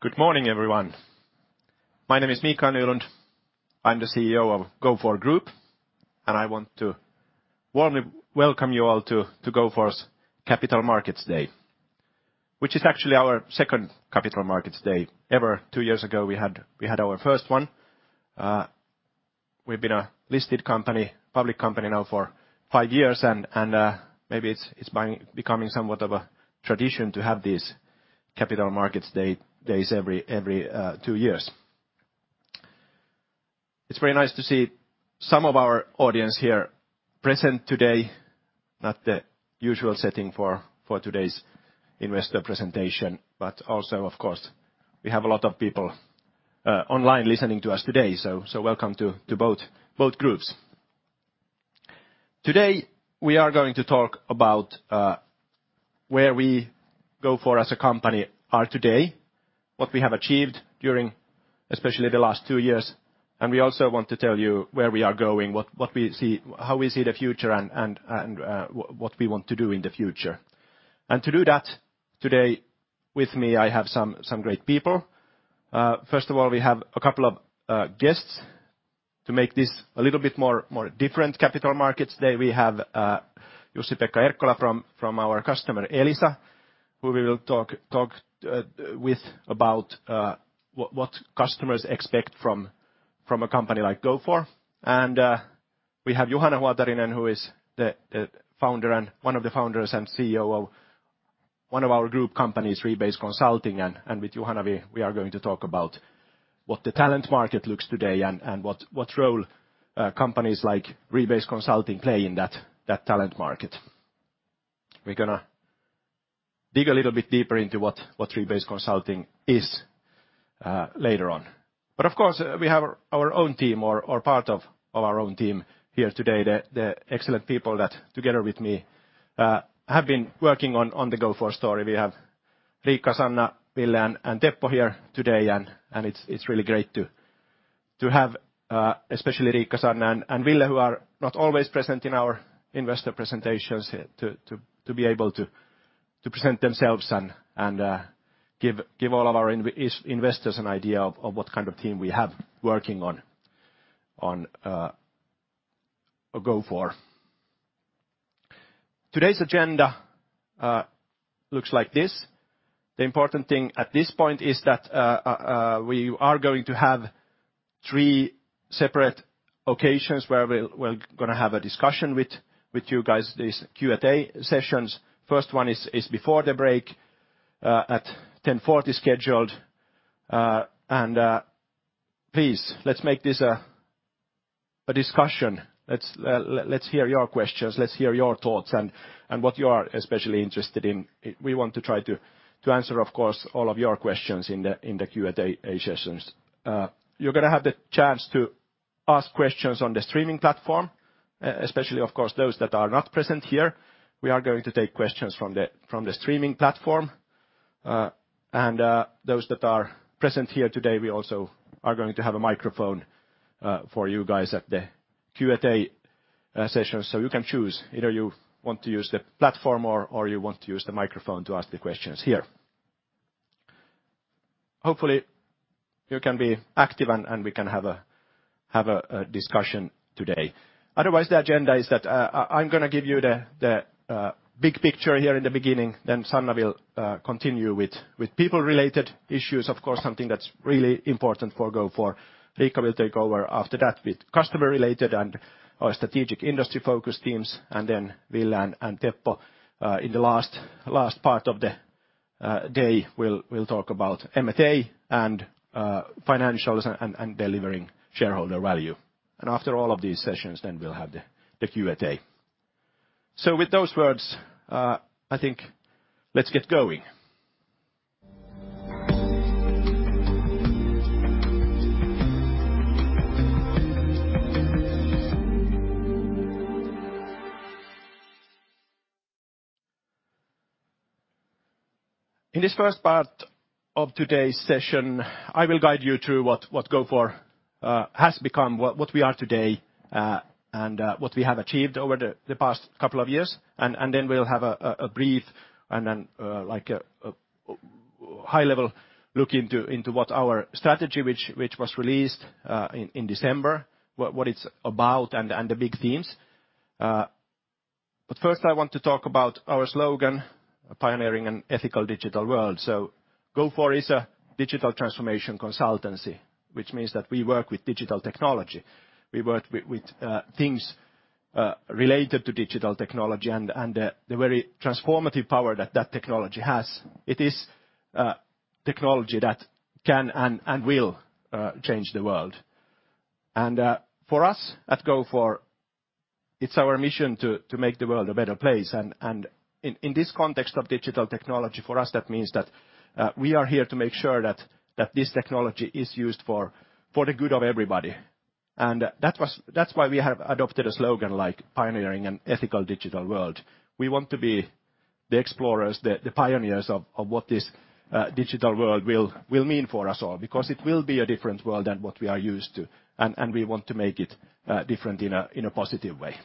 Good morning, everyone. My name is Mikael Nylund. I'm the CEO of Gofore Group. I want to warmly welcome you all to Gofore's Capital Markets Day, which is actually our second Capital Markets Day ever. Two years ago, we had our first one. We've been a listed company, public company now for five years, and maybe it's becoming somewhat of a tradition to have these capital markets days every two years. It's very nice to see some of our audience here present today, not the usual setting for today's investor presentation, but also, of course, we have a lot of people online listening to us today. Welcome to both groups. Today, we are going to talk about where we Gofore as a company are today, what we have achieved during especially the last two years, we also want to tell you where we are going, what we see how we see the future and what we want to do in the future. To do that today with me, I have some great people. First of all, we have a couple of guests to make this a little bit more different capital markets. Today, we have Jussi-Pekka Erkkola from our customer, Elisa, who we will talk with about what customers expect from a company like Gofore. We have Juhana Huotarinen, who is the founder and one of the founders and CEO of one of our group companies, Rebase Consulting. With Juhana, we are going to talk about what the talent market looks today and what role companies like Rebase Consulting play in that talent market. We're gonna dig a little bit deeper into what Rebase Consulting is later on. Of course, we have our own team or part of our own team here today, the excellent people that together with me have been working on the Gofore story. We have Riikka, Sanna, Ville, and Teppo here today, and it's really great to have especially Riikka, Sanna, and Ville who are not always present in our investor presentations here to be able to present themselves and give all of our investors an idea of what kind of team we have working on Gofore. Today's agenda looks like this. The important thing at this point is that we are going to have three separate occasions where we're gonna have a discussion with you guys, these Q&A sessions. First one is before the break at 10:40 scheduled. Please, let's make this a discussion. Let's hear your questions, let's hear your thoughts and what you are especially interested in. We want to try to answer, of course, all of your questions in the Q&A sessions. You're gonna have the chance to ask questions on the streaming platform, especially, of course, those that are not present here. We are going to take questions from the streaming platform. And those that are present here today, we also are going to have a microphone, for you guys at the Q&A session. You can choose, either you want to use the platform or you want to use the microphone to ask the questions here. Hopefully, you can be active and we can have a discussion today. Otherwise, the agenda is that, I'm gonna give you the, big picture here in the beginning, then Sanna will continue with people-related issues, of course, something that's really important for Gofore. Riikka will take over after that with customer-related and our strategic industry focus teams. Ville and Teppo in the last part of the day will talk about M&A and financials and delivering shareholder value. After all of these sessions, we'll have the Q&A. With those words, I think let's get going. In this first part of today's session, I will guide you through what Gofore has become, what we are today, and what we have achieved over the past couple of years. Then we'll have a brief and like a high-level look into what our strategy, which was released in December, what it's about and the big themes. But first, I want to talk about our slogan, Pioneering an ethical digital world. Gofore is a digital transformation consultancy, which means that we work with digital technology. We work with things related to digital technology and the very transformative power that technology has. It is technology that can and will change the world. For us at Gofore, it's our mission to make the world a better place. In this context of digital technology, for us, that means that we are here to make sure that this technology is used for the good of everybody. That's why we have adopted a slogan like Pioneering an Ethical Digital World. We want to be the explorers, the pioneers of what this digital world will mean for us all, because it will be a different world than what we are used to, and we want to make it different in a positive way.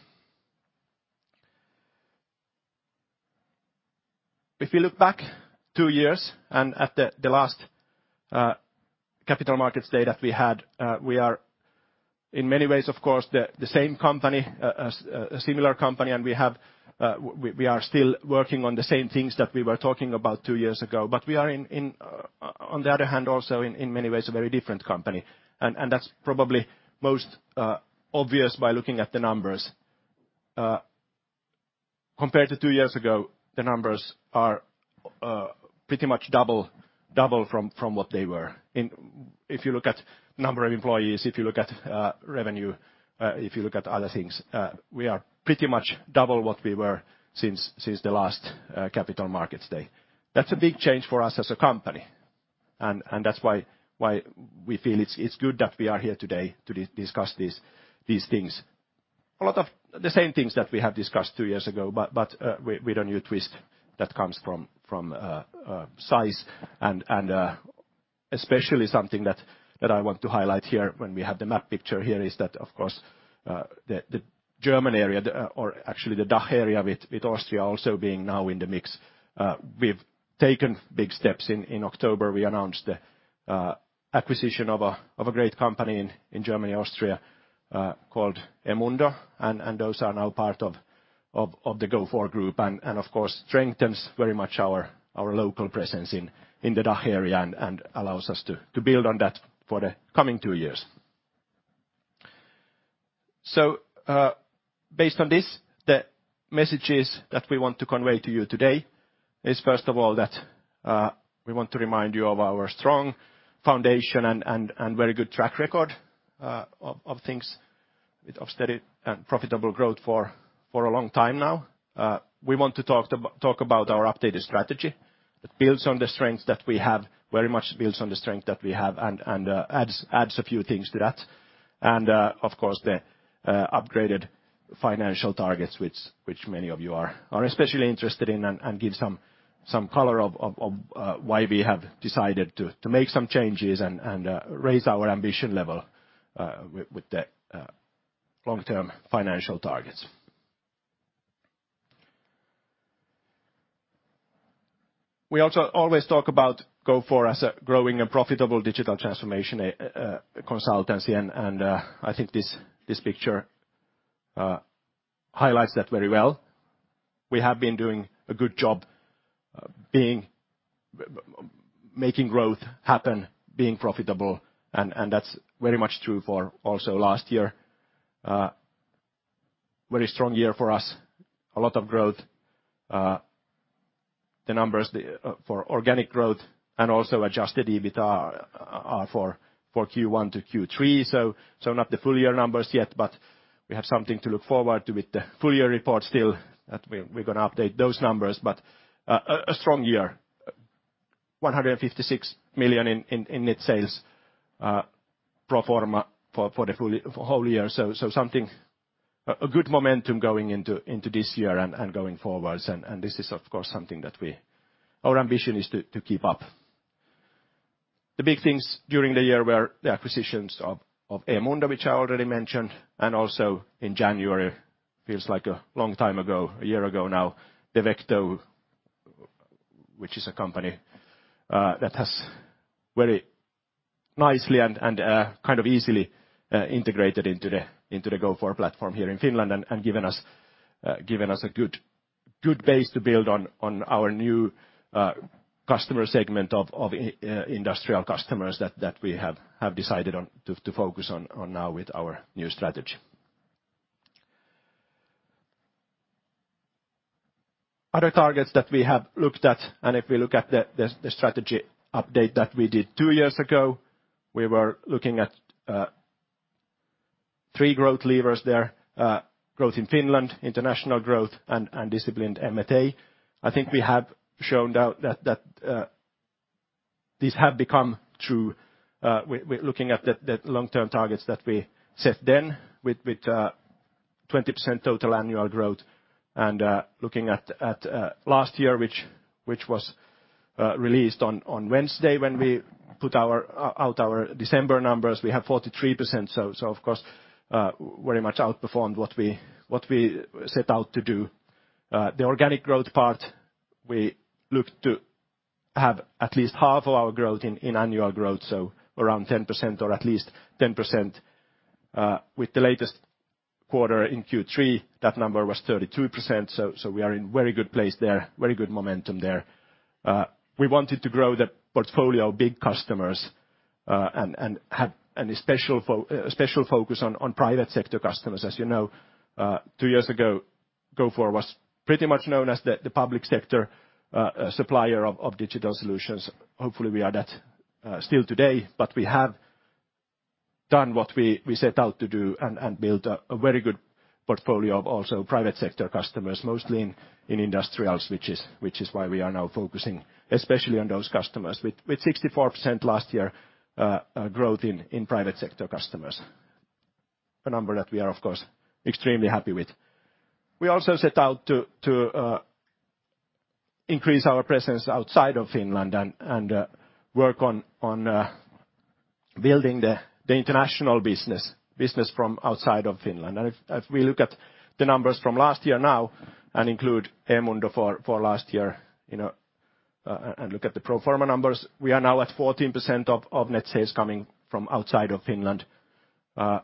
If we look back two years and at the last capital markets day that we had, we are in many ways, of course, the same company, a similar company, and we have, we are still working on the same things that we were talking about two years ago. We are on the other hand, also in many ways a very different company. That's probably most obvious by looking at the numbers. Compared to two years ago, the numbers are pretty much double from what they were. If you look at number of employees, if you look at revenue, if you look at other things, we are pretty much double what we were since the last capital markets day. That's a big change for us as a company. That's why we feel it's good that we are here today to discuss these things. A lot of the same things that we have discussed two years ago, but with a new twist that comes from size, and especially something that I want to highlight here when we have the map picture here is that, of course, the German area, or actually the DACH area with Austria also being now in the mix. We've taken big steps. In October, we announced the acquisition of a great company in Germany, Austria, called eMundo, and those are now part of the Gofore Group, and of course strengthens very much our local presence in the DACH area and allows us to build on that for the coming two years. Based on this, the messages that we want to convey to you today is, first of all, that we want to remind you of our strong foundation and very good track record of things with steady and profitable growth for a long time now. We want to talk about our updated strategy that builds on the strengths that we have, very much builds on the strength that we have and adds a few things to that. Of course, the upgraded financial targets which many of you are especially interested in and give some color of why we have decided to make some changes and raise our ambition level with the long-term financial targets. We also always talk about Gofore as a growing and profitable digital transformation consultancy, and I think this picture highlights that very well. We have been doing a good job being making growth happen, being profitable, and that's very much true for also last year. Very strong year for us, a lot of growth. The numbers for organic growth and also adjusted EBIT are for Q1 to Q3, so not the full year numbers yet, but we have something to look forward to with the full year report still that we're gonna update those numbers. A strong year. 156 million in net sales pro forma for the full whole year. Something, a good momentum going into this year and going forwards, and this is of course something that we. Our ambition is to keep up. The big things during the year were the acquisitions of eMundo, which I already mentioned, also in January, feels like a long time ago, a year ago now, Devecto, which is a company that has very nicely and kind of easily integrated into the Gofore platform here in Finland and given us a good base to build on our new customer segment of industrial customers that we have decided on to focus on now with our new strategy. Other targets that we have looked at, and if we look at the strategy update that we did two years ago, we were looking at three growth levers there, growth in Finland, international growth, and disciplined M&A. I think we have shown now that these have become true. We're looking at the long-term targets that we set then with 20% total annual growth and looking at last year, which was released on Wednesday when we put out our December numbers, we have 43%. Of course, very much outperformed what we set out to do. The organic growth part, we look to have at least half of our growth in annual growth, so around 10% or at least 10%. With the latest quarter in Q3, that number was 32%, so we are in very good place there, very good momentum there. We wanted to grow the portfolio of big customers and have a special focus on private sector customers. As you know, two years ago, Gofore was pretty much known as the public sector supplier of digital solutions. Hopefully, we are that still today, but we have done what we set out to do and built a very good portfolio of also private sector customers, mostly in industrials, which is why we are now focusing especially on those customers. With 64% last year growth in private sector customers, a number that we are of course extremely happy with. We also set out to increase our presence outside of Finland and work on building the international business from outside of Finland. If we look at the numbers from last year now and include eMundo for last year, you know, and look at the pro forma numbers, we are now at 14% of net sales coming from outside of Finland. We're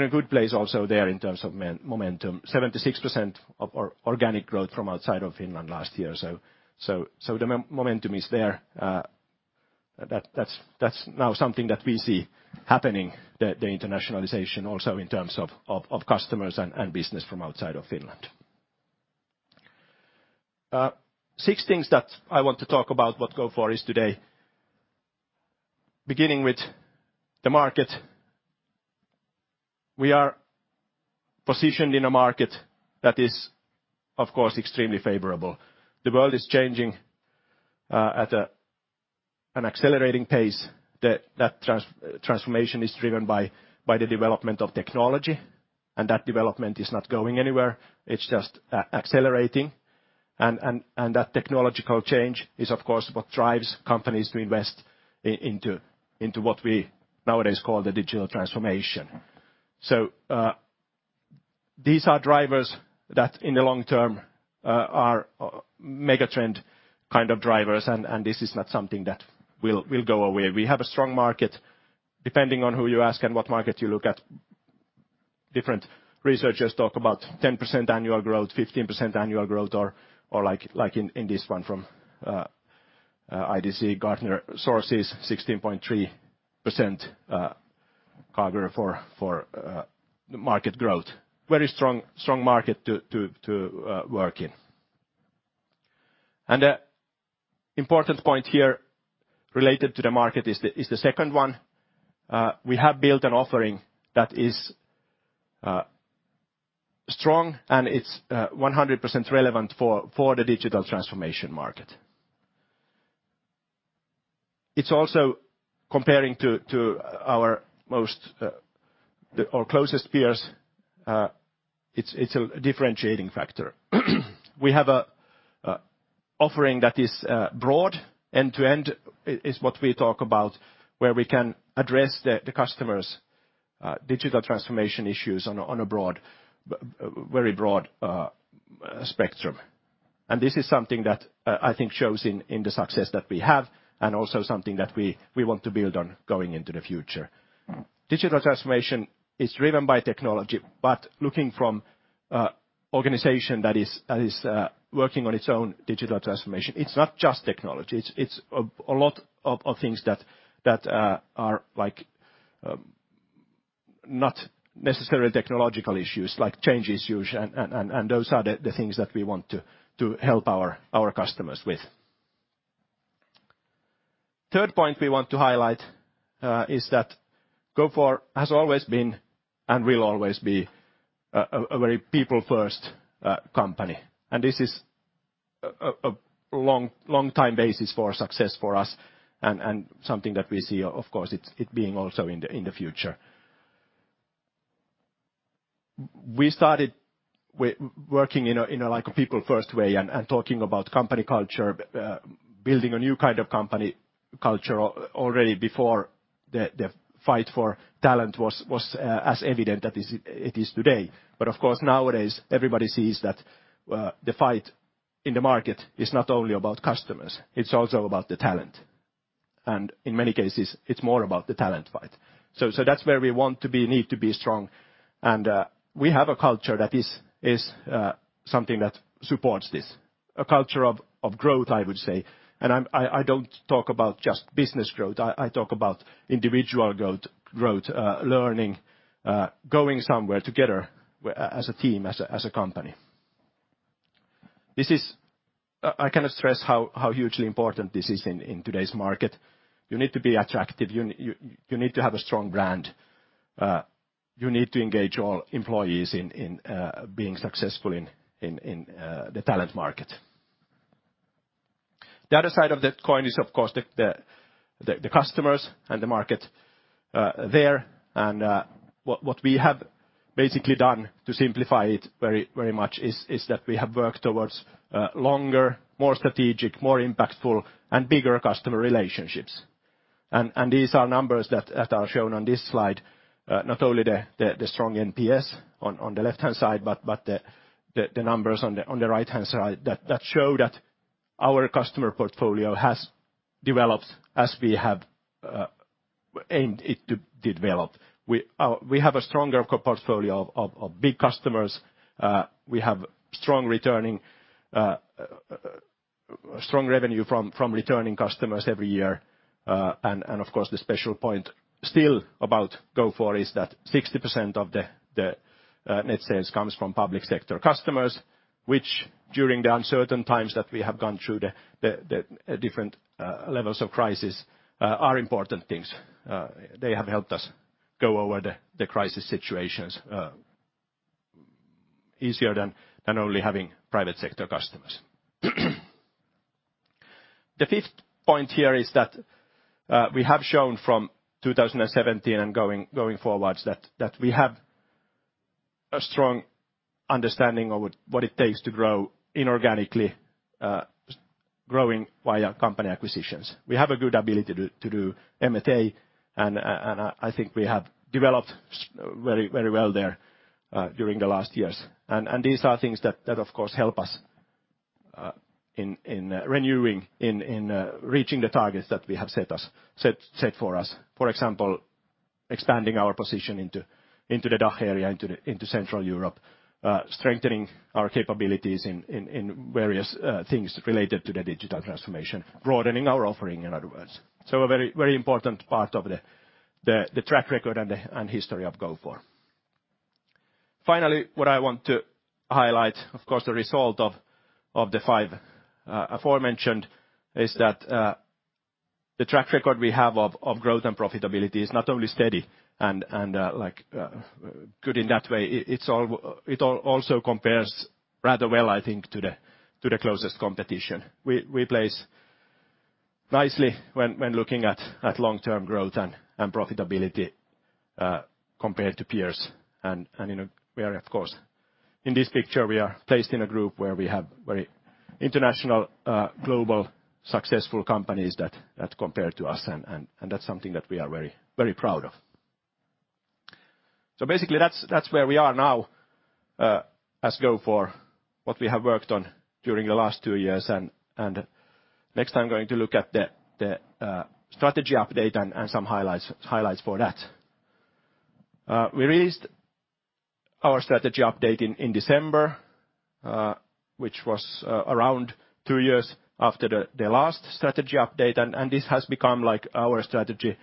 in a good place also there in terms of momentum. 76% of our organic growth from outside of Finland last year. The momentum is there. That's now something that we see happening, the internationalization also in terms of customers and business from outside of Finland. things that I want to talk about what Gofore is today, beginning with the market. We are positioned in a market that is, of course, extremely favorable. The world is changing at an accelerating pace. That transformation is driven by the development of technology, that development is not going anywhere. It's just accelerating. That technological change is, of course, what drives companies to invest into what we nowadays call the Digital Transformation. These are drivers that, in the long term, are megatrend kind of drivers, and this is not something that will go away. We have a strong market. Depending on who you ask and what market you look at, different researchers talk about 10% annual growth, 15% annual growth, or like in this one from IDC, Gartner sources, 16.3% CAGR for market growth. Very strong market to work in. Important point here related to the market is the second one. We have built an offering that is strong and it's 100% relevant for the digital transformation market. It's also comparing to our most or closest peers, it's a differentiating factor. We have a offering that is broad. End-to-end is what we talk about, where we can address the customers' digital transformation issues on a broad, very broad spectrum. This is something that I think shows in the success that we have, and also something that we want to build on going into the future. Digital transformation is driven by technology, looking from organization that is working on its own digital transformation, it's not just technology. It's a lot of things that are like not necessarily technological issues like change issues and those are the things that we want to help our customers with. Third point we want to highlight is that Gofore has always been, and will always be a very people-first company. This is a long time basis for success for us and something that we see, of course, it being also in the future. We started with working in a people-first way and talking about company culture, building a new kind of company culture already before the fight for talent was as evident that it is today. Of course, nowadays everybody sees that the fight in the market is not only about customers, it's also about the talent. In many cases, it's more about the talent fight. That's where we want to be, need to be strong. We have a culture that is something that supports this. A culture of growth, I would say. I don't talk about just business growth. I talk about individual growth, learning, going somewhere together as a team, as a company. This is... I cannot stress how hugely important this is in today's market. You need to be attractive, you need to have a strong brand. You need to engage all employees in being successful in the talent market. The other side of that coin is, of course, the customers and the market there. What we have basically done to simplify it very, very much is that we have worked towards longer, more strategic, more impactful, and bigger customer relationships. These are numbers that are shown on this slide, not only the strong NPS on the left-hand side, but the numbers on the right-hand side that show that our customer portfolio has developed as we have aimed it to develop. We have a stronger portfolio of big customers. We have strong returning, strong revenue from returning customers every year. Of course, the special point still about Gofore is that 60% of the net sales comes from public sector customers, which during the uncertain times that we have gone through the different levels of crisis are important things. They have helped us go over the crisis situations easier than only having private sector customers. The fifth point here is that we have shown from 2017 and going forwards that we have a strong understanding of what it takes to grow inorganically, growing via company acquisitions. We have a good ability to do M&A, and I think we have developed very, very well there during the last years. These are things that, of course, help us in renewing, in reaching the targets that we have set for us. For example, expanding our position into the DACH area, into Central Europe, strengthening our capabilities in various things related to the digital transformation, broadening our offering, in other words. A very, very important part of the track record and history of Gofore. Finally, what I want to highlight, of course, the result of the five aforementioned, is that the track record we have of growth and profitability is not only steady and, like, good in that way. It also compares rather well, I think, to the closest competition. We place nicely when looking at long-term growth and profitability compared to peers. You know, we are, of course, in this picture, we are placed in a group where we have very international, global, successful companies that compare to us. That's something that we are very, very proud of. Basically that's where we are now as GoFor, what we have worked on during the last two years. Next I'm going to look at the strategy update and some highlights for that. We raised our strategy update in December, which was around two years after the last strategy update. This has become like our strategy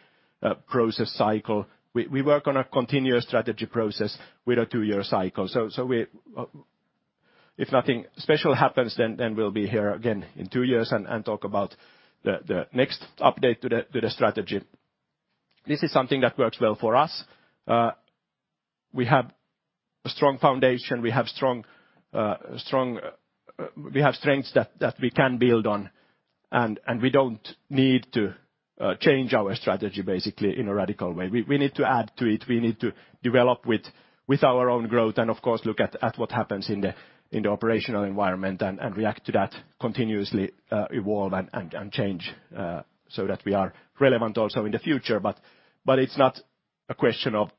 process cycle. We work on a continuous strategy process with a two-year cycle. We, if nothing special happens, then we'll be here again in two years and talk about the next update to the strategy. This is something that works well for us. We have a strong foundation. We have strong... We have strengths that we can build on, and we don't need to change our strategy basically in a radical way. We need to add to it. We need to develop with our own growth, and of course look at what happens in the operational environment and react to that, continuously evolve and change so that we are relevant also in the future. It's not a question of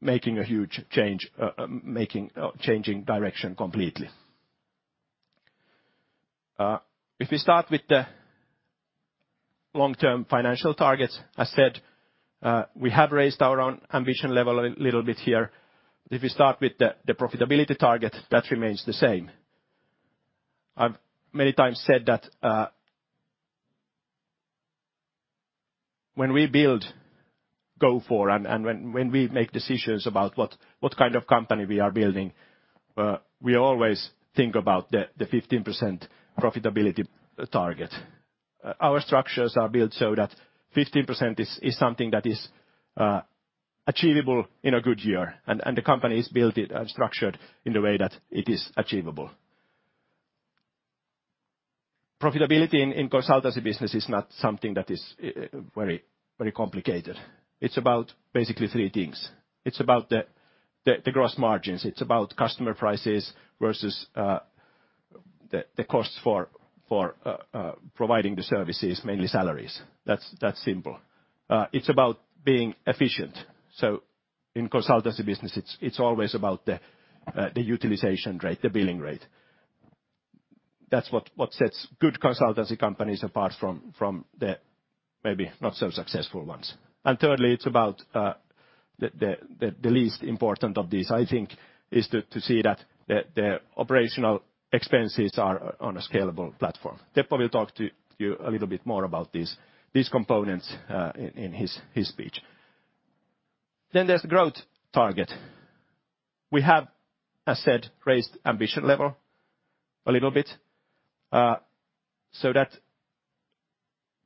making a huge change, making changing direction completely. If we start with the long-term financial targets, as said, we have raised our own ambition level a little bit here. If we start with the profitability target, that remains the same. I've many times said that when we build Gofore and when we make decisions about what kind of company we are building, we always think about the 15% profitability target. Our structures are built so that 15% is something that is achievable in a good year, the company is built it and structured in the way that it is achievable. Profitability in consultancy business is not something that is very complicated. It's about basically three things. It's about the gross margins. It's about customer prices versus the cost for providing the services, mainly salaries. That's simple. It's about being efficient. In consultancy business, it's always about the utilization rate, the billing rate. That's what sets good consultancy companies apart from the maybe not so successful ones. Thirdly, it's about the least important of these, I think, is to see that the OpEx are on a scalable platform. Teppo will talk to you a little bit more about these components in his speech. There's growth target. We have, as said, raised ambition level a little bit. That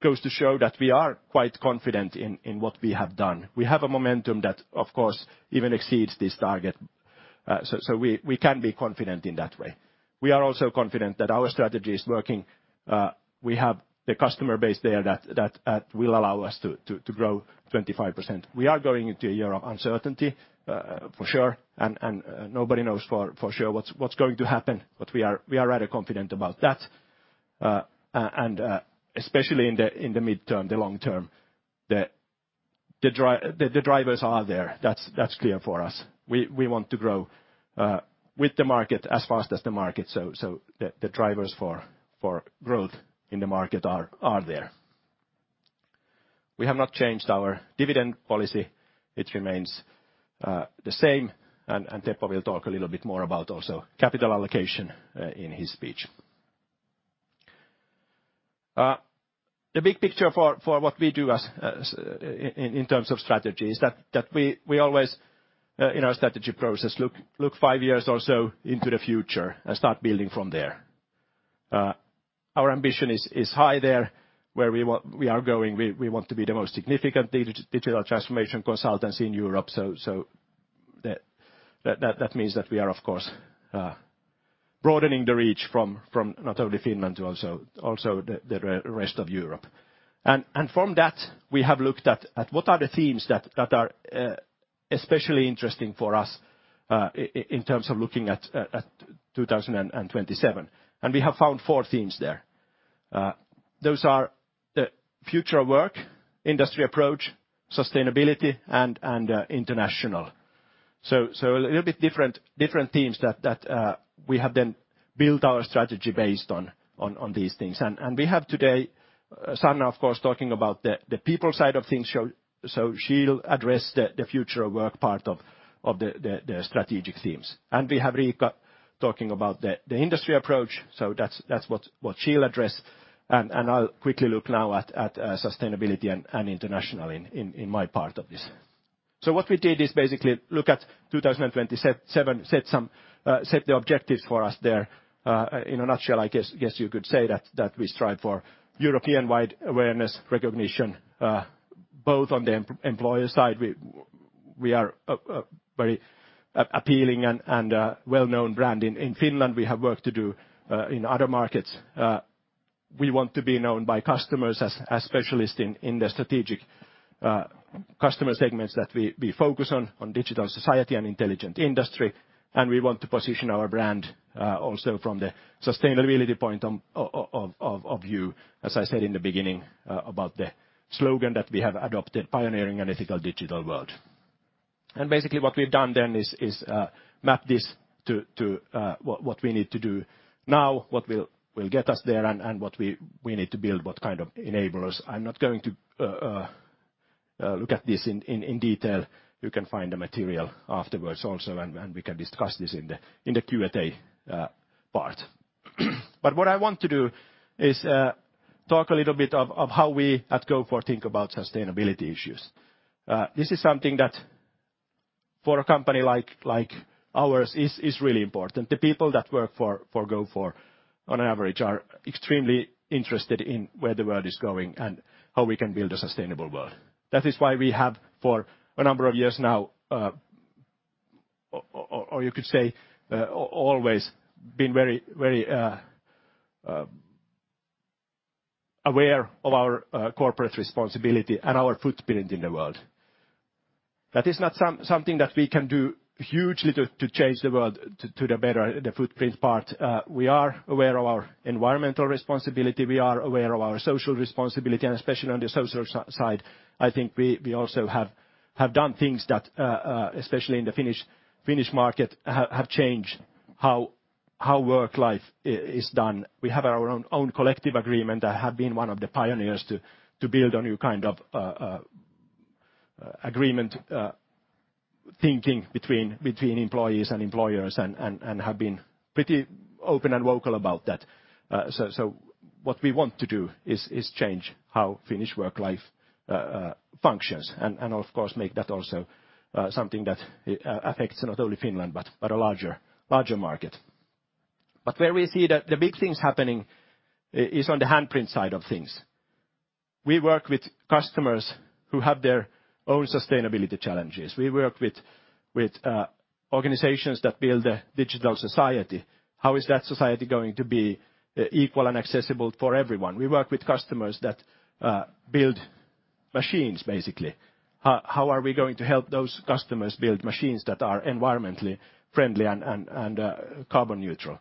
goes to show that we are quite confident in what we have done. We have a momentum that, of course, even exceeds this target. We can be confident in that way. We are also confident that our strategy is working. We have the customer base there that will allow us to grow 25%. We are going into a year of uncertainty for sure, and nobody knows for sure what's going to happen. We are rather confident about that. Especially in the midterm, the long term, the drivers are there. That's clear for us. We want to grow with the market as fast as the market. The drivers for growth in the market are there. We have not changed our dividend policy. It remains the same. Teppo will talk a little bit more about also capital allocation in his speech. The big picture for what we do in terms of strategy is that we always in our strategy process, look five years or so into the future and start building from there. Our ambition is high there, where we are going. We want to be the most significant digital transformation consultancy in Europe, so That means that we are, of course, broadening the reach from not only Finland to also the rest of Europe. From that, we have looked at what are the themes that are especially interesting for us in terms of looking at 2027. We have found four themes there. Those are the future of work, industry approach, sustainability, and international. A little bit different themes that we have then built our strategy based on these things. We have today Sanna, of course, talking about the people side of things. She'll address the future of work part of the strategic themes. We have Riikka talking about the industry approach, so that's what she'll address. I'll quickly look now at sustainability and international in my part of this. What we did is basically look at 2027, set the objectives for us there. In a nutshell, I guess you could say that we strive for European-wide awareness, recognition, both on the employer side, we are a very appealing and well-known brand in Finland. We have work to do in other markets. We want to be known by customers as specialists in the strategic customer segments that we focus on Digital Society and Intelligent Industry. We want to position our brand also from the sustainability point of view, as I said in the beginning about the slogan that we have adopted, pioneering an ethical digital world. Basically, what we've done then is map this to what we need to do now, what will get us there, and what we need to build, what kind of enablers. I'm not going to look at this in detail. You can find the material afterwards also, and we can discuss this in the Q&A part. What I want to do is talk a little bit of how we at Gofore think about sustainability issues. This is something that for a company like ours is really important. The people that work for Gofore on average are extremely interested in where the world is going and how we can build a sustainable world. That is why we have, for a number of years now, or you could say, always been very aware of our corporate responsibility and our footprint in the world. That is not something that we can do hugely to change the world to the better, the footprint part. We are aware of our environmental responsibility, we are aware of our social responsibility, and especially on the social side, I think we also have done things that, especially in the Finnish market, have changed how work-life is done. We have our own collective agreement. I have been one of the pioneers to build a new kind of agreement thinking between employees and employers and have been pretty open and vocal about that. So what we want to do is change how Finnish work-life functions, and of course, make that also something that affects not only Finland, but a larger market. Where we see the big things happening is on the handprint side of things. We work with customers who have their own sustainability challenges. We work with organizations that build a Digital Society. How is that society going to be equal and accessible for everyone? We work with customers that build machines, basically. How are we going to help those customers build machines that are environmentally friendly and carbon neutral?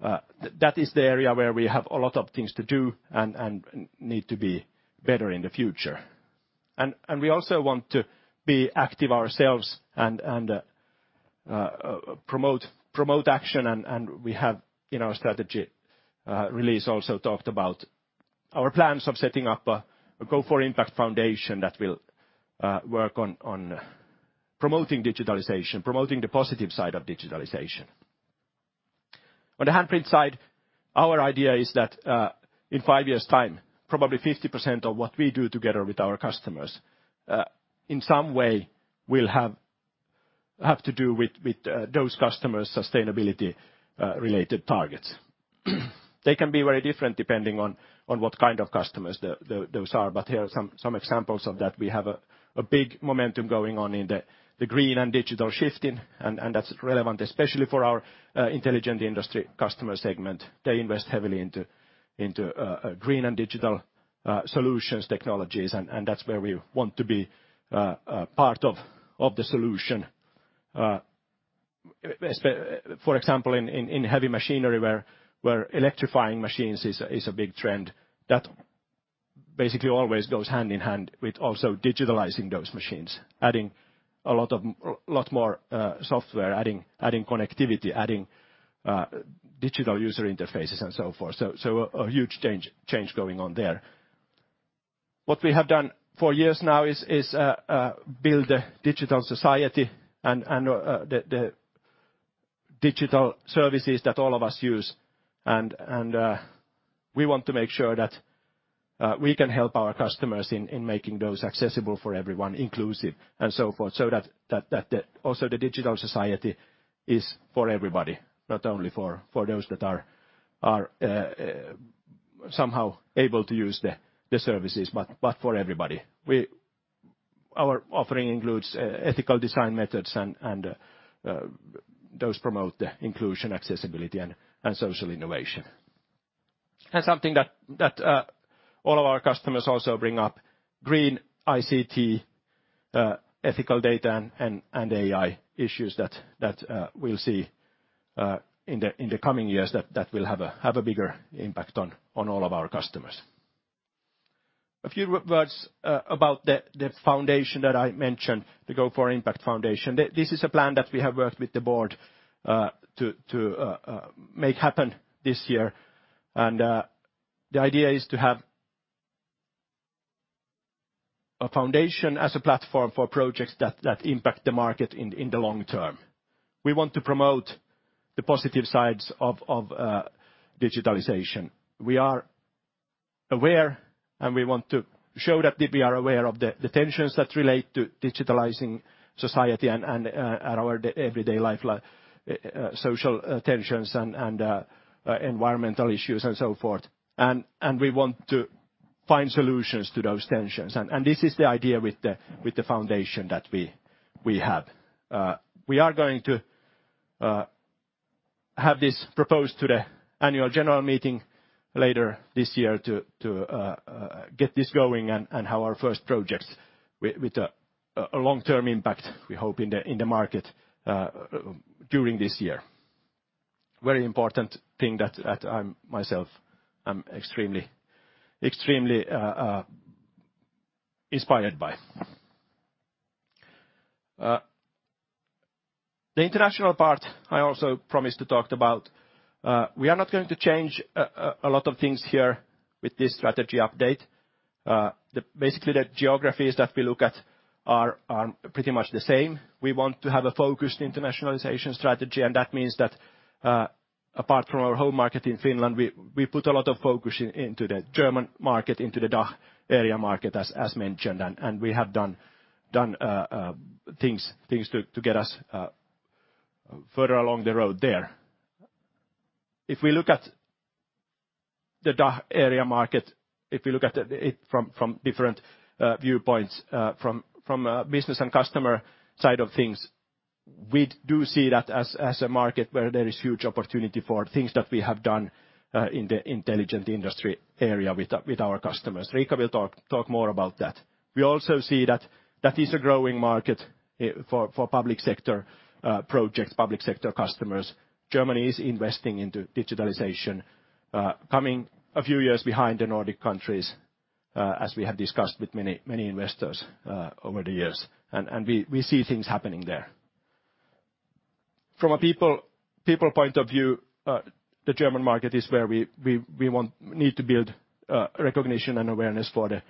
That is the area where we have a lot of things to do and need to be better in the future. We also want to be active ourselves and promote action. We have, in our strategy, release also talked about our plans of setting up a Gofore Impact Foundation that will work on promoting digitalization, promoting the positive side of digitalization. On the handprint side, our idea is that in five years' time, probably 50% of what we do together with our customers, in some way will have to do with those customers' sustainability related targets. They can be very different depending on what kind of customers those are, but here are some examples of that. We have a big momentum going on in the green and digital shifting, and that's relevant especially for our Intelligent Industry customer segment. They invest heavily into green and digital solutions technologies, and that's where we want to be part of the solution. For example, in heavy machinery where electrifying machines is a big trend, that basically always goes hand in hand with also digitalizing those machines, adding a lot more software, adding connectivity, adding digital user interfaces and so forth. So a huge change going on there. What we have done for years now is, build a Digital Society and the digital services that all of us use. We want to make sure that we can help our customers in making those accessible for everyone, inclusive, and so forth, so that the Digital Society is for everybody, not only for those that are somehow able to use the services, but for everybody. Our offering includes ethical design methods and those promote the inclusion, accessibility, and social innovation. Something that all of our customers also bring up, Green ICT, ethical data and AI issues that we'll see in the coming years that will have a bigger impact on all of our customers. A few words about the foundation that I mentioned, the Gofore Impact Foundation. This is a plan that we have worked with the board to make happen this year, and the idea is to have a foundation as a platform for projects that impact the market in the long term. We want to promote the positive sides of digitalization. We are aware, and we want to show that we are aware of the tensions that relate to digitalizing society and our everyday life, social tensions and environmental issues and so forth. We want to find solutions to those tensions. This is the idea with the foundation that we have. We are going to have this proposed to the annual general meeting later this year to get this going and have our first projects with a long-term impact, we hope, in the market during this year. Very important thing that I'm myself, I'm extremely inspired by. The international part I also promised to talked about. We are not going to change a lot of things here with this strategy update. Basically, the geographies that we look at are pretty much the same. We want to have a focused internationalization strategy, and that means that apart from our home market in Finland, we put a lot of focus into the German market, into the DACH area market as mentioned. We have done things to get us further along the road there. If we look at the DACH area market, if we look at it from different viewpoints, from a business and customer side of things, we do see that as a market where there is huge opportunity for things that we have done in the Intelligent Industry area with our customers. Riikka will talk more about that. We also see that that is a growing market for public sector projects, public sector customers. Germany is investing into digitalization, coming a few years behind the Nordic countries, as we have discussed with many investors over the years, and we see things happening there. From a people point of view, the German market is where we want, need to build recognition and awareness for the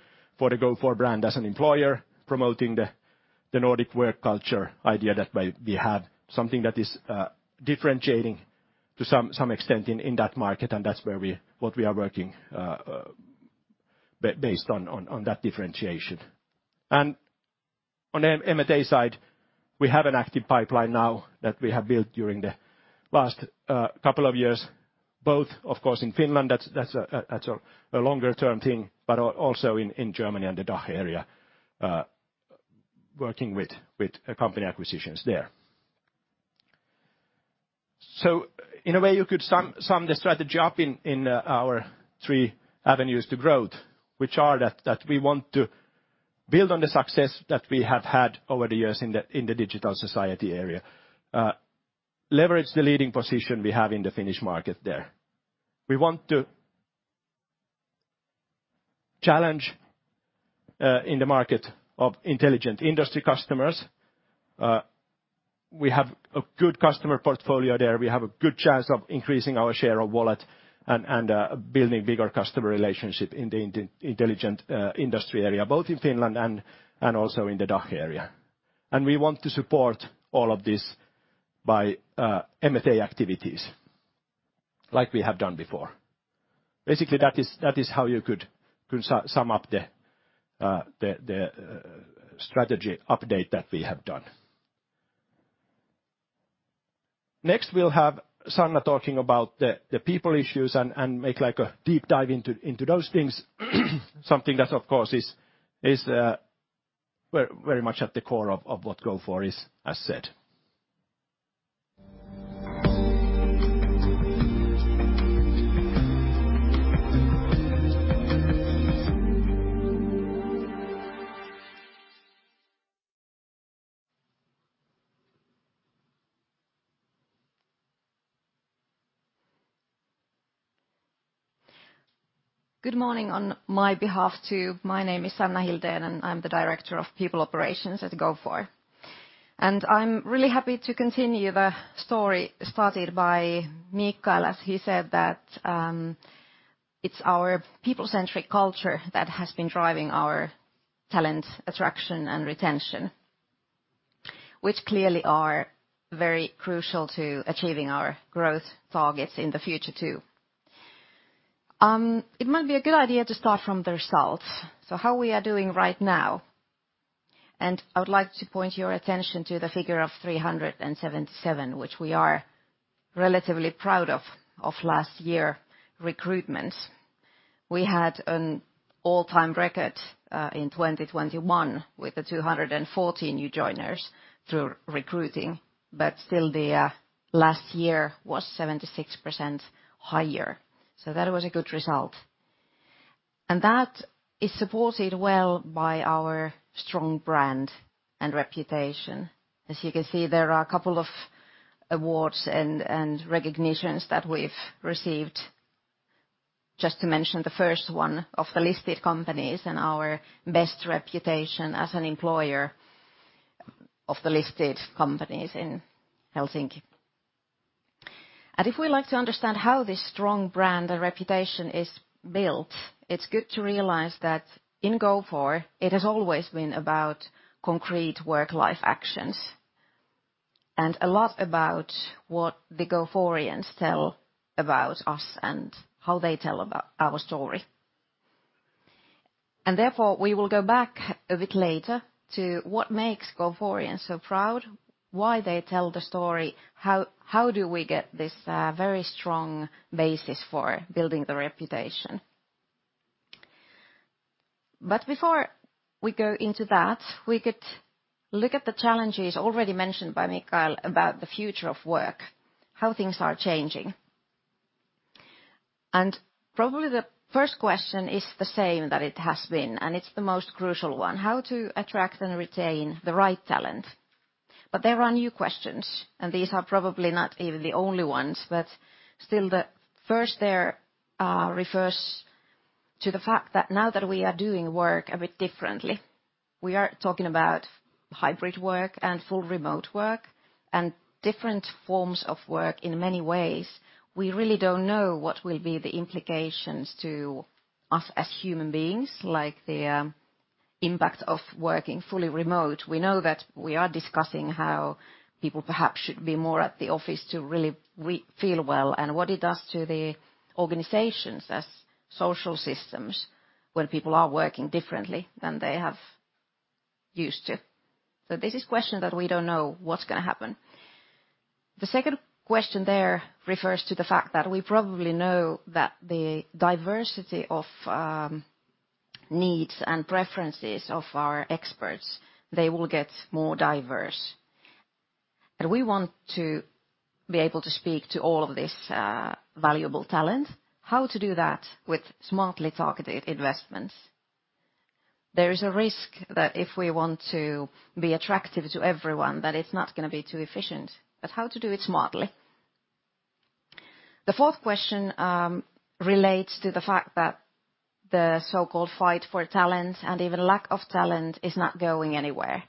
Gofore brand as an employer, promoting the Nordic work culture idea that we have, something that is differentiating to some extent in that market and that's what we are working based on that differentiation. On M&A side, we have an active pipeline now that we have built during the last couple of years, both of course in Finland, that's a, that's a longer-term thing, but also in Germany and the DACH area, working with company acquisitions there. In a way you could sum the strategy up in our three avenues to growth, which are that we want to build on the success that we have had over the years in the digital society area. Leverage the leading position we have in the Finnish market there. We want to challenge in the market of Intelligent Industry customers. We have a good customer portfolio there. We have a good chance of increasing our share of wallet and building bigger customer relationship in the Intelligent Industry area, both in Finland and also in the DACH area. We want to support all of this by M&A activities like we have done before. Basically, that is how you could sum up the strategy update that we have done. Next, we'll have Sanna talking about the people issues and make like a deep dive into those things, something that, of course, is very much at the core of what Gofore is asset. Good morning on my behalf, too. My name is Sanna Hildén, and I'm the Director of People Operations at Gofore. I'm really happy to continue the story started by Mikael, as he said that it's our people-centric culture that has been driving our talent attraction and retention, which clearly are very crucial to achieving our growth targets in the future, too. It might be a good idea to start from the results, so how we are doing right now. I would like to point your attention to the figure of 377, which we are relatively proud of last year recruitments. We had an all-time record in 2021 with the 240 new joiners through recruiting, but still the last year was 76% higher. That was a good result. That is supported well by our strong brand and reputation. As you can see, there are a couple of awards and recognitions that we've received. Just to mention the first one of the listed companies and our best reputation as an employer of the listed companies in Helsinki. If we like to understand how this strong brand and reputation is built, it's good to realize that in Gofore it has always been about concrete work-life actions. A lot about what the Goforeans tell about us and how they tell about our story. Therefore, we will go back a bit later to what makes Goforeans so proud, why they tell the story, how do we get this very strong basis for building the reputation. Before we go into that, we could look at the challenges already mentioned by Mikael about the future of work, how things are changing. Probably the first question is the same that it has been, and it's the most crucial one, how to attract and retain the right talent. There are new questions, and these are probably not even the only ones, but still the first there, refers to the fact that now that we are doing work a bit differently, we are talking about hybrid work and full remote work and different forms of work in many ways. We really don't know what will be the implications to us as human beings, like the impact of working fully remote. We know that we are discussing how people perhaps should be more at the office to really feel well, and what it does to the organizations as social systems when people are working differently than they have used to. This is question that we don't know what's gonna happen. The second question there refers to the fact that we probably know that the diversity of needs and preferences of our experts, they will get more diverse. We want to be able to speak to all of this valuable talent, how to do that with smartly targeted investments. There is a risk that if we want to be attractive to everyone, that it's not gonna be too efficient, but how to do it smartly. The fourth question relates to the fact that the so-called fight for talent and even lack of talent is not going anywhere.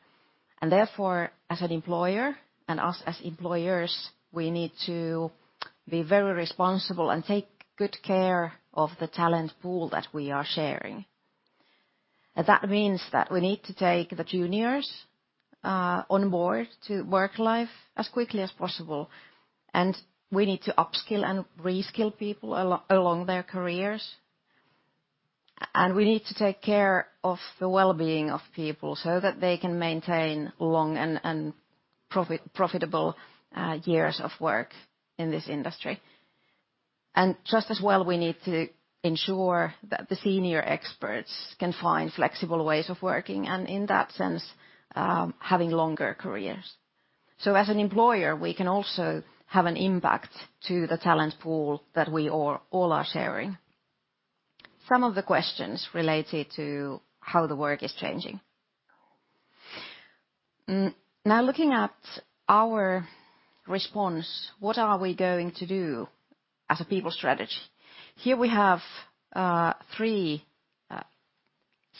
Therefore, as an employer and us as employers, we need to be very responsible and take good care of the talent pool that we are sharing. That means that we need to take the juniors on board to work life as quickly as possible, and we need to upskill and reskill people along their careers. We need to take care of the well-being of people so that they can maintain long and profitable years of work in this industry. Just as well, we need to ensure that the senior experts can find flexible ways of working, and in that sense, having longer careers. As an employer, we can also have an impact to the talent pool that we all are sharing. Some of the questions related to how the work is changing. Now looking at our response, what are we going to do as a people strategy? Here we have three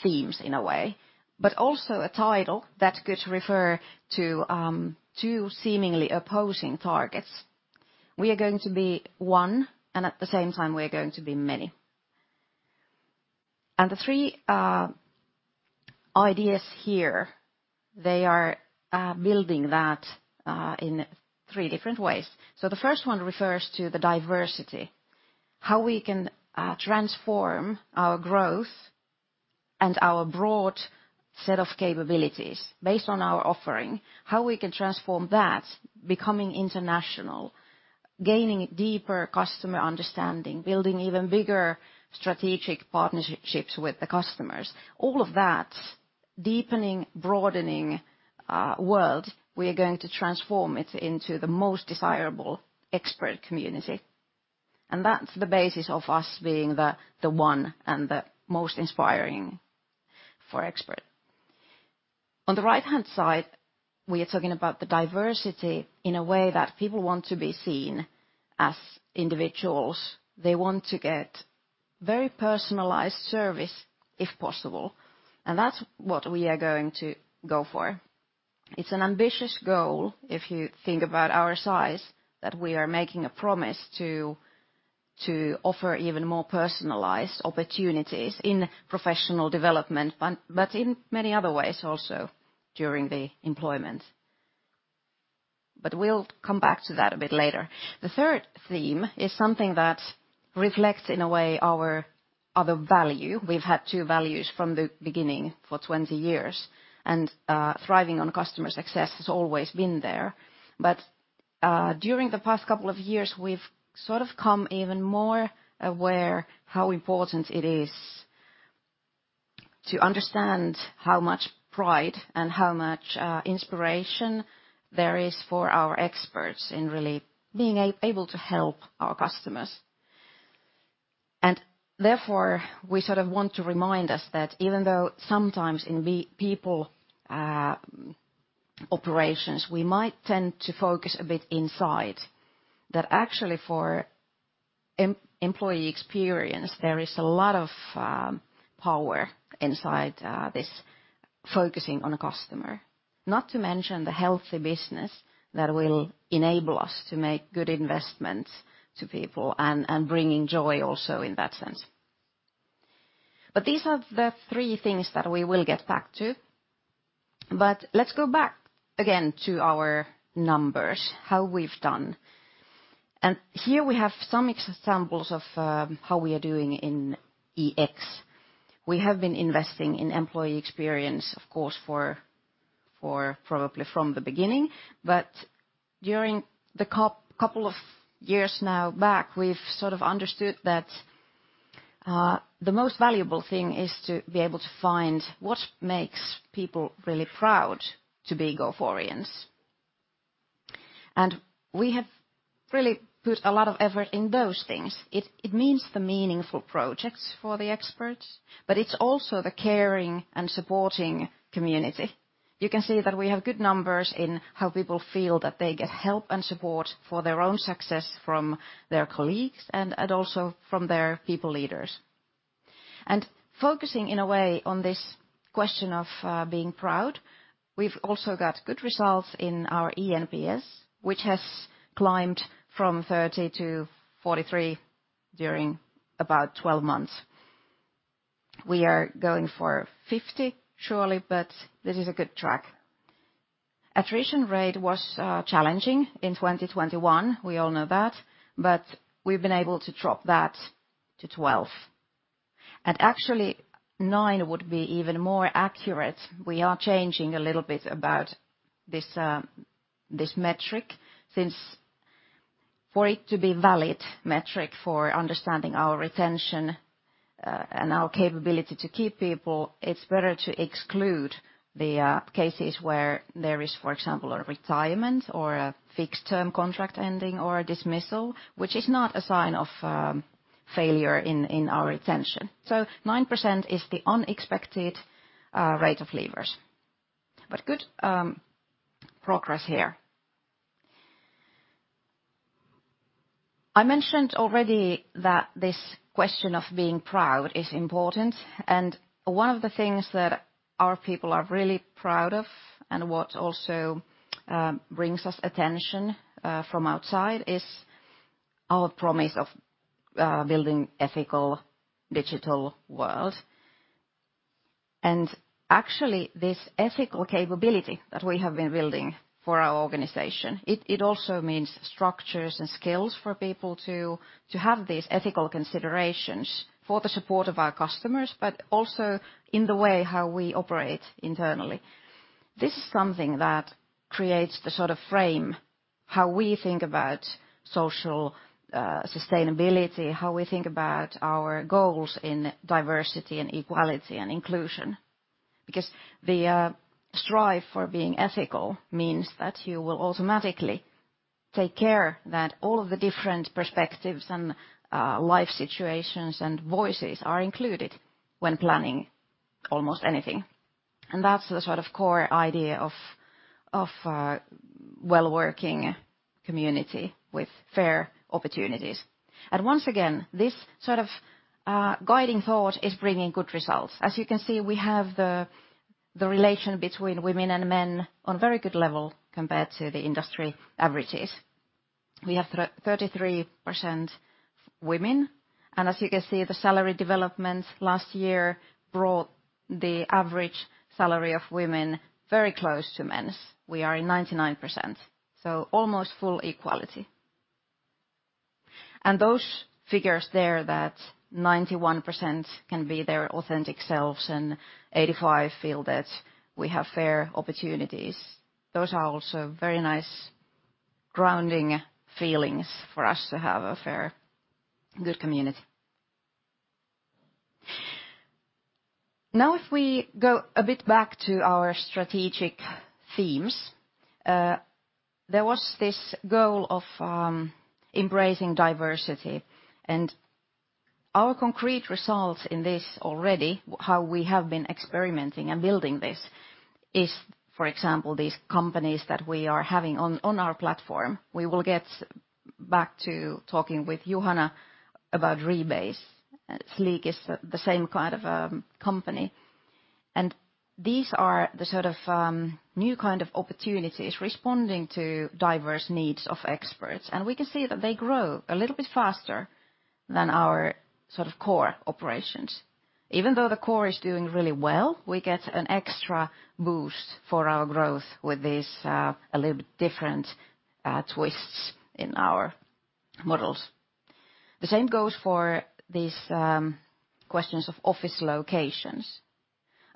themes in a way, but also a title that could refer to two seemingly opposing targets. We are going to be one, and at the same time, we are going to be many. The three ideas here, they are building that in three different ways. The first one refers to the diversity, how we can transform our growth and our broad set of capabilities based on our offering, how we can transform that becoming international, gaining deeper customer understanding, building even bigger strategic partnerships with the customers, all of that deepening, broadening world, we are going to transform it into the most desirable expert community. That's the basis of us being the one and the most inspiring for expert. On the right-hand side, we are talking about the diversity in a way that people want to be seen as individuals. They want to get very personalized service if possible. That's what we are going to go for. It's an ambitious goal, if you think about our size, that we are making a promise to offer even more personalized opportunities in professional development, but in many other ways also during the employment. We'll come back to that a bit later. The third theme is something that reflects, in a way, our other value. We've had two values from the beginning for 20 years, and thriving on customer success has always been there. During the past couple of years, we've sort of come even more aware how important it is to understand how much pride and how much inspiration there is for our experts in really being able to help our customers. Therefore, we sort of want to remind us that even though sometimes in people operations, we might tend to focus a bit inside, that actually for employee experience, there is a lot of power inside this focusing on the customer. Not to mention the healthy business that will enable us to make good investments to people and bringing joy also in that sense. These are the three things that we will get back to, but let's go back again to our numbers, how we've done. Here we have some examples of how we are doing in EX. We have been investing in employee experience, of course, for probably from the beginning. During the couple of years now back, we've sort of understood that the most valuable thing is to be able to find what makes people really proud to be Goforeans. We have really put a lot of effort in those things. It means the meaningful projects for the experts, but it's also the caring and supporting community. You can see that we have good numbers in how people feel that they get help and support for their own success from their colleagues and also from their people leaders. Focusing in a way on this question of being proud, we've also got good results in our eNPS, which has climbed from 30 to 43 during about 12 months. We are going for 50, surely. This is a good track. Attrition rate was challenging in 2021, we all know that. We've been able to drop that to 12%. Actually, 9% would be even more accurate. We are changing a little bit about this metric since for it to be valid metric for understanding our retention and our capability to keep people, it's better to exclude the cases where there is, for example, a retirement or a fixed term contract ending or a dismissal, which is not a sign of failure in our retention. 9% is the unexpected rate of leavers. Good progress here. I mentioned already that this question of being proud is important, and one of the things that our people are really proud of and what also brings us attention from outside is our promise of building ethical digital world. Actually, this ethical capability that we have been building for our organization, it also means structures and skills for people to have these ethical considerations for the support of our customers, but also in the way how we operate internally. This is something that creates the sort of frame, how we think about social sustainability, how we think about our goals in diversity and equality and inclusion. The strive for being ethical means that you will automatically take care that all of the different perspectives and life situations and voices are included when planning almost anything. That's the sort of core idea of well-working community with fair opportunities. Once again, this sort of guiding thought is bringing good results. As you can see, we have the relation between women and men on very good level compared to the industry averages. We have 33% women. As you can see, the salary development last year brought the average salary of women very close to men's. We are in 99%, so almost full equality. Those figures there that 91% can be their authentic selves and 85 feel that we have fair opportunities, those are also very nice grounding feelings for us to have a fair, good community. If we go a bit back to our strategic themes, there was this goal of embracing diversity. Our concrete results in this already, how we have been experimenting and building this is, for example, these companies that we are having on our platform. We will get back to talking with Juhana about Rebase. Sleek is the same kind of company. These are the sort of new kind of opportunities responding to diverse needs of experts. We can see that they grow a little bit faster than our sort of core operations. Even though the core is doing really well, we get an extra boost for our growth with these a little bit different twists in our models. The same goes for these questions of office locations.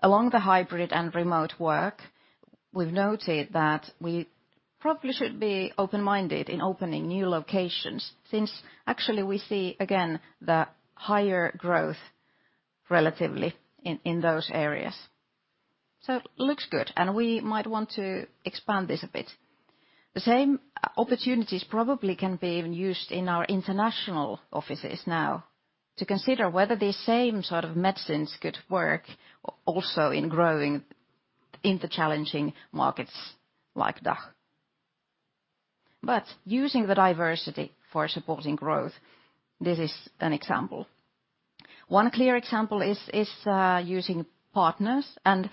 Along the hybrid and remote work, we've noted that we probably should be open-minded in opening new locations since actually we see again the higher growth relatively in those areas. Looks good, and we might want to expand this a bit. The same opportunities probably can be even used in our international offices now to consider whether the same sort of medicines could work also in growing in the challenging markets like DACH. Using the diversity for supporting growth, this is an example. One clear example is using partners and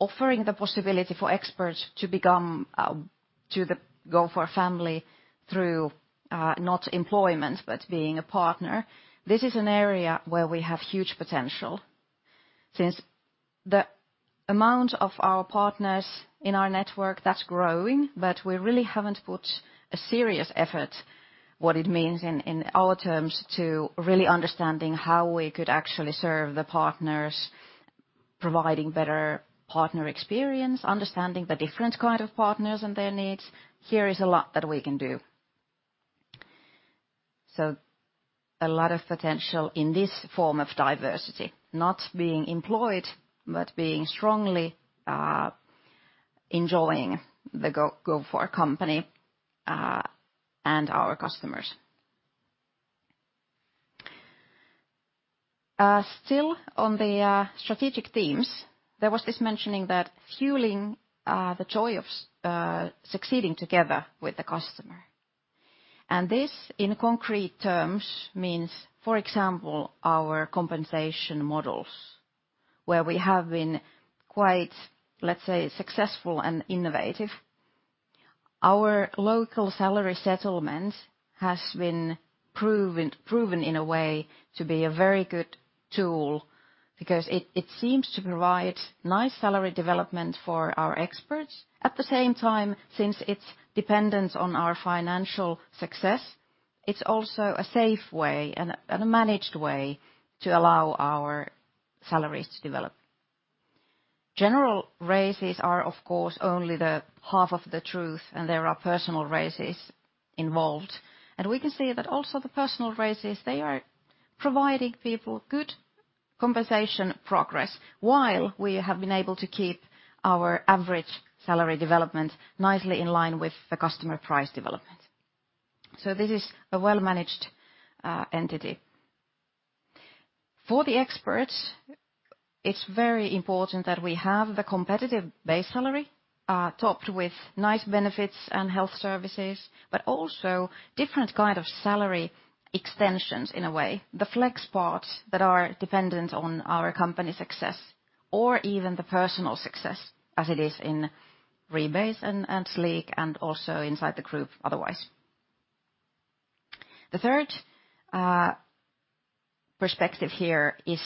offering the possibility for experts to become to the Gofore Family through not employment, but being a partner. This is an area where we have huge potential since the amount of our partners in our network that's growing, but we really haven't put a serious effort what it means in our terms to really understanding how we could actually serve the partners, providing better partner experience, understanding the different kind of partners and their needs. Here is a lot that we can do. A lot of potential in this form of diversity, not being employed, but being strongly enjoying the Gofore company and our customers. Still on the strategic themes, there was this mentioning that fueling the joy of succeeding together with the customer. This in concrete terms means, for example, our compensation models, where we have been quite, let's say, successful and innovative. Our local salary settlement has been proven in a way to be a very good tool because it seems to provide nice salary development for our experts. At the same time, since it's dependent on our financial success, it's also a safe way and a managed way to allow our salaries to develop. General raises are, of course, only the half of the truth, there are personal raises involved. We can see that also the personal raises, they are providing people good compensation progress while we have been able to keep our average salary development nicely in line with the customer price development. This is a well-managed entity. For the experts, it's very important that we have the competitive base salary, topped with nice benefits and health services, but also different kind of salary extensions in a way, the flex parts that are dependent on our company success or even the personal success as it is in Rebase and Sleek and also inside the group otherwise. The third perspective here is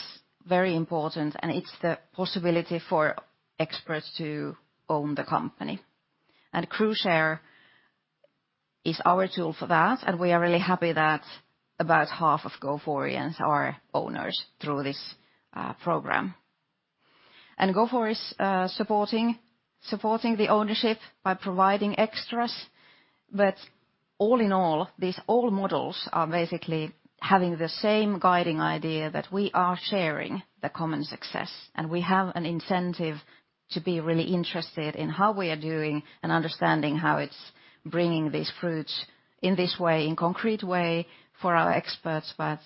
very important, and it's the possibility for experts to own the company. CrewShare is our tool for that, and we are really happy that about half of Goforeans are owners through this program. Gofore is supporting the ownership by providing extras. All in all, these all models are basically having the same guiding idea that we are sharing the common success, and we have an incentive to be really interested in how we are doing and understanding how it's bringing these fruits in this way, in concrete way for our experts, but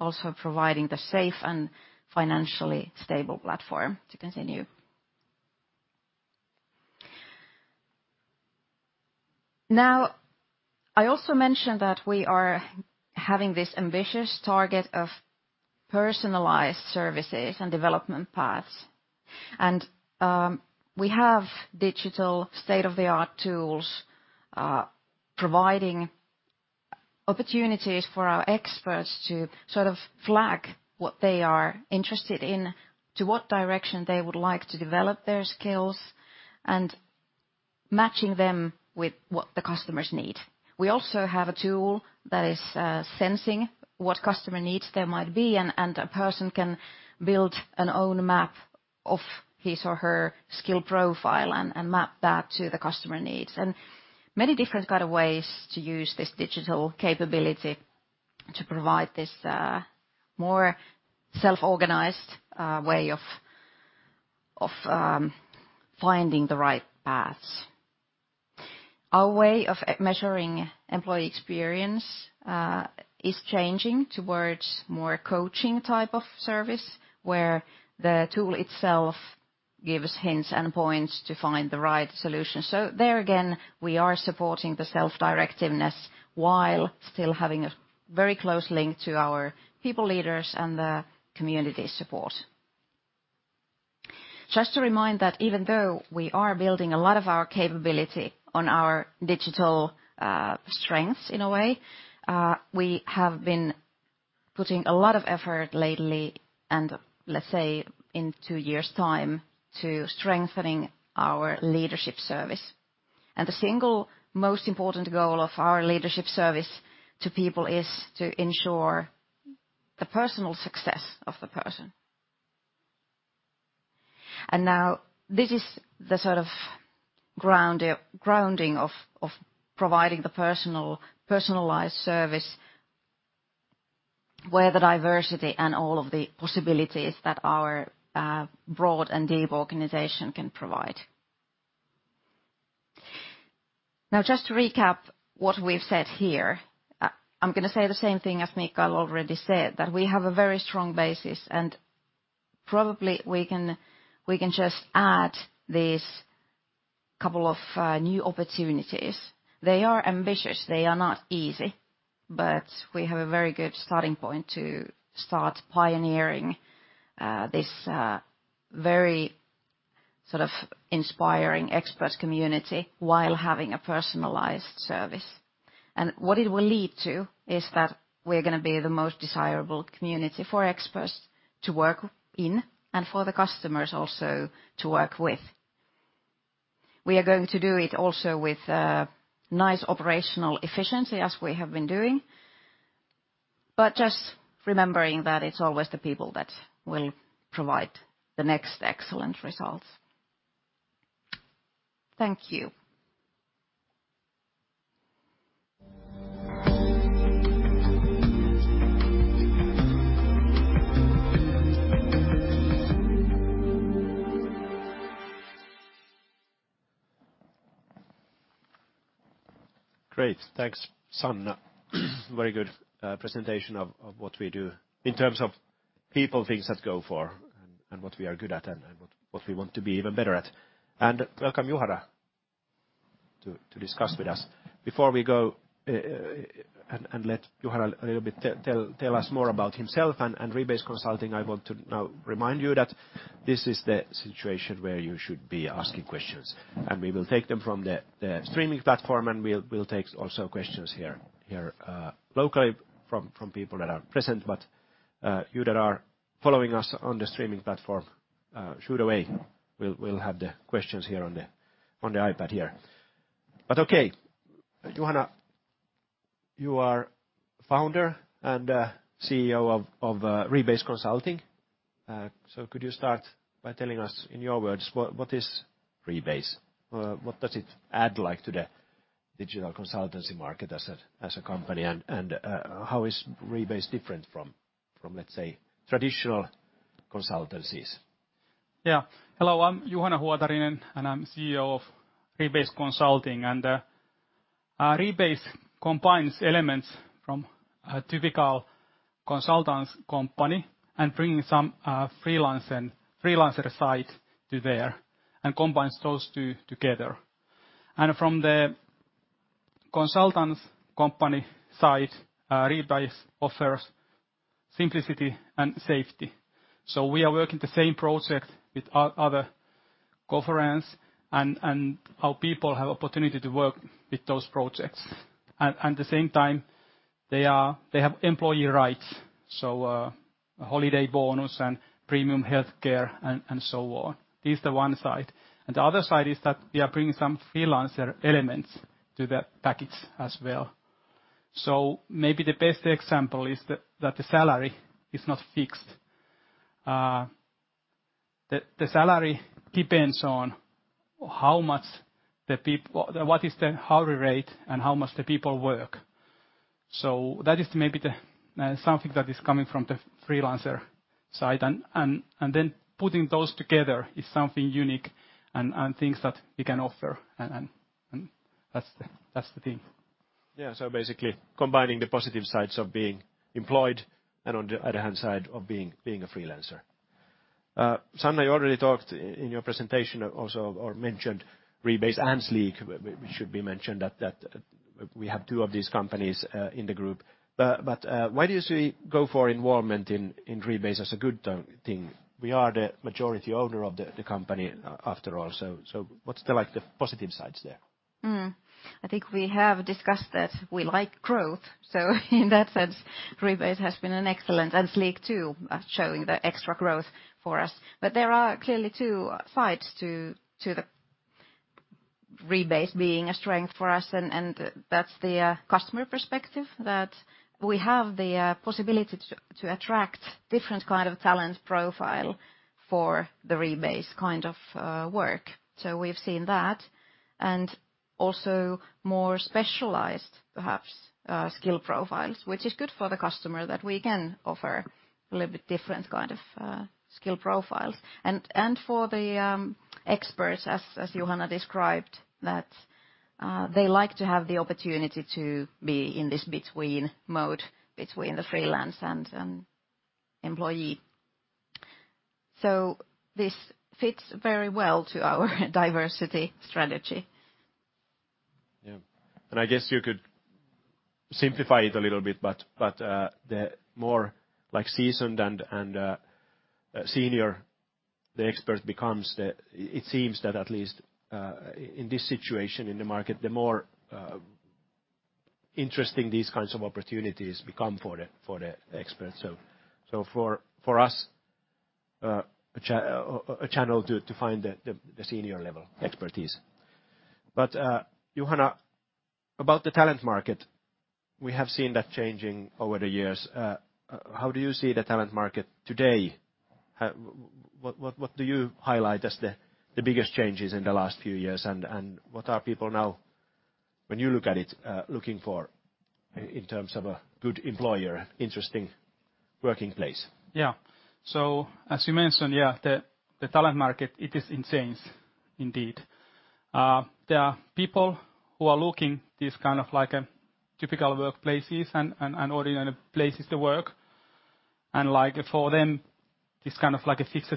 also providing the safe and financially stable platform to continue. Now, I also mentioned that we are having this ambitious target of personalized services and development paths. We have digital state-of-the-art tools providing opportunities for our experts to sort of flag what they are interested in, to what direction they would like to develop their skills, and matching them with what the customers need. We also have a tool that is sensing what customer needs there might be, and a person can build an own map of his or her skill profile and map that to the customer needs. Many different kind of ways to use this digital capability to provide this more self-organized way of finding the right paths. Our way of measuring employee experience is changing towards more coaching type of service, where the tool itself gives hints and points to find the right solution. There again, we are supporting the self-directiveness while still having a very close link to our people leaders and the community support. Just to remind that even though we are building a lot of our capability on our digital strengths in a way, we have been putting a lot of effort lately and let's say in two years' time to strengthening our leadership service. The single most important goal of our leadership service to people is to ensure the personal success of the person. Now this is the sort of grounding of providing the personal-personalized service where the diversity and all of the possibilities that our broad and deep organization can provide. Just to recap what we've said here, I'm gonna say the same thing as Mikael already said, that we have a very strong basis. Probably we can just add this couple of new opportunities. They are ambitious. They are not easy. We have a very good starting point to start pioneering this very sort of inspiring expert community while having a personalized service. What it will lead to is that we're gonna be the most desirable community for experts to work in and for the customers also to work with. We are going to do it also with nice operational efficiency as we have been doing, but just remembering that it's always the people that will provide the next excellent results. Thank you. Great. Thanks, Sanna. Very good presentation of what we do in terms of people, things that Gofore and what we are good at and what we want to be even better at. Welcome Juhana to discuss with us. Before we go and let Juhana a little bit tell us more about himself and Rebase Consulting, I want to now remind you that this is the situation where you should be asking questions. We will take them from the streaming platform, and we'll take also questions here locally from people that are present. You that are following us on the streaming platform, shoot away. We'll have the questions here on the iPad here. Okay. Juhana, you are founder and CEO of Rebase Consulting. Could you start by telling us in your words what is Rebase? What does it add, like, to the digital consultancy market as a company? How is Rebase different from, let's say, traditional consultancies? Hello, I'm Juhana Huotarinen, I'm CEO of Rebase Consulting. Rebase combines elements from a typical consultants company and bring some freelance and freelancer side to there and combines those two together. From the consultants company side, Rebase offers simplicity and safety. We are working the same project with other co-friends, and our people have opportunity to work with those projects. At the same time, they have employee rights, so holiday bonus and premium healthcare and so on. This is the one side. The other side is that we are bringing some freelancer elements to the package as well. Maybe the best example is that the salary is not fixed. The salary depends on how much What is the hourly rate and how much the people work. That is maybe the something that is coming from the freelancer side. Then putting those together is something unique and things that we can offer. That's the thing. Basically combining the positive sides of being employed and on the other hand side of being a freelancer. Sanna, you already talked in your presentation also or mentioned Rebase and Sleek. We should be mentioned that we have two of these companies in the group. Why do you say Gofore involvement in Rebase as a good thing? We are the majority owner of the company after all. What's the, like, the positive sides there? I think we have discussed that we like growth, so in that sense Rebase has been an excellent, and Sleek too, at showing the extra growth for us. There are clearly two sides to the Rebase being a strength for us and that's the customer perspective that we have the possibility to attract different kind of talent profile for the Rebase kind of work. We've seen that. Also more specialized perhaps skill profiles, which is good for the customer that we can offer a little bit different kind of skill profiles. For the experts, as Juhana described, that they like to have the opportunity to be in this between mode between the freelance and employee. This fits very well to our diversity strategy. Yeah. I guess you could simplify it a little bit, but the more like seasoned and senior the expert becomes. It seems that at least in this situation in the market, the more interesting these kinds of opportunities become for the experts. So for us, a channel to find the senior level expertise. Juhana, about the talent market, we have seen that changing over the years. How do you see the talent market today? What do you highlight as the biggest changes in the last few years, and what are people now when you look at it, looking for in terms of a good employer, interesting working place? As you mentioned, yeah, the talent market, it is insane indeed. There are people who are looking this kind of like a typical workplaces and ordinary places to work, and like for them, this kind of like fixed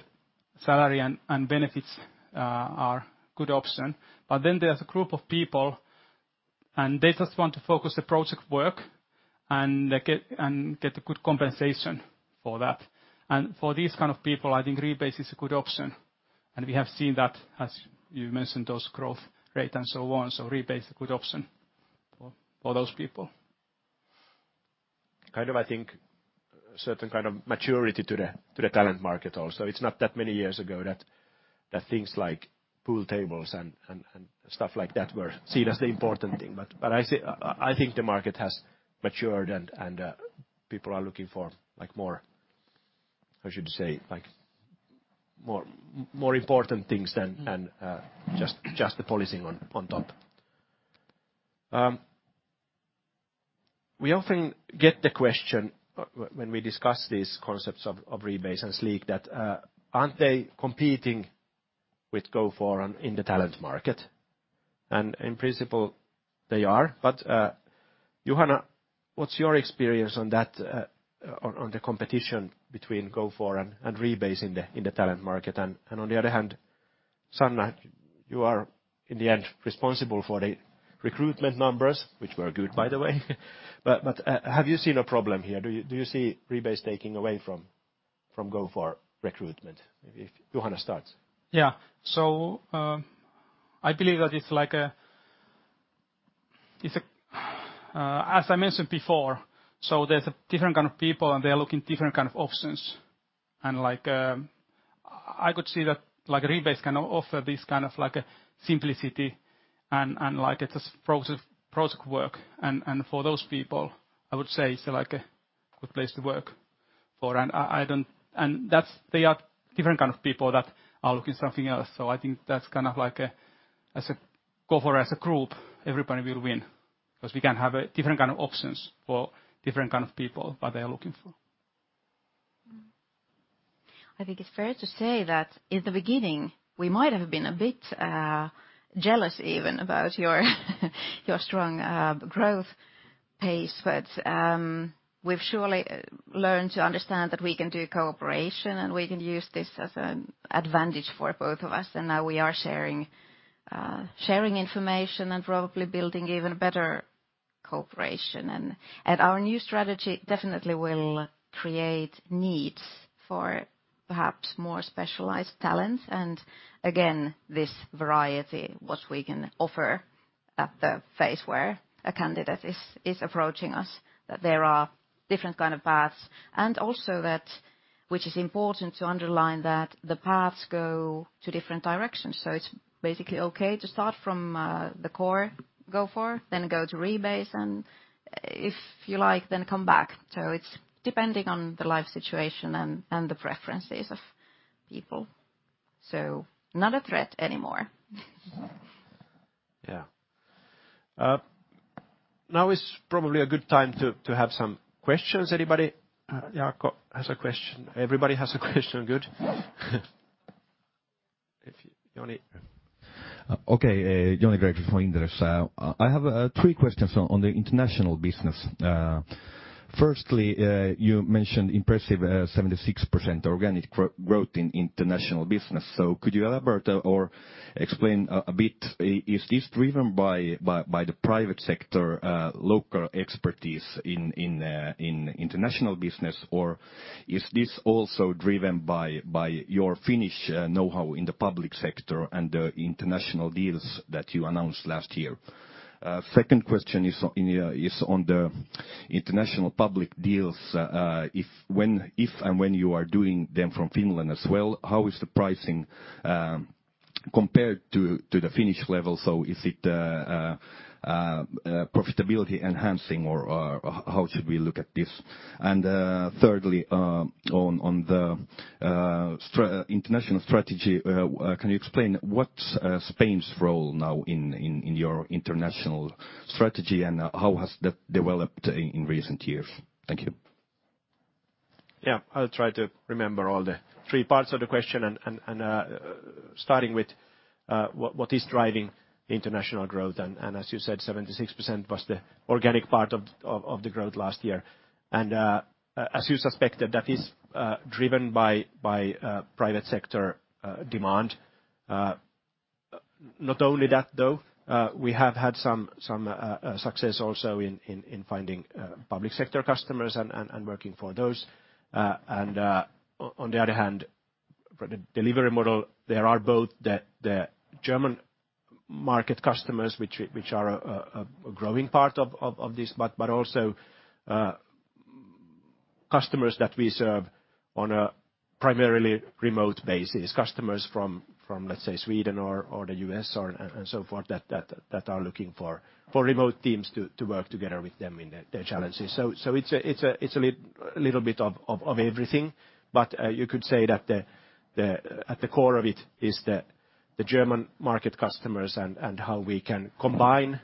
salary and benefits, are a good option. There's a group of people, and they just want to focus the project work and get good compensation for that. For these kind of people, I think Rebase is a good option. We have seen that, as you mentioned, those growth rate and so on. Rebase is a good option for those people. Certain kind of maturity to the talent market also. It's not that many years ago that things like pool tables and stuff like that were seen as the important thing. I think the market has matured and people are looking for like more, how should I say? More important things than just the polishing on top. We often get the question when we discuss these concepts of Rebase and Sleek that aren't they competing with Gofore in the talent market? In principle, they are. Juhana, what's your experience on that on the competition between Gofore and Rebase in the talent market? On the other hand, Sanna, you are, in the end, responsible for the recruitment numbers, which were good, by the way. Have you seen a problem here? Do you see Rebase taking away from Gofore recruitment? If Juhana starts. I believe that it's like a, as I mentioned before, so there's different kind of people, and they're looking different kind of options. I could see that like Rebase can offer this kind of like a simplicity and like it's just process, project work. For those people, I would say it's like a good place to work for. They are different kind of people that are looking something else. I think that's kind of like, as a Gofore, as a group, everybody will win because we can have different kind of options for different kind of people, what they are looking for. I think it's fair to say that in the beginning, we might have been a bit jealous even about your strong growth pace. We've surely learned to understand that we can do cooperation, and we can use this as an advantage for both of us. Now we are sharing information and probably building even better cooperation. Our new strategy definitely will create needs for perhaps more specialized talent. Again, this variety, what we can offer at the phase where a candidate is approaching us, that there are different kind of paths and also that, which is important to underline that the paths go to different directions. It's basically okay to start from the core, Gofore, then go to Rebase, and if you like, then come back. It's depending on the life situation and the preferences of people. Not a threat anymore. Yeah. now is probably a good time to have some questions. Anybody? Jaakko has a question. Everybody has a question. Good. Joni. Okay. Joni Zsukov from Inderes. I have three questions on the international business. Firstly, you mentioned impressive 76% organic growth in international business. Could you elaborate or explain a bit, is this driven by the private sector, local expertise in international business, or is this also driven by your Finnish know-how in the public sector and the international deals that you announced last year? Second question is on the international public deals. If and when you are doing them from Finland as well, how is the pricing compared to the Finnish level? Is it profitability enhancing or how should we look at this? Thirdly, on the international strategy, can you explain what's Spain's role now in your international strategy and how has that developed in recent years? Thank you. Yeah. I'll try to remember all the three parts of the question and, starting with, what is driving international growth. As you said, 76% was the organic part of the growth last year. As you suspected, that is driven by private sector demand. Not only that though, we have had some success also in finding public sector customers and working for those. On the other hand, for the delivery model, there are both the German market customers, which are a growing part of this, but also customers that we serve on a primarily remote basis. Customers from, let's say, Sweden or the U.S. or, and so forth that are looking for remote teams to work together with them in their challenges. It's a little bit of everything. You could say that at the core of it is the German market customers and how we can combine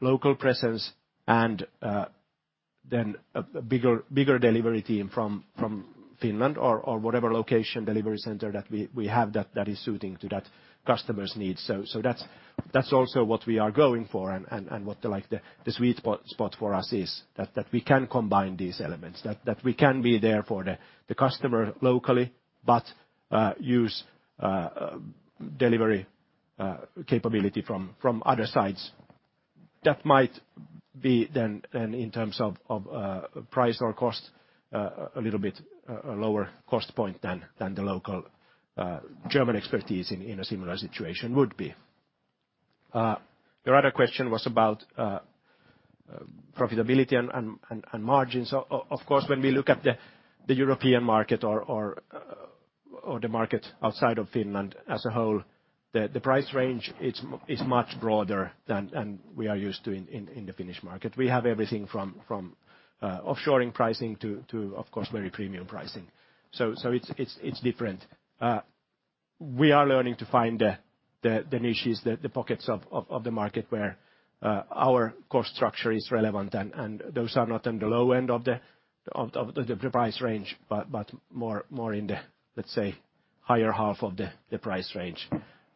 local presence and then a bigger delivery team from Finland or whatever location delivery center that we have that is suiting to that customer's needs. That's also what we are going for and what the, like, the sweet spot for us is, that we can combine these elements, that we can be there for the customer locally, but use a delivery capability from other sides. That might be then in terms of price or cost a little bit lower cost point than the local German expertise in a similar situation would be. Your other question was about profitability and margins. Of course, when we look at the European market or the market outside of Finland as a whole, the price range is much broader than we are used to in the Finnish market. We have everything from offshoring pricing to, of course, very premium pricing. It's different. We are learning to find the niches, the pockets of the market where our cost structure is relevant. Those are not on the low end of the price range, but more in the, let's say, higher half of the price range.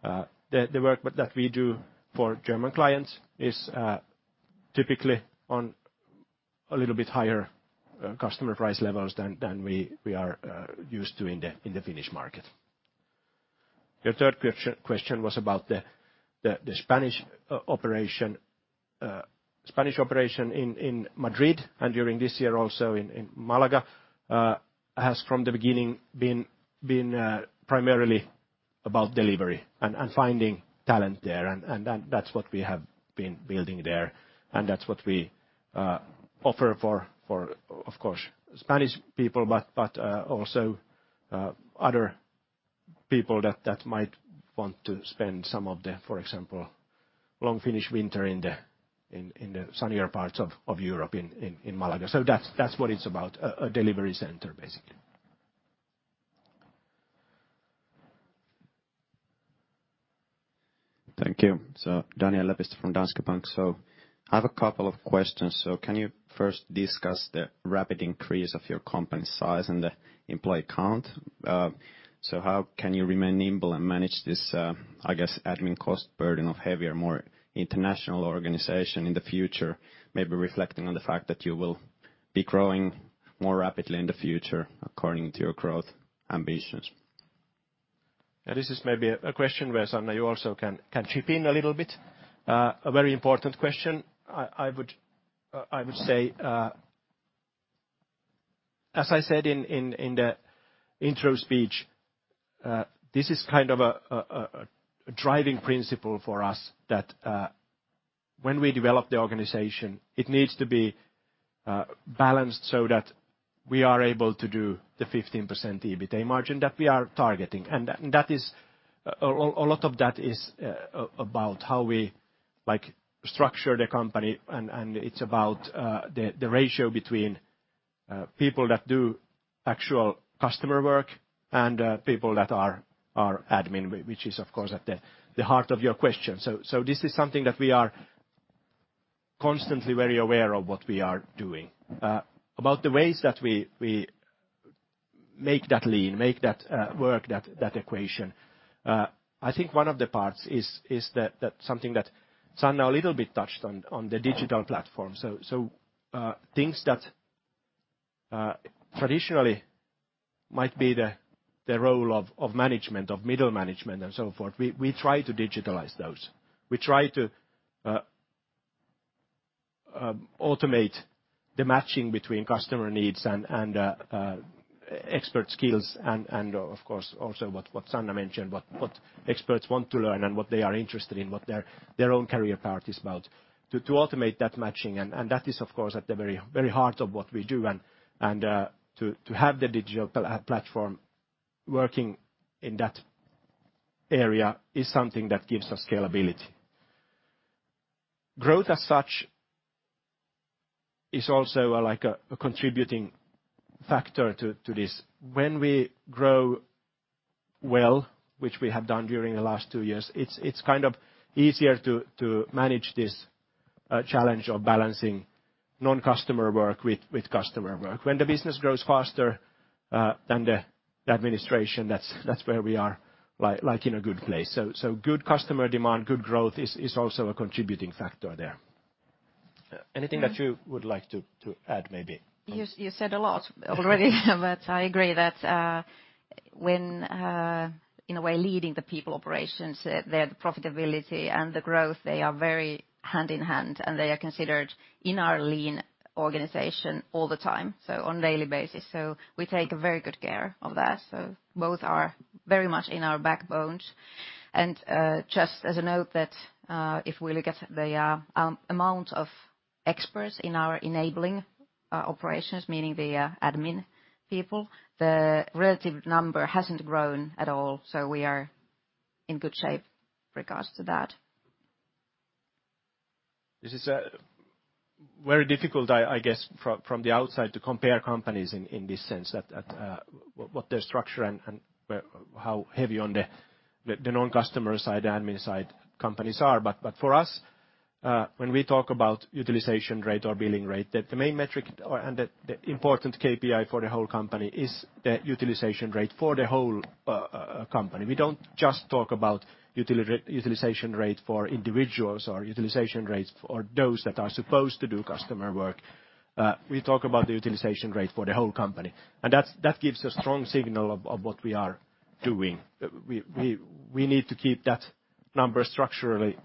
The work that we do for German clients is typically on a little bit higher customer price levels than we are used to in the Finnish market. Your third question was about the Spanish operation. Spanish operation in Madrid and during this year also in Malaga has from the beginning been primarily about delivery and finding talent there. That's what we have been building there, and that's what we offer for, of course, Spanish people, but also other people that might want to spend some of the, for example, long Finnish winter in the sunnier parts of Europe in Malaga. That's what it's about, a delivery center, basically. Thank you. Daniel Lepistö from Danske Bank. I have a couple of questions. Can you first discuss the rapid increase of your company size and the employee count? How can you remain nimble and manage this, I guess, admin cost burden of heavier, more international organization in the future? Maybe reflecting on the fact that you will be growing more rapidly in the future according to your growth ambitions. This is maybe a question where, Sanna, you also can chip in a little bit. A very important question. I would say, as I said in the intro speech, this is kind of a driving principle for us that when we develop the organization, it needs to be balanced so that we are able to do the 15% EBITA margin that we are targeting. That is. A lot of that is about how we, like, structure the company, and it's about the ratio between people that do actual customer work and people that are admin, which is of course at the heart of your question. This is something that we are constantly very aware of what we are doing. About the ways that we make that lean, make that work, that equation, I think one of the parts is the something that Sanna a little bit touched on the digital platform. Things that traditionally might be the role of management, of middle management and so forth, we try to digitalize those. We try to automate the matching between customer needs and expert skills and of course, also what Sanna mentioned, what experts want to learn and what they are interested in, what their own career path is about. To automate that matching, and that is of course at the very, very heart of what we do and to have the digital platform working in that area is something that gives us scalability. Growth as such is also like a contributing factor to this. When we grow well, which we have done during the last two years, it's kind of easier to manage this challenge of balancing non-customer work with customer work. When the business grows faster than the administration, that's where we are, like, in a good place. Good customer demand, good growth is also a contributing factor there. Anything that you would like to add maybe? You said a lot already. I agree that when in a way leading the people operations, their profitability and the growth, they are very hand in hand, and they are considered in our lean organization all the time, so on daily basis. We take very good care of that, so both are very much in our backbones. Just as a note that if we look at the amount of experts in our enabling operations, meaning the admin people, the relative number hasn't grown at all, so we are in good shape regards to that. This is very difficult, I guess, from the outside to compare companies in this sense that what their structure and how heavy on the non-customer side, the admin side companies are. For us, when we talk about utilization rate or billing rate, the important KPI for the whole company is the utilization rate for the whole company. We don't just talk about utilization rate for individuals or utilization rates or those that are supposed to do customer work. We talk about the utilization rate for the whole company, and that gives a strong signal of what we are doing. We need to keep that number structurally.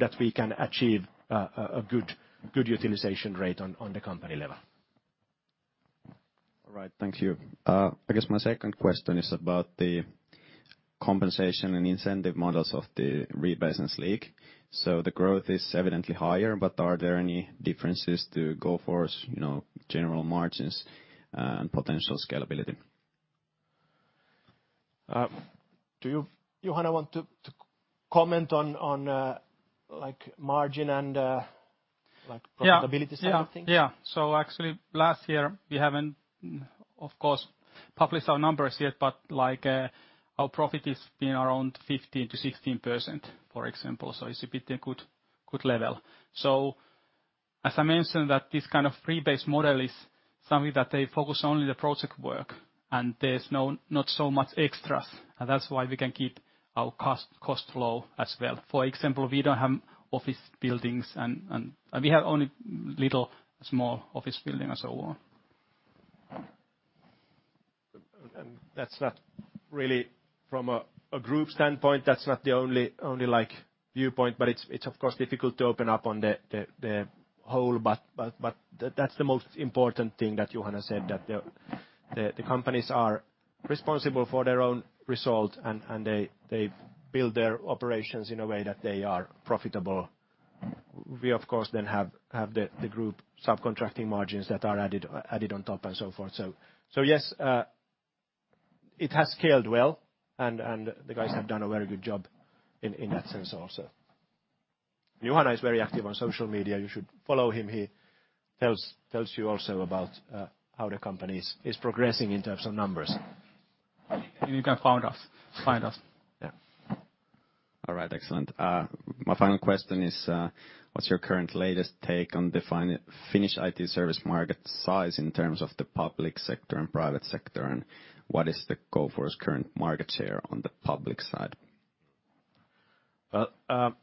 That we can achieve a good utilization rate on the company level. All right. Thank you. I guess my second question is about the compensation and incentive models of the Rebase and Sleek. The growth is evidently higher, but are there any differences to Gofore, you know, general margins and potential scalability? Do you, Juhana, want to comment on, like margin and, like profitability- Yeah. sort of thing? Yeah. Yeah. Actually last year, we haven't of course published our numbers yet, but, like, our profit has been around 15%-16%, for example, it's a bit a good level. As I mentioned that this kind of Rebase model is something that they focus only the project work, and there's not so much extras, That's why we can keep our cost flow as well. For example, we don't have office buildings and we have only little small office building and so on. That's not really from a group standpoint, that's not the only, like, viewpoint, but it's of course difficult to open up on the whole. That's the most important thing that Juhana said that the companies are responsible for their own result, and they build their operations in a way that they are profitable. We of course then have the group subcontracting margins that are added on top and so forth. Yes, it has scaled well and the guys have done a very good job in that sense also. Juhana is very active on social media. You should follow him. He tells you also about how the company's progressing in terms of numbers. You can find us. Yeah. All right. Excellent. My final question is, what's your current latest take on defining Finnish IT service market size in terms of the public sector and private sector, and what is the Gofore's current market share on the public side? Well,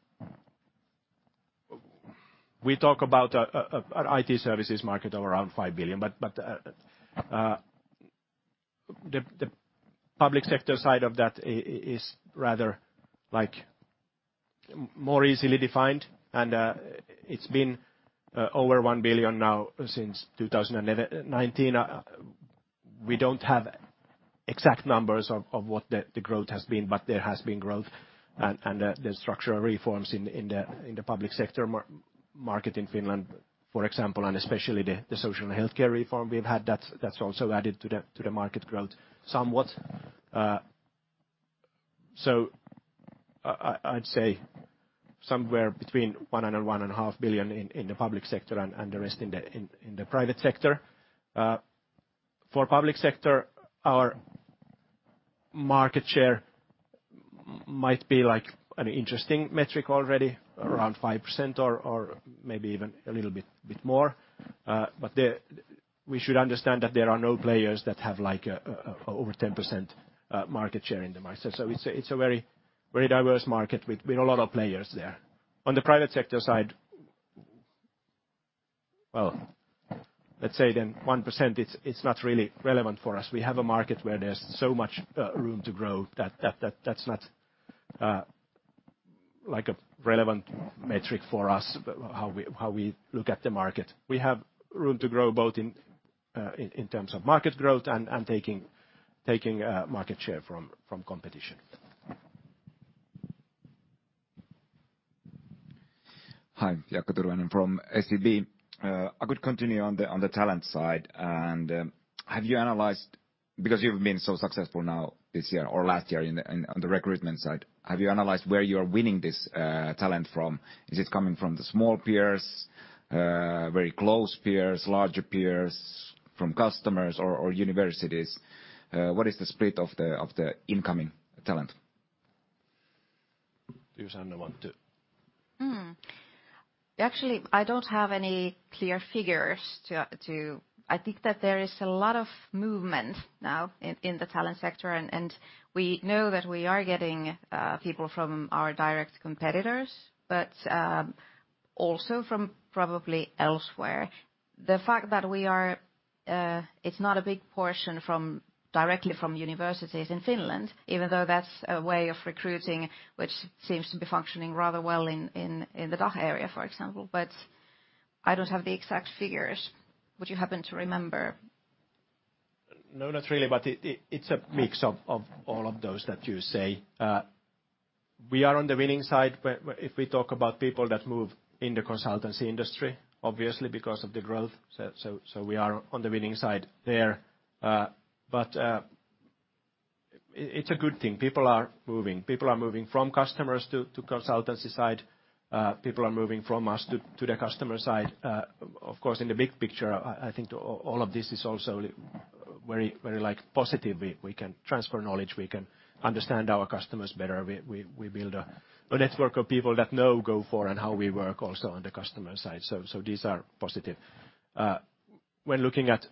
we talk about an IT services market of around 5 billion, but the public sector side of that is rather, like, more easily defined, and it's been over 1 billion now since 2011, 2019. We don't have exact numbers of what the growth has been, but there has been growth and there's structural reforms in the public sector market in Finland, for example, and especially the social and healthcare reform we've had that's also added to the market growth somewhat. I'd say somewhere between 1 billion and one and a half billion in the public sector and the rest in the private sector. For public sector, our market share might be like an interesting metric already around 5% or maybe even a little bit more. We should understand that there are no players that have like over 10% market share in the market. It's a very, very diverse market with a lot of players there. On the private sector side, well, let's say then 1%, it's not really relevant for us. We have a market where there's so much room to grow that that's not like a relevant metric for us, how we look at the market. We have room to grow both in terms of market growth and taking market share from competition. Hi. Jaakko Tyrväinen from SEB. I could continue on the, on the talent side. Because you've been so successful now this year or last year on the recruitment side, have you analyzed where you're winning this talent from? Is it coming from the small peers, very close peers, larger peers, from customers or universities? What is the split of the incoming talent? You Sanna. Actually, I don't have any clear figures. I think that there is a lot of movement now in the talent sector, and we know that we are getting people from our direct competitors, but also from probably elsewhere. The fact that we are, it's not a big portion from, directly from universities in Finland, even though that's a way of recruiting which seems to be functioning rather well in the DACH area, for example. But I don't have the exact figures. Would you happen to remember? No, not really, but it's a mix of all of those that you say. We are on the winning side if we talk about people that move in the consultancy industry, obviously, because of the growth. So we are on the winning side there. But it's a good thing. People are moving. People are moving from customers to consultancy side. People are moving from us to the customer side. Of course, in the big picture, I think all of this is also very, very, like, positive. We can transfer knowledge, we can understand our customers better, we build a network of people that know Gofore and how we work also on the customer side. These are positive. When looking at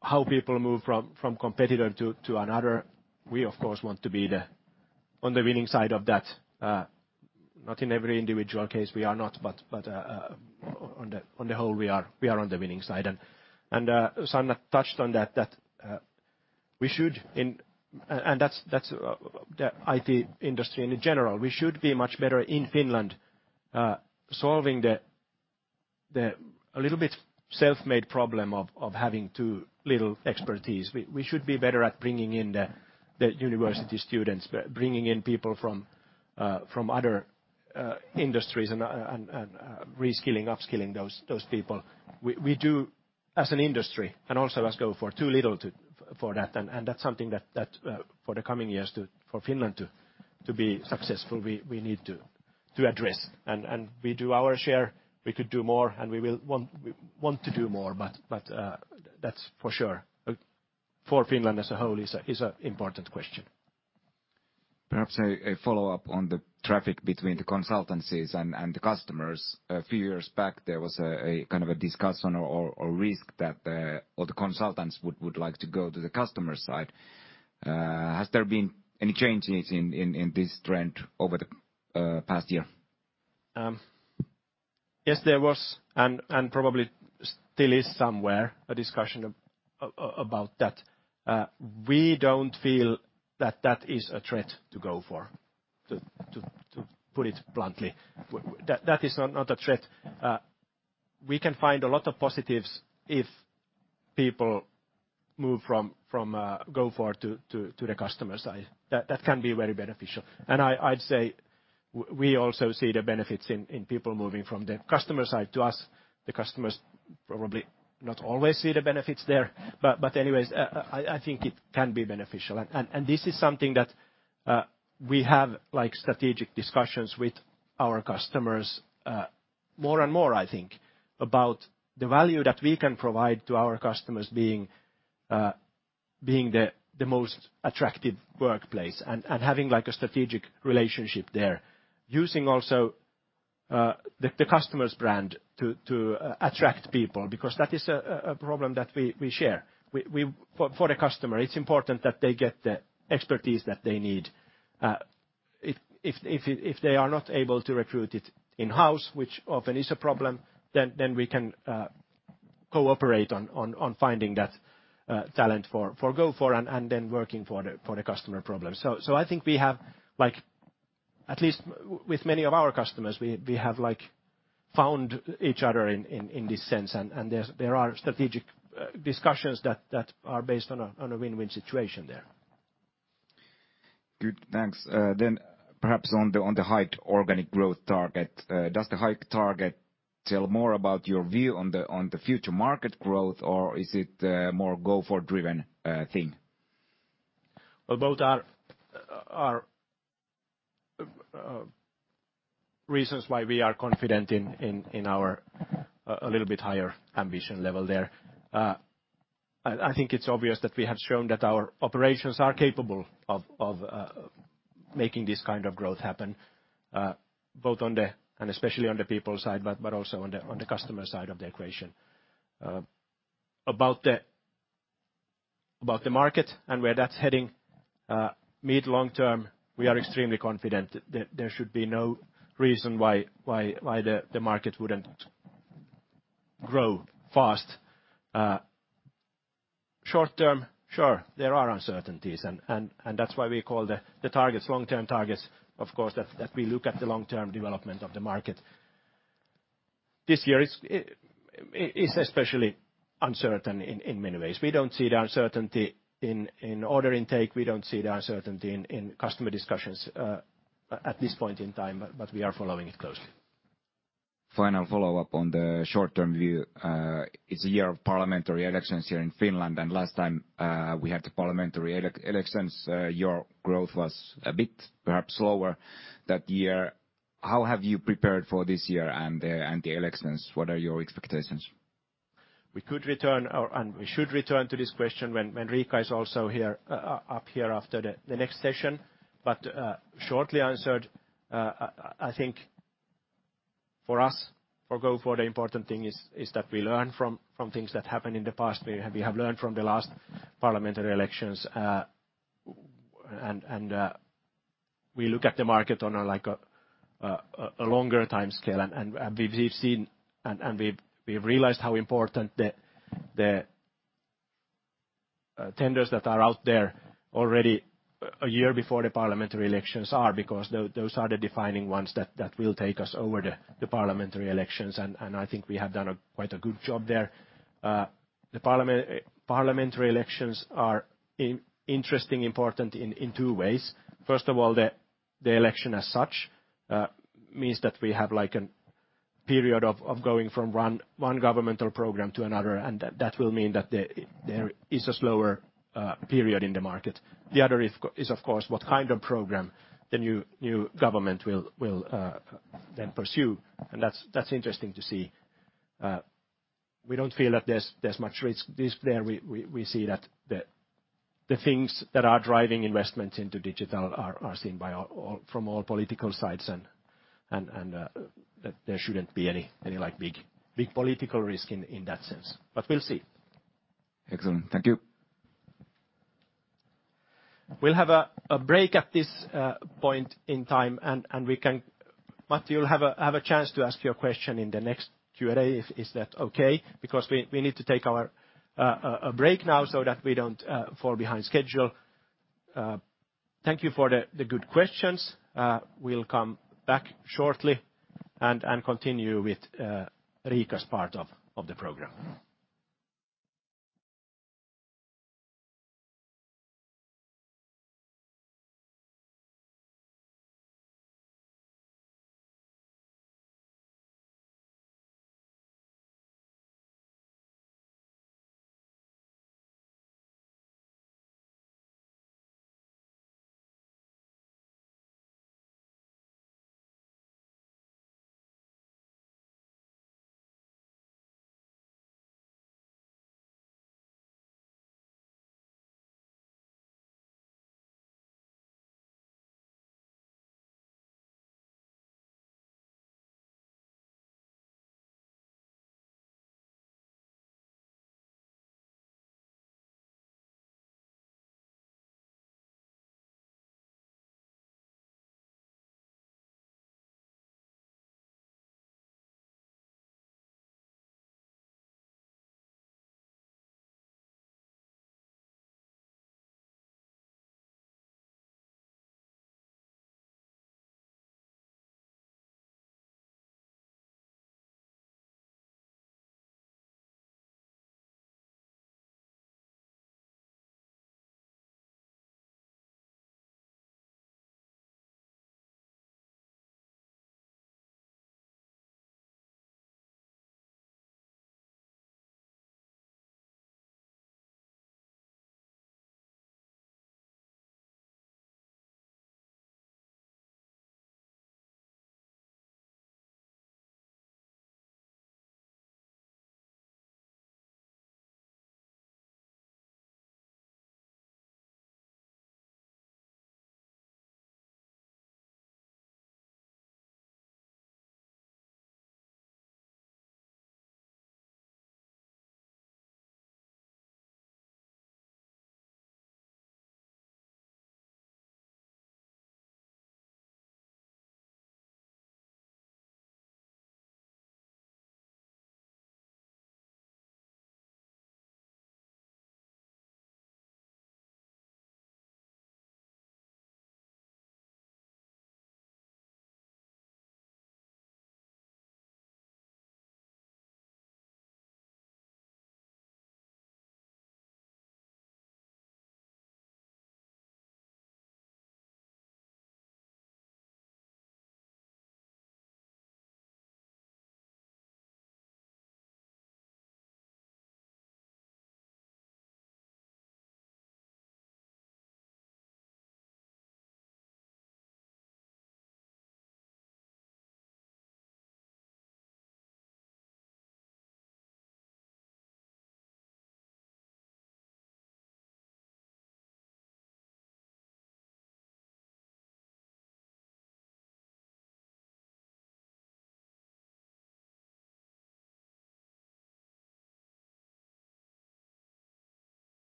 how people move from competitor to another, we of course want to be on the winning side of that. Not in every individual case, we are not, but on the whole, we are on the winning side. Sanna touched on that we should in... That's the IT industry and in general. We should be much better in Finland, solving the a little bit self-made problem of having too little expertise. We should be better at bringing in the university students, bringing in people from other industries and reskilling, upskilling those people. We do as an industry and also as Gofore too little for that. That's something that for the coming years for Finland to be successful, we need to address. We do our share. We could do more, and we will want to do more. That's for sure. For Finland as a whole is an important question. Perhaps a follow-up on the traffic between the consultancies and the customers. A few years back, there was a kind of a discussion or risk that all the consultants would like to go to the customer side. Has there been any changes in this trend over the past year? Yes, there was and probably still is somewhere a discussion about that. We don't feel that that is a threat to Gofore, to put it bluntly. That is not a threat. We can find a lot of positives if people move from Gofore to the customer side. That can be very beneficial. I'd say we also see the benefits in people moving from the customer side to us. The customers probably not always see the benefits there. Anyways, I think it can be beneficial. This is something that we have, like, strategic discussions with our customers, more and more, I think, about the value that we can provide to our customers being the most attractive workplace and having, like, a strategic relationship there. Using also, the customer's brand to attract people because that is a problem that we share. For the customer, it's important that they get the expertise that they need. If they are not able to recruit it in-house, which often is a problem, then we can cooperate on finding that talent for Gofore and then working for the customer problem. I think we have like, at least with many of our customers, we have like found each other in this sense. There's, there are strategic discussions that are based on a win-win situation there. Good. Thanks. Perhaps on the, on the high organic growth target. Does the high target tell more about your view on the, on the future market growth, or is it a more Gofore-driven thing? Well, both are reasons why we are confident in our a little bit higher ambition level there. I think it's obvious that we have shown that our operations are capable of making this kind of growth happen, both on the, and especially on the people side, but also on the customer side of the equation. About the market and where that's heading, mid-long term, we are extremely confident there should be no reason why the market wouldn't grow fast. Short-term, sure, there are uncertainties and that's why we call the targets long-term targets, of course, that we look at the long-term development of the market. This year is especially uncertain in many ways. We don't see the uncertainty in order intake. We don't see the uncertainty in customer discussions, at this point in time. We are following it closely. Final follow-up on the short-term view. It's a year of parliamentary elections here in Finland, and last time, we had the parliamentary elections, your growth was a bit perhaps slower that year. How have you prepared for this year and the elections? What are your expectations? We could return, we should return to this question when Riikka is also here, up here after the next session. Shortly answered, I think for us, for Gofore the important thing is that we learn from things that happened in the past. We have learned from the last parliamentary elections, we look at the market on a like a longer timescale. We've seen and we've realized how important the tenders that are out there already a year before the parliamentary elections are, because those are the defining ones that will take us over the parliamentary elections. I think we have done a quite a good job there. The parliamentary elections are interesting, important in two ways. First of all, the election as such, means that we have like a period of going from one governmental program to another, and that will mean that there is a slower period in the market. The other is of course what kind of program the new government will then pursue, and that's interesting to see. We don't feel that there's much risk this there. We see that the things that are driving investments into digital are seen by all from all political sides and there shouldn't be any like big political risk in that sense. We'll see. Excellent. Thank you. We'll have a break at this point in time, and we can... Matt, you'll have a chance to ask your question in the next Q&A if is that okay, because we need to take our a break now so that we don't fall behind schedule. Thank you for the good questions. We'll come back shortly and continue with Riikka's part of the program.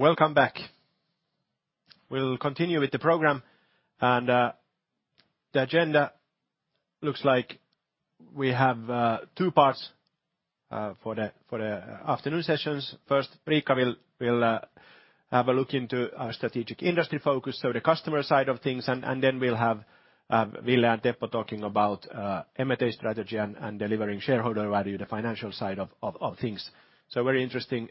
Welcome back. We'll continue with the program, and the agenda looks like we have two parts for the afternoon sessions. First, Riikka will have a look into our strategic industry focus, so the customer side of things. Then we'll have Ville and Teppo talking about M&A strategy and delivering shareholder value, the financial side of things. Very interesting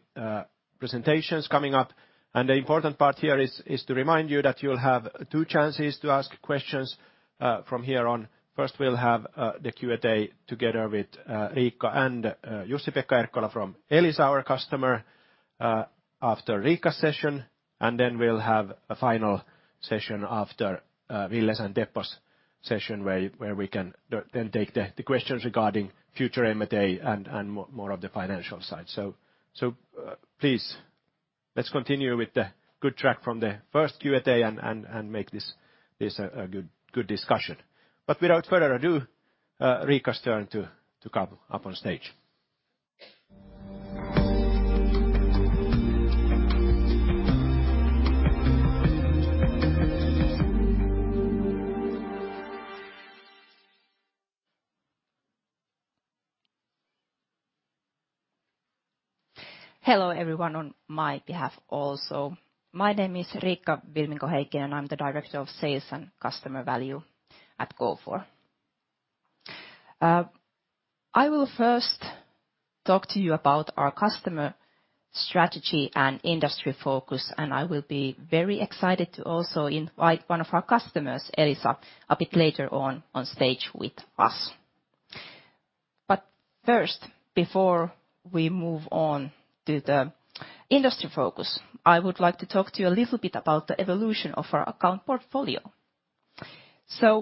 presentations coming up. The important part here is to remind you that you'll have two chances to ask questions from here on. First, we'll have the Q&A together with Riikka and Jussi-Pekka Erkkola from Elisa, our customer, after Riikka's session. Then we'll have a final session after Ville's and Teppo's session where we can then take the questions regarding future M&A and more of the financial side. Please, let's continue with the good track from the first Q&A and make this a good discussion. Without further ado, Riikka's turn to come up on stage. Hello, everyone, on my behalf also. My name is Riikka Vilminko-Heikkinen. I'm the Director of Sales and Customer Value at Gofore. I will first talk to you about our customer strategy and industry focus, and I will be very excited to also invite one of our customers, Elisa, a bit later on stage with us. First, before we move on to the industry focus, I would like to talk to you a little bit about the evolution of our account portfolio.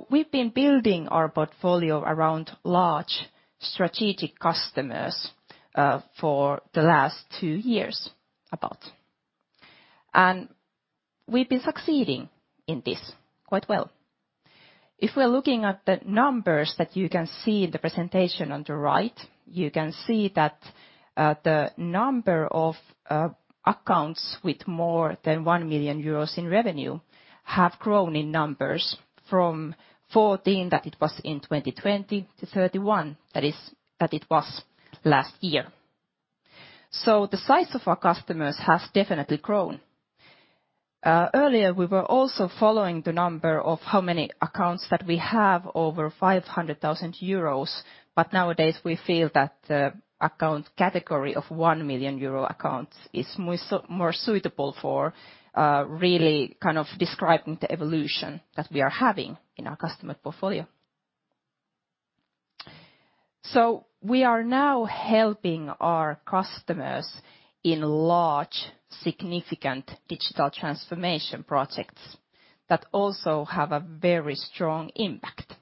We've been building our portfolio around large strategic customers, for the last two years about. We've been succeeding in this quite well. If we are looking at the numbers that you can see in the presentation on the right, you can see that the number of accounts with more than 1 million euros in revenue have grown in numbers from 14 that it was in 2020 to 31 that it was last year. The size of our customers has definitely grown. Earlier we were also following the number of how many accounts that we have over 500,000 euros, but nowadays we feel that the account category of 1 million euro accounts is more suitable for really kind of describing the evolution that we are having in our customer portfolio. We are now helping our customers in large, significant digital transformation projects that also have a very strong impact.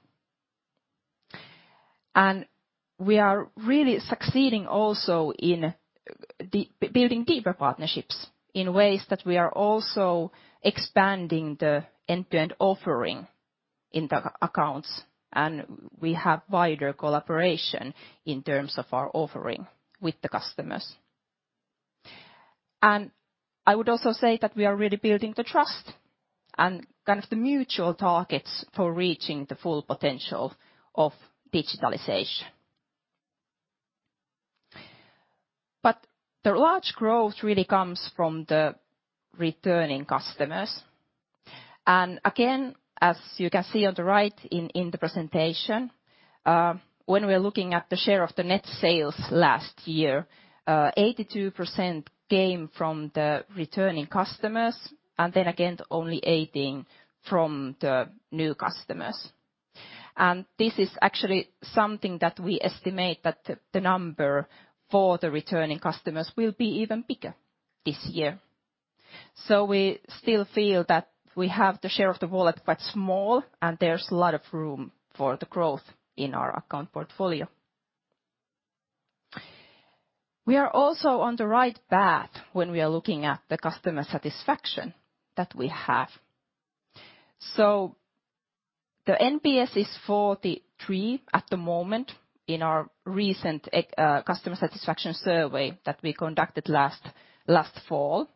We are really succeeding also in the building deeper partnerships in ways that we are also expanding the end-to-end offering in the accounts, and we have wider collaboration in terms of our offering with the customers. I would also say that we are really building the trust and kind of the mutual targets for reaching the full potential of digitalization. The large growth really comes from the returning customers. Again, as you can see on the right in the presentation, when we're looking at the share of the net sales last year, 82% came from the returning customers and then again only 18% from the new customers. This is actually something that we estimate that the number for the returning customers will be even bigger this year. We still feel that we have the share of the wallet, but small, and there's a lot of room for the growth in our account portfolio. We are also on the right path when we are looking at the customer satisfaction that we have. The NPS is 43 at the moment in our recent customer satisfaction survey that we conducted last fall.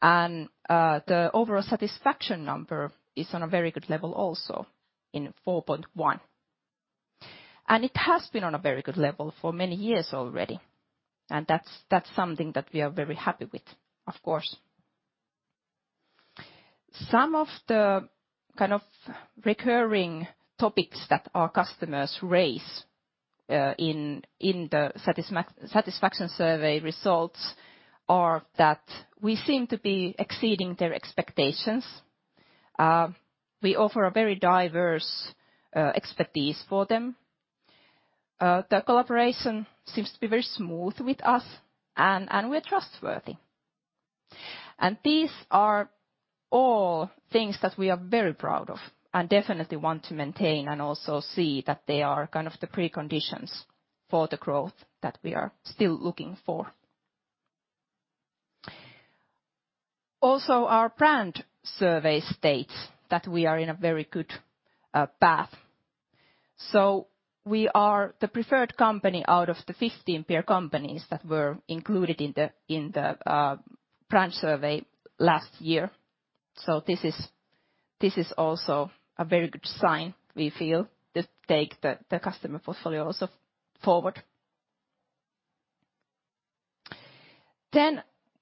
The overall satisfaction number is on a very good level also in 4.1. It has been on a very good level for many years already, and that's something that we are very happy with, of course. Some of the kind of recurring topics that our customers raise in the satisfaction survey results are that we seem to be exceeding their expectations. We offer a very diverse expertise for them. The collaboration seems to be very smooth with us, and we're trustworthy. These are all things that we are very proud of and definitely want to maintain and also see that they are kind of the preconditions for the growth that we are still looking for. Our brand survey states that we are in a very good path. We are the preferred company out of the 15 peer companies that were included in the brand survey last year. This is also a very good sign, we feel, to take the customer portfolio also forward.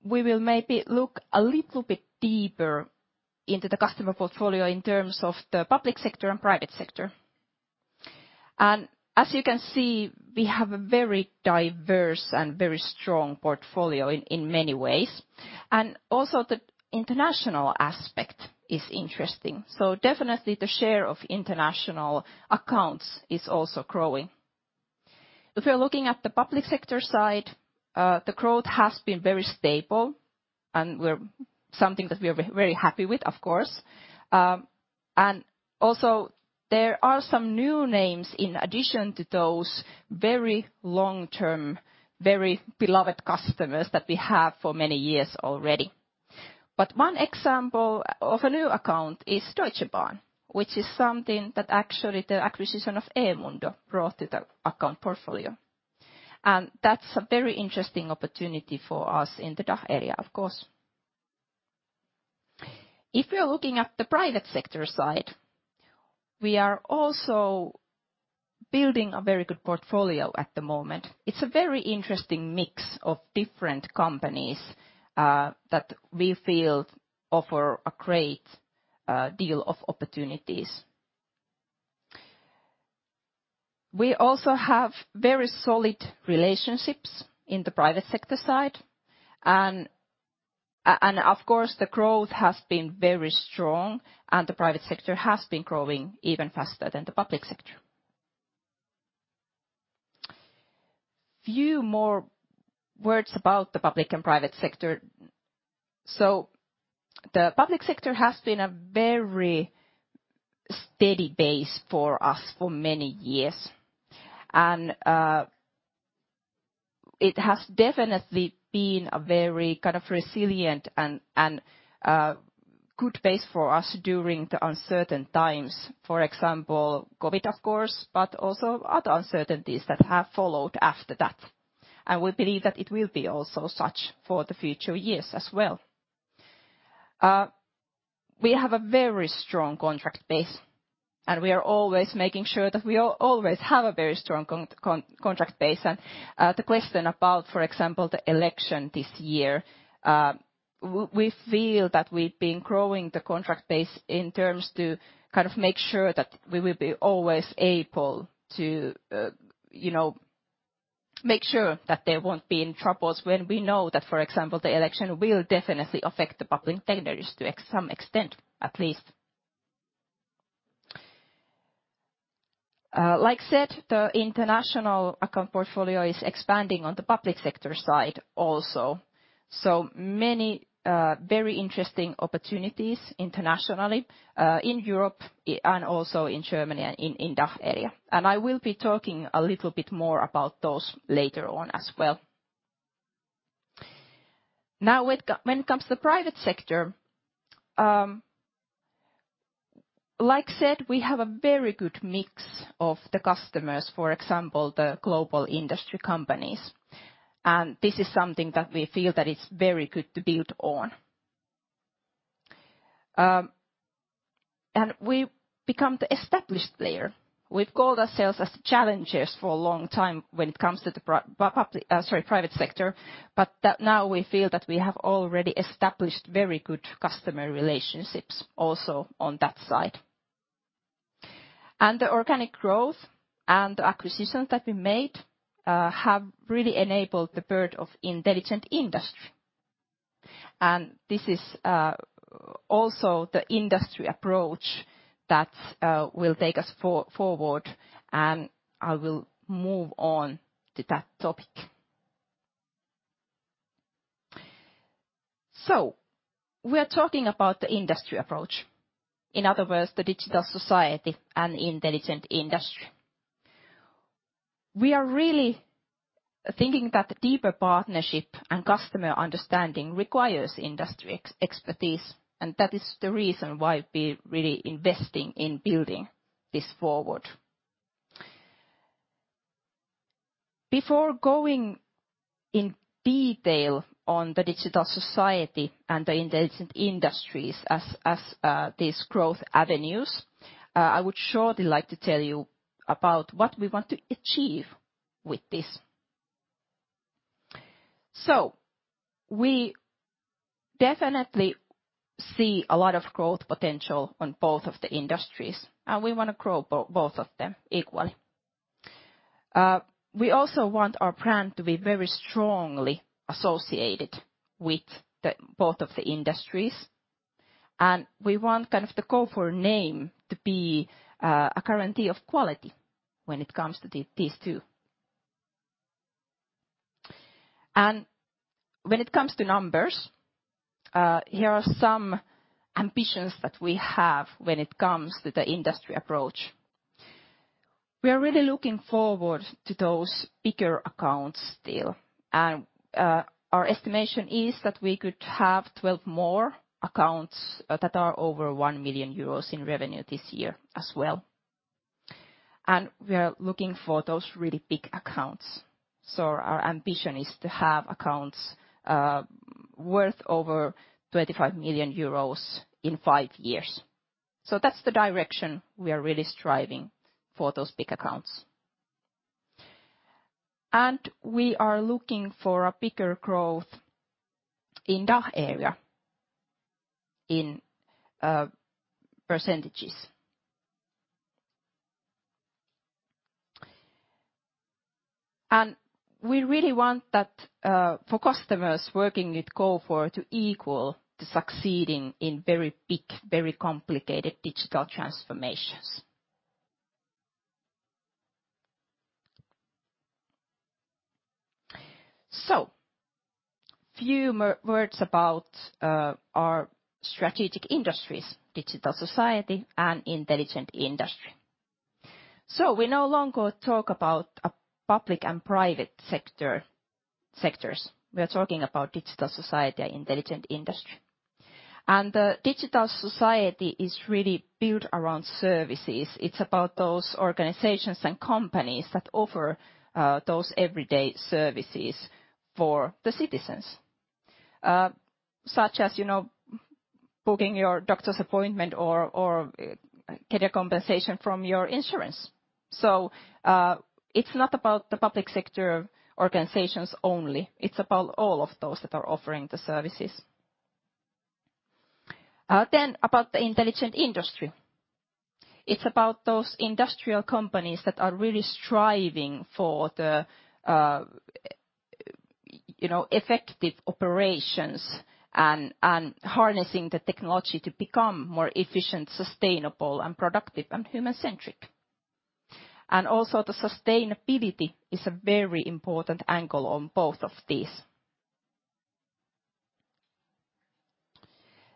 We will maybe look a little bit deeper into the customer portfolio in terms of the public sector and private sector. As you can see, we have a very diverse and very strong portfolio in many ways. Also the international aspect is interesting. Definitely the share of international accounts is also growing. If you're looking at the public sector side, the growth has been very stable, and something that we are very happy with, of course. Also there are some new names in addition to those very long-term, very beloved customers that we have for many years already. One example of a new account is Deutsche Bahn, which is something that actually the acquisition of eMundo brought to the account portfolio. That's a very interesting opportunity for us in the DACH area, of course. If you're looking at the private sector side, we are also building a very good portfolio at the moment. It's a very interesting mix of different companies that we feel offer a great deal of opportunities. We also have very solid relationships in the private sector side. Of course, the growth has been very strong, and the private sector has been growing even faster than the public sector. Few more words about the public and private sector. The public sector has been a very steady base for us for many years, and it has definitely been a very kind of resilient and good base for us during the uncertain times. For example, COVID, of course, but also other uncertainties that have followed after that. We believe that it will be also such for the future years as well. We have a very strong contract base, and we are always making sure that we always have a very strong contract base. The question about, for example, the election this year, we feel that we've been growing the contract base in terms to kind of make sure that we will be always able to, you know, make sure that there won't be any troubles when we know that, for example, the election will definitely affect the public tenders to some extent, at least. Like I said, the international account portfolio is expanding on the public sector side also. Many very interesting opportunities internationally, in Europe and also in Germany and in DACH area. I will be talking a little bit more about those later on as well. Now, when it comes to the private sector, like I said, we have a very good mix of the customers. For example, the global industry companies. This is something that we feel that it's very good to build on. We've become the established player. We've called ourselves as challengers for a long time when it comes to the private sector, but that now we feel that we have already established very good customer relationships also on that side. The organic growth and acquisitions that we made have really enabled the birth of Intelligent Industry. This is also the industry approach that will take us forward, and I will move on to that topic. We're talking about the industry approach. In other words, the Digital Society and Intelligent Industry. We are really thinking that the deeper partnership and customer understanding requires industry expertise, and that is the reason why we're really investing in building this forward. Before going in detail on the Digital Society and the Intelligent Industries as these growth avenues, I would surely like to tell you about what we want to achieve with this. We definitely see a lot of growth potential on both of the industries, and we wanna grow both of them equally. We also want our brand to be very strongly associated with both of the industries, and we want kind of the Gofore name to be a guarantee of quality when it comes to these two. When it comes to numbers, here are some ambitions that we have when it comes to the industry approach. We are really looking forward to those bigger accounts still. Our estimation is that we could have 12 more accounts that are over 1 million euros in revenue this year as well. We are looking for those really big accounts. Our ambition is to have accounts worth over 25 million euros in five years. That's the direction we are really striving for those big accounts. We are looking for a bigger growth in DACH area in %. We really want that for customers working with Gofore to equal to succeeding in very big, very complicated digital transformations. Few words about our strategic industries, Digital Society and Intelligent Industry. We no longer talk about a public and private sectors. We're talking about Digital Society and Intelligent Industry. The Digital Society is really built around services. It's about those organizations and companies that offer those everyday services for the citizens, such as, you know, booking your doctor's appointment or get a compensation from your insurance. It's not about the public sector organizations only, it's about all of those that are offering the services. About the Intelligent Industry. It's about those industrial companies that are really striving for the, you know, effective operations and harnessing the technology to become more efficient, sustainable, and productive, and human-centric. Also the sustainability is a very important angle on both of these.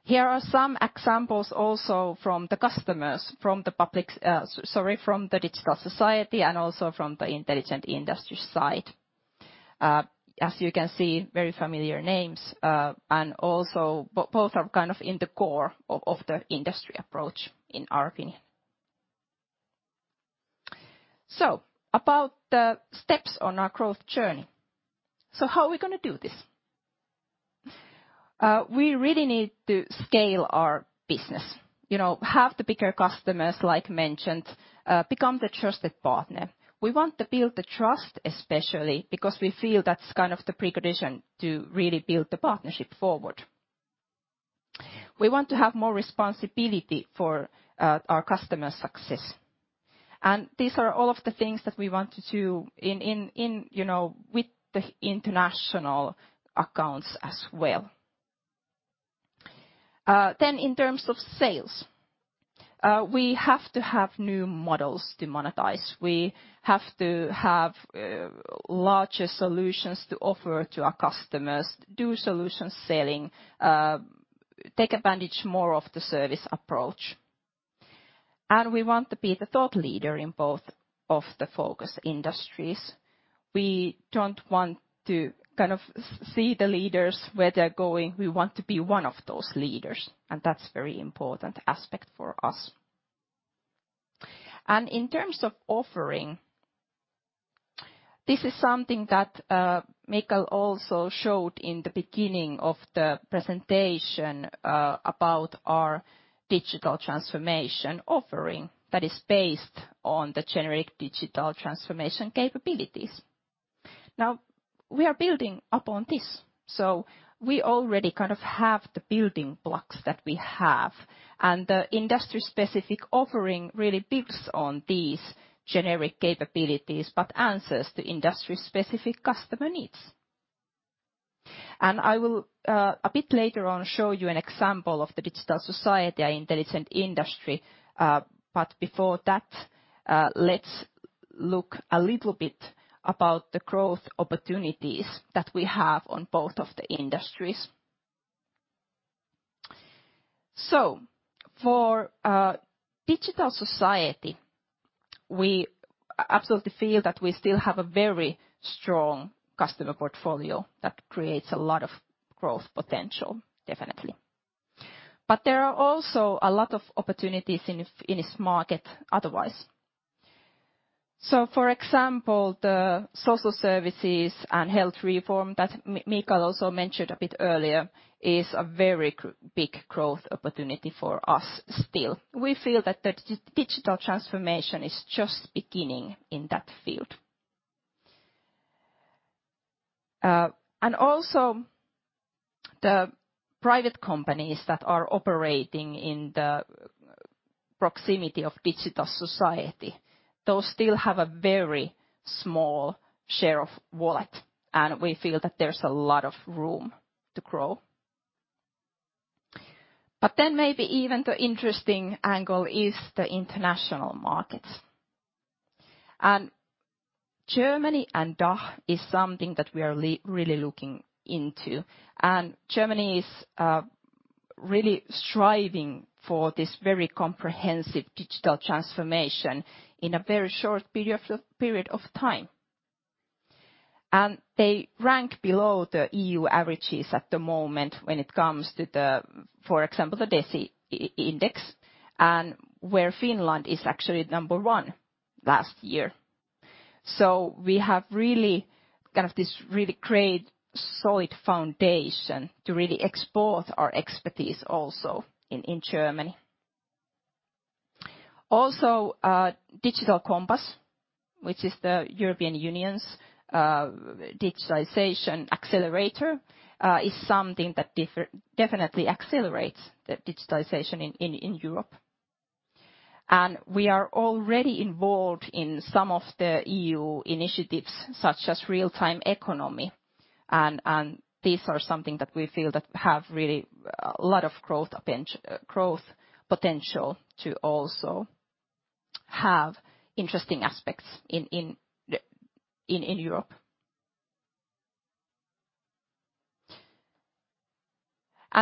Here are some examples also from the customers, from the public, sorry, from the Digital Society and also from the Intelligent Industry side. As you can see, very familiar names, and also both are kind of in the core of the industry approach, in our opinion. About the steps on our growth journey. How are we gonna do this? We really need to scale our business, you know, have the bigger customers, like mentioned, become the trusted partner. We want to build the trust especially because we feel that's kind of the precondition to really build the partnership forward. We want to have more responsibility for our customer success. These are all of the things that we want to do in, in, you know, with the international accounts as well. In terms of sales, we have to have new models to monetize. We have to have larger solutions to offer to our customers, do solution selling, take advantage more of the service approach. We want to be the thought leader in both of the focus industries. We don't want to kind of see the leaders where they're going. We want to be one of those leaders, that's very important aspect for us. In terms of offering, this is something that Mikael also showed in the beginning of the presentation, about our digital transformation offering that is based on the generic digital transformation capabilities. We are building upon this, so we already kind of have the building blocks that we have, and the industry-specific offering really builds on these generic capabilities, but answers the industry-specific customer needs. I will, a bit later on show you an example of the Digital Society, Intelligent Industry. Before that, let's look a little bit about the growth opportunities that we have on both of the industries. For Digital Society, we absolutely feel that we still have a very strong customer portfolio that creates a lot of growth potential, definitely. There are also a lot of opportunities in this market, otherwise. For example, the social services and health reform that Mikael also mentioned a bit earlier is a very big growth opportunity for us still. We feel that the digital transformation is just beginning in that field. And also the private companies that are operating in the proximity of Digital Society, those still have a very small share of wallet, and we feel that there's a lot of room to grow. Maybe even the interesting angle is the international markets. Germany and DACH is something that we are really looking into, and Germany is really striving for this very comprehensive digital transformation in a very short period of time. They rank below the EU averages at the moment when it comes to the, for example, the DESI index, and where Finland is actually number one last year. We have really kind of this really great, solid foundation to really export our expertise also in Germany. Digital Compass, which is the European Union's digitalization accelerator, is something that definitely accelerates the digitalization in Europe. We are already involved in some of the EU initiatives, such as Real-Time Economy. These are something that we feel that have really a lot of growth potential to also have interesting aspects in Europe.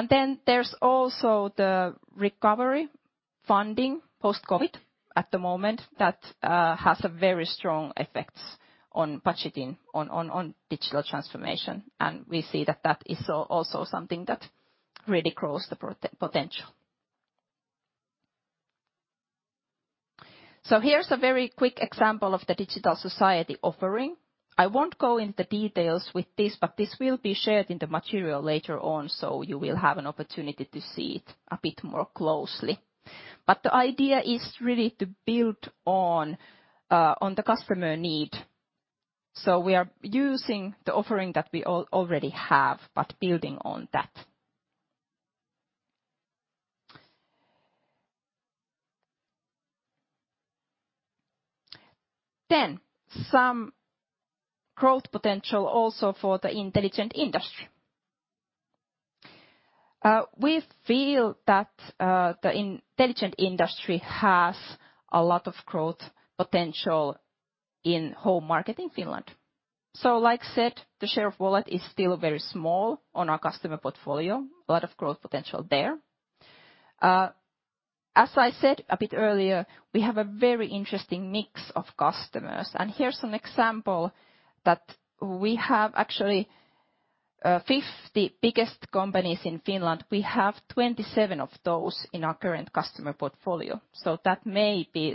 Then there's also the recovery funding post-COVID at the moment that has a very strong effects on budgeting on digital transformation, and we see that that is also something that really grows the potential. Here's a very quick example of the Digital Society offering. I won't go into details with this, but this will be shared in the material later on, so you will have an opportunity to see it a bit more closely. The idea is really to build on the customer need. We are using the offering that we already have, but building on that. Some growth potential also for the Intelligent Industry. We feel that the Intelligent Industry has a lot of growth potential in home market in Finland. Like said, the share of wallet is still very small on our customer portfolio, a lot of growth potential there. As I said a bit earlier, we have a very interesting mix of customers, and here's an example that we have actually, 50 biggest companies in Finland, we have 27 of those in our current customer portfolio. That may be,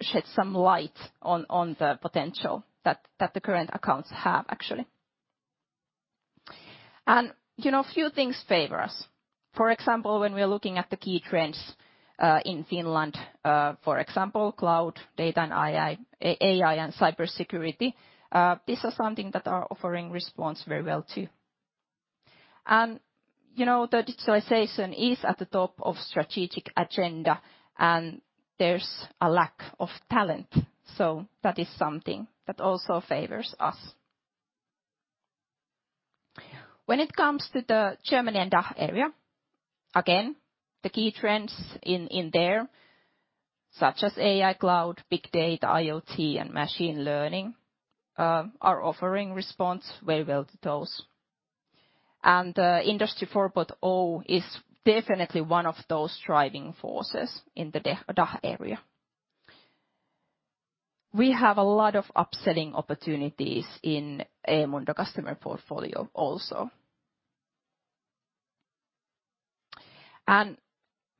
shed some light on the potential that the current accounts have actually. You know, a few things favor us. For example, when we're looking at the key trends in Finland, for example, cloud, data, and AI and cybersecurity, this is something that our offering responds very well to. You know, the digitalization is at the top of strategic agenda, and there's a lack of talent. That is something that also favors us. When it comes to the Germany and DACH area, again, the key trends in there, such as AI, cloud, big data, IoT, and machine learning, our offering responds very well to those. Industry 4.0 is definitely one of those driving forces in the DACH area. We have a lot of upselling opportunities in eMundo customer portfolio also.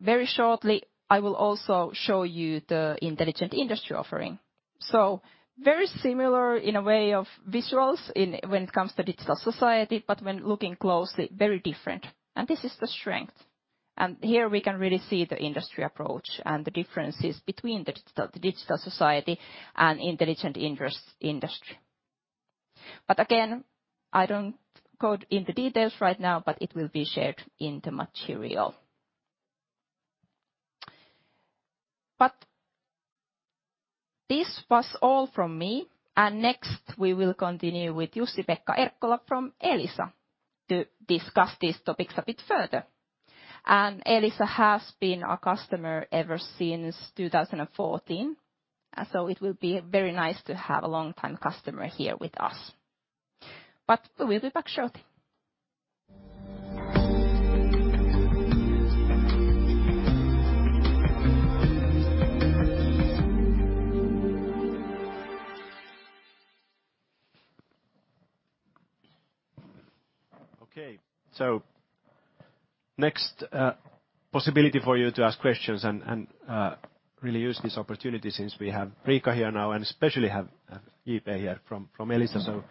Very shortly, I will also show you the Intelligent Industry offering. Very similar in a way of visuals in when it comes to Digital Society, but when looking closely, very different, and this is the strength. Here we can really see the industry approach and the differences between the Digital Society and Intelligent Industry. Again, I don't go in the details right now, but it will be shared in the material. This was all from me. Next, we will continue with Jussi-Pekka Erkkola from Elisa to discuss these topics a bit further. Elisa has been our customer ever since 2014, so it will be very nice to have a long-time customer here with us. We'll be back shortly. Okay. Next, possibility for you to ask questions and, really use this opportunity since we have Riikka here now, and especially have JP here from Elisa,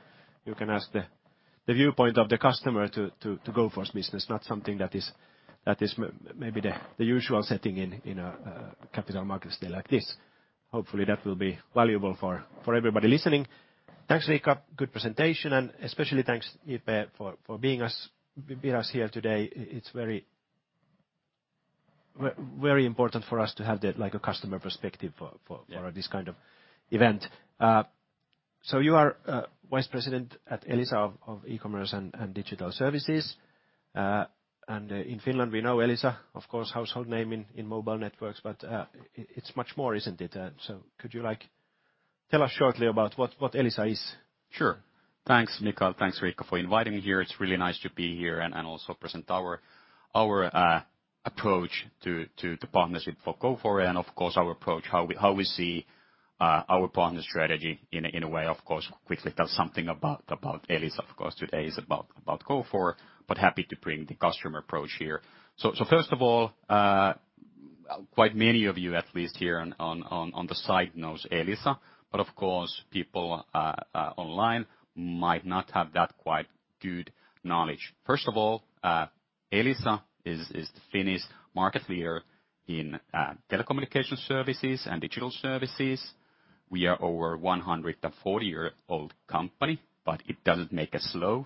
you can ask the viewpoint of the customer to Gofore this business, not something that is, maybe the usual setting in a capital market stay like this. Hopefully that will be valuable for everybody listening. Thanks, Riikka. Good presentation, and especially thanks, JP, for being us here today. It's very important for us to have the, like, a customer perspective for. Yeah. for this kind of event. You are, Vice President at Elisa of e-commerce and digital services. In Finland, we know Elisa, of course, household name in mobile networks, but it's much more, isn't it? Could you, like, tell us shortly about what Elisa is? Sure. Thanks, Mikael. Thanks, Riikka, for inviting me here. It's really nice to be here and also present our approach to partnership for Gofore, and of course our approach, how we see our partner strategy in a way, of course, quickly tell something about Elisa, of course. Today is about Gofore. Happy to bring the customer approach here. First of all, quite many of you, at least here on the site knows Elisa. Of course, people online might not have that quite good knowledge. First of all, Elisa is the Finnish market leader in telecommunication services and digital services. We are over 104-year-old company. It doesn't make us slow.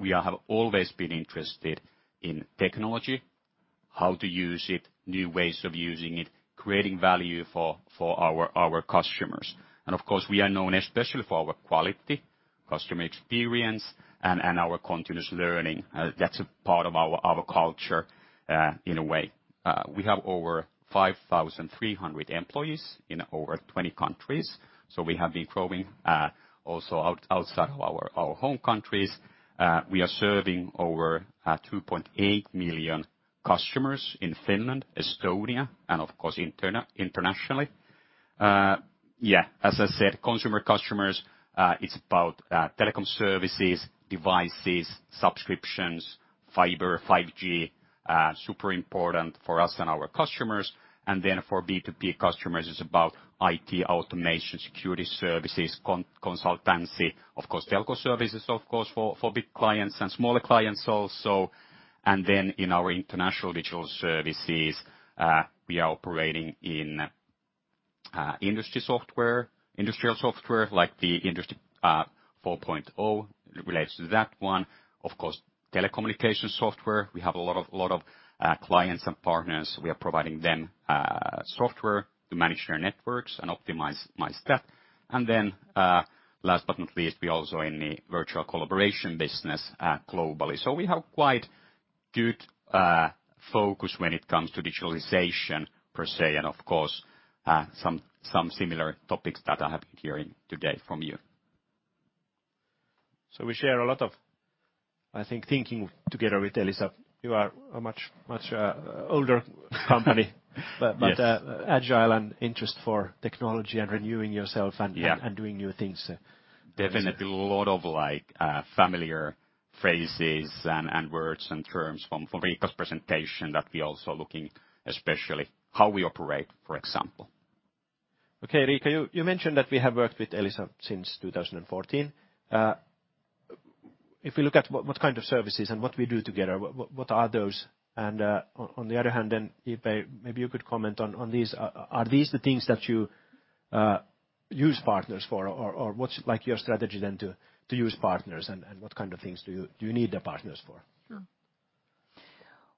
We have always been interested in technology, how to use it, new ways of using it, creating value for our customers. Of course, we are known especially for our quality, customer experience, and our continuous learning. That's a part of our culture in a way. We have over 5,300 employees in over 20 countries. We have been growing also outside of our home countries. We are serving over 2.8 million customers in Finland, Estonia, and of course, internationally. Yeah, as I said, consumer customers, it's about telecom services, devices, subscriptions, fiber, 5G, super important for us and our customers. Then for B2B customers, it's about IT, automation, security services, consultancy, of course, telco services, of course, for big clients and smaller clients also. In our international digital services, we are operating in industrial software, like the Industry 4.0 relates to that one. Of course, telecommunication software. We have a lot of clients and partners. We are providing them software to manage their networks and optimize my staff. Last but not least, we're also in the virtual collaboration business globally. We have quite good focus when it comes to digitalization per se, and of course, some similar topics that I have been hearing today from you. We share a lot of, I think, thinking together with Elisa. You are a much older company Yes. agile and interest for technology and renewing yourself... Yeah. doing new things. Definitely a lot of, like, familiar phrases and words and terms from Riikka's presentation that we're also looking, especially how we operate, for example. Okay, Riikka, you mentioned that we have worked with Elisa since 2014. If we look at what kind of services and what we do together, what are those? On the other hand, then, JP, maybe you could comment on these. Are these the things that you use partners for? Or what's, like, your strategy then to use partners? What kind of things do you need the partners for?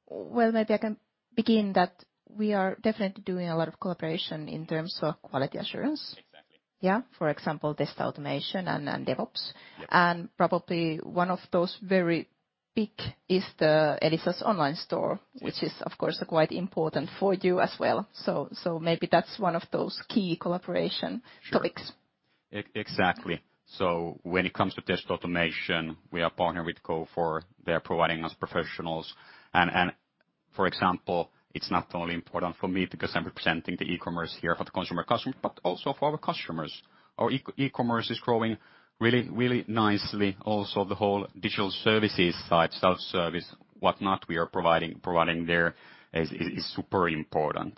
Well, maybe I can begin that we are definitely doing a lot of collaboration in terms of quality assurance. Exactly. Yeah. For example, test automation and DevOps. Yeah. Probably one of those very big is the Elisa's online store. Yes. which is, of course, quite important for you as well. Maybe that's one of those key collaboration topics. Sure. Exactly. When it comes to test automation, we are partnering with Gofore. They're providing us professionals. And for example, it's not only important for me because I'm representing the e-commerce here for the consumer customer, but also for our customers. Our e-commerce is growing really nicely. The whole digital services side, self-service, whatnot we are providing there is super important.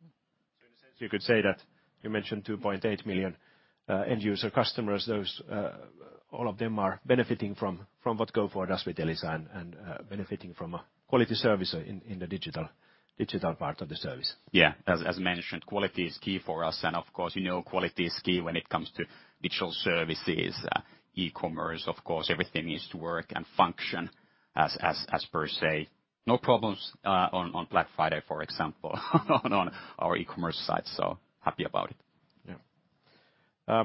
In a sense, you could say that you mentioned 2.8 million end user customers, those, all of them are benefiting from what Gofore does with Elisa and, benefiting from a quality service in the digital part of the service. Yeah. As mentioned, quality is key for us. Of course, you know, quality is key when it comes to digital services, e-commerce, of course, everything needs to work and function as per se. No problems on Black Friday, for example, on our e-commerce side. Happy about it. Yeah.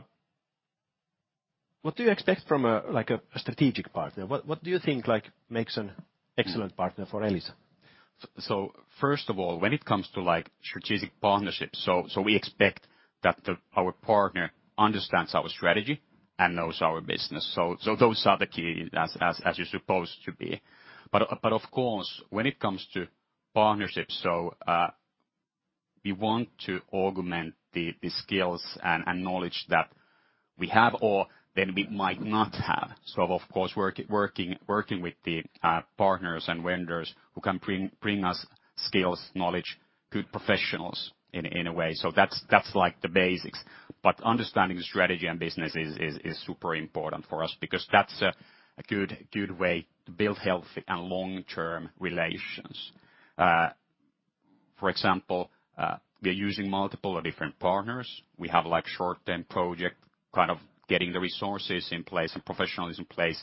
What do you expect from a, like, a strategic partner? What do you think, like, makes an excellent partner for Elisa? First of all, when it comes to, like, strategic partnerships, so we expect that the, our partner understands our strategy and knows our business. Those are the key as you're supposed to be. Of course, when it comes to partnerships, so we want to augment the skills and knowledge that we have or that we might not have. Of course, working with the partners and vendors who can bring us skills, knowledge, good professionals in a, in a way. That's like the basics. Understanding strategy and business is super important for us because that's a good way to build healthy and long-term relations. For example, we are using multiple different partners. We have like short-term project, kind of getting the resources in place and professionals in place.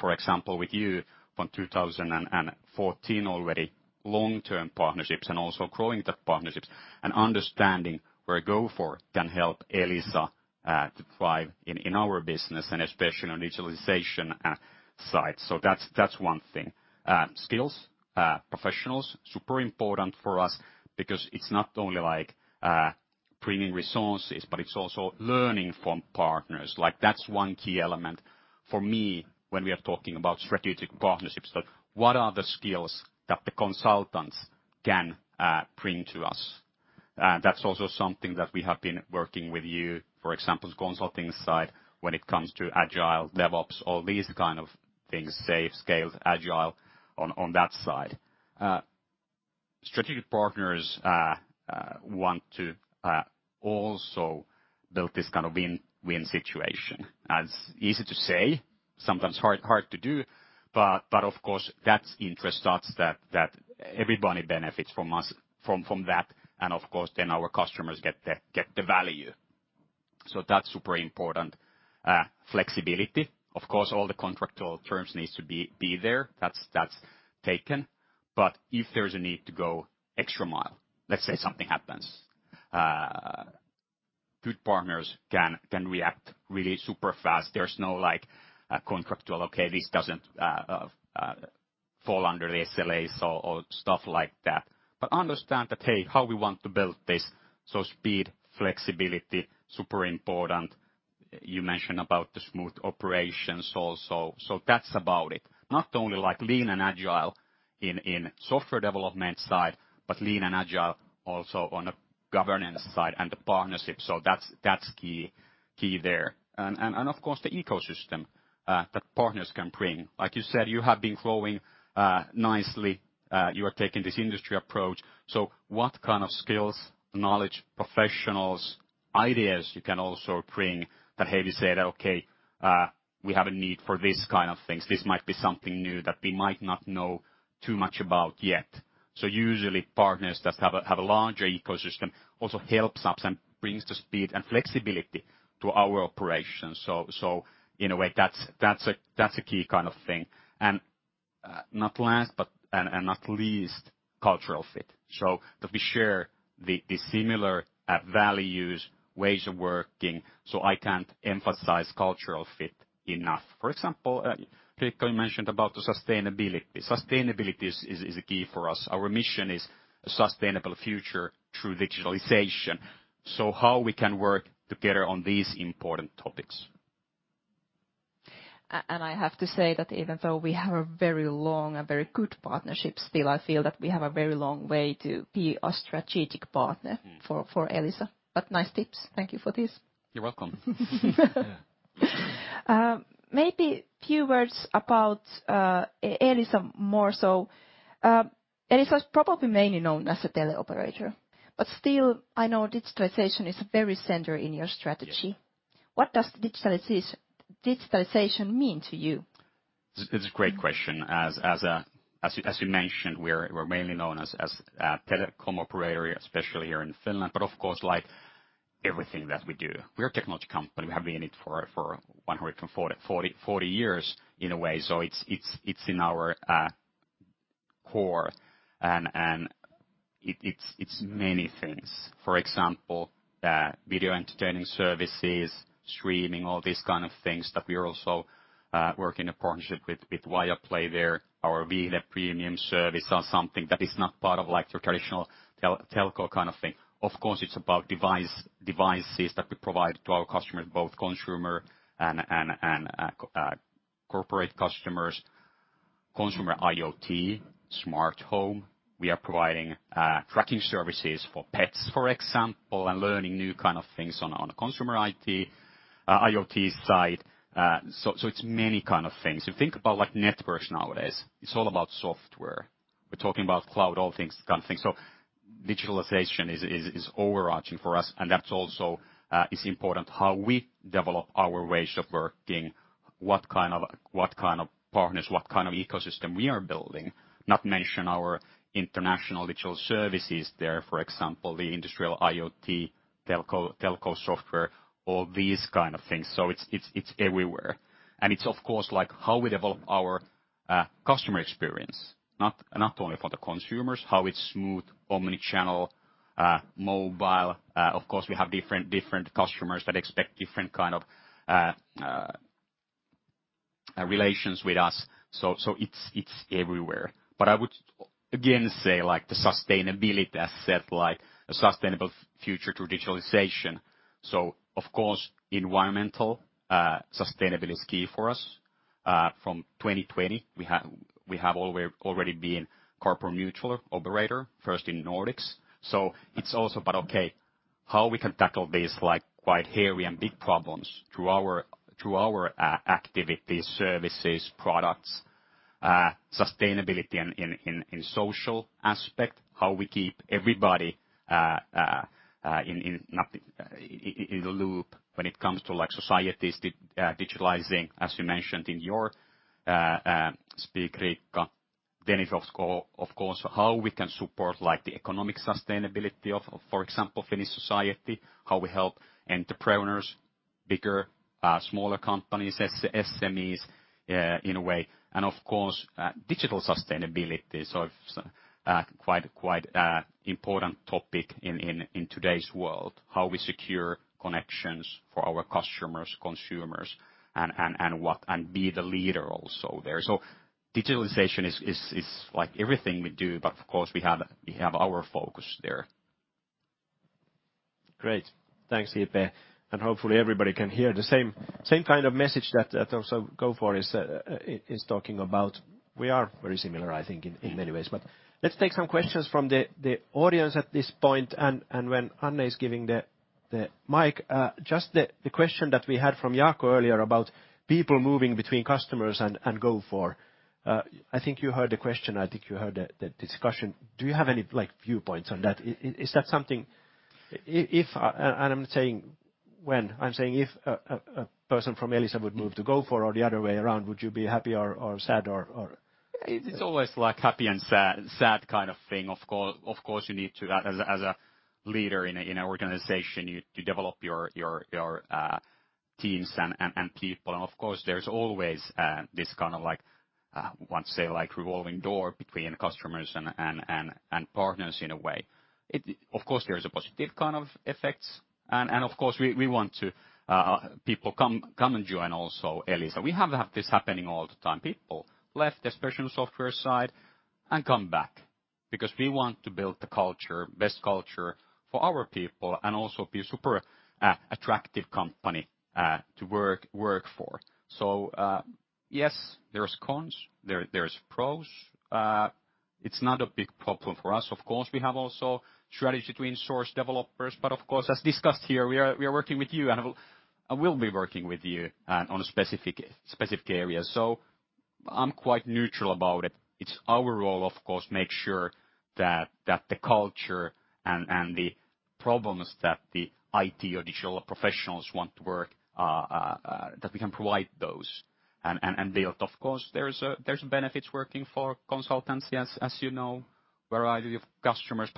For example, with you from 2014 already, long-term partnerships and also growing the partnerships and understanding where Gofore can help Elisa to thrive in our business and especially on digitalization side. That's, that's one thing. Skills, professionals, super important for us because it's not only like bringing resources, but it's also learning from partners. Like, that's one key element for me when we are talking about strategic partnerships. Like, what are the skills that the consultants can bring to us? That's also something that we have been working with you, for example, consulting side when it comes to Agile, DevOps, all these kind of things. Say Scaled Agile on that side. Strategic partners want to also build this kind of win-win situation. That's easy to say, sometimes hard to do, but of course, that's interest us that everybody benefits from us, from that and of course, then our customers get the value. That's super important. Flexibility. Of course, all the contractual terms needs to be there. That's taken. If there's a need to go extra mile. Let's say something happens, good partners can react really super fast. There's no, like, contractual, okay, this doesn't fall under the SLAs or stuff like that. Understand that, hey, how we want to build this? Speed, flexibility, super important. You mentioned about the smooth operations also. That's about it. Not only like lean and agile in software development side, but lean and agile also on a governance side and the partnership. That's key there. Of course, the ecosystem that partners can bring. Like you said, you have been growing nicely. You are taking this industry approach. What kind of skills, knowledge, professionals, ideas you can also bring that, hey, we said, okay, we have a need for this kind of things. This might be something new that we might not know too much about yet. Usually partners that have a larger ecosystem also helps us and brings the speed and flexibility to our operations. In a way, that's a key kind of thing. Not last but not least, cultural fit. That we share the similar values, ways of working, so I can't emphasize cultural fit enough. For example, Riikka, you mentioned about the sustainability. Sustainability is a key for us. Our mission is a sustainable future through digitalization. How we can work together on these important topics. I have to say that even though we have a very long and very good partnership, still, I feel that we have a very long way to be a strategic partner. Mm. For Elisa. Nice tips. Thank you for this. You're welcome. maybe few words about Elisa more so. Elisa is probably mainly known as a tele operator, still, I know digitalization is very center in your strategy. What does digitalization mean to you? It's a great question. As you mentioned, we're mainly known as a telecom operator, especially here in Finland. Of course, like everything that we do, we're a technology company. We have been in it for 140 years in a way. It's in our core and it's many things. For example, video entertaining services, streaming, all these kind of things that we are also working a partnership with Viaplay there. Our Vile Premium service are something that is not part of like your traditional telco kind of thing. Of course, it's about devices that we provide to our customers, both consumer and corporate customers, consumer IoT, smart home. We are providing tracking services for pets, for example, and learning new kind of things on a consumer IT, IoT side. It's many kind of things. You think about like networks nowadays, it's all about software. We're talking about cloud, all things, kind of things. Digitalization is overarching for us, and that's also important how we develop our ways of working, what kind of partners, what kind of ecosystem we are building. Not mention our international digital services there, for example, the industrial IoT, telco software, all these kind of things. It's everywhere. It's of course like how we develop our customer experience, not only for the consumers, how it's smooth omni-channel, mobile. Of course, we have different customers that expect different kind of relations with us. It's everywhere. I would again say like the sustainability as set, like a sustainable future to digitalization. Of course, environmental sustainability is key for us. From 2020 we have already been carbon neutral operator first in Nordics. It's also about, okay, how we can tackle these like quite hairy and big problems through our activities, services, products. Sustainability in social aspect, how we keep everybody in the loop when it comes to like societies digitalizing, as you mentioned in your speak, Riikka. Of course, how we can support like the economic sustainability of, for example, Finnish society, how we help entrepreneurs, bigger, smaller companies, SMEs in a way, of course, digital sustainability. Quite a important topic in today's world, how we secure connections for our customers, consumers and be the leader also there. Digitalization is like everything we do, of course we have our focus there. Great. Thanks, JP. Hopefully everybody can hear the same kind of message that also Gofore is talking about. We are very similar, I think in many ways. Let's take some questions from the audience at this point. When Anne is giving the mic, just the question that we had from Jaakko earlier about people moving between customers and Gofore, I think you heard the question, I think you heard the discussion. Do you have any like viewpoints on that? Is that something if, and I'm not saying when, I'm saying if a person from Elisa would move to Gofore or the other way around, would you be happy or sad or? It's always like happy and sad kind of thing. Of course, you need to as a leader in a organization you develop your teams and people. Of course, there's always this kind of like want to say like revolving door between customers and partners in a way. Of course, there is a positive kind of effects. Of course, we want to people come and join also Elisa. We have this happening all the time. People left, especially on software side, and come back because we want to build the culture, best culture for our people and also be super attractive company to work for. Yes, there's cons, there's pros. It's not a big problem for us. We have also strategy to insource developers, but as discussed here, we are working with you, and we'll be working with you on a specific area. I'm quite neutral about it. It's our role, of course, make sure that the culture and the problems that the IT or digital professionals want to work, that we can provide those and build. There's benefits working for consultancies, as you know, variety of customers.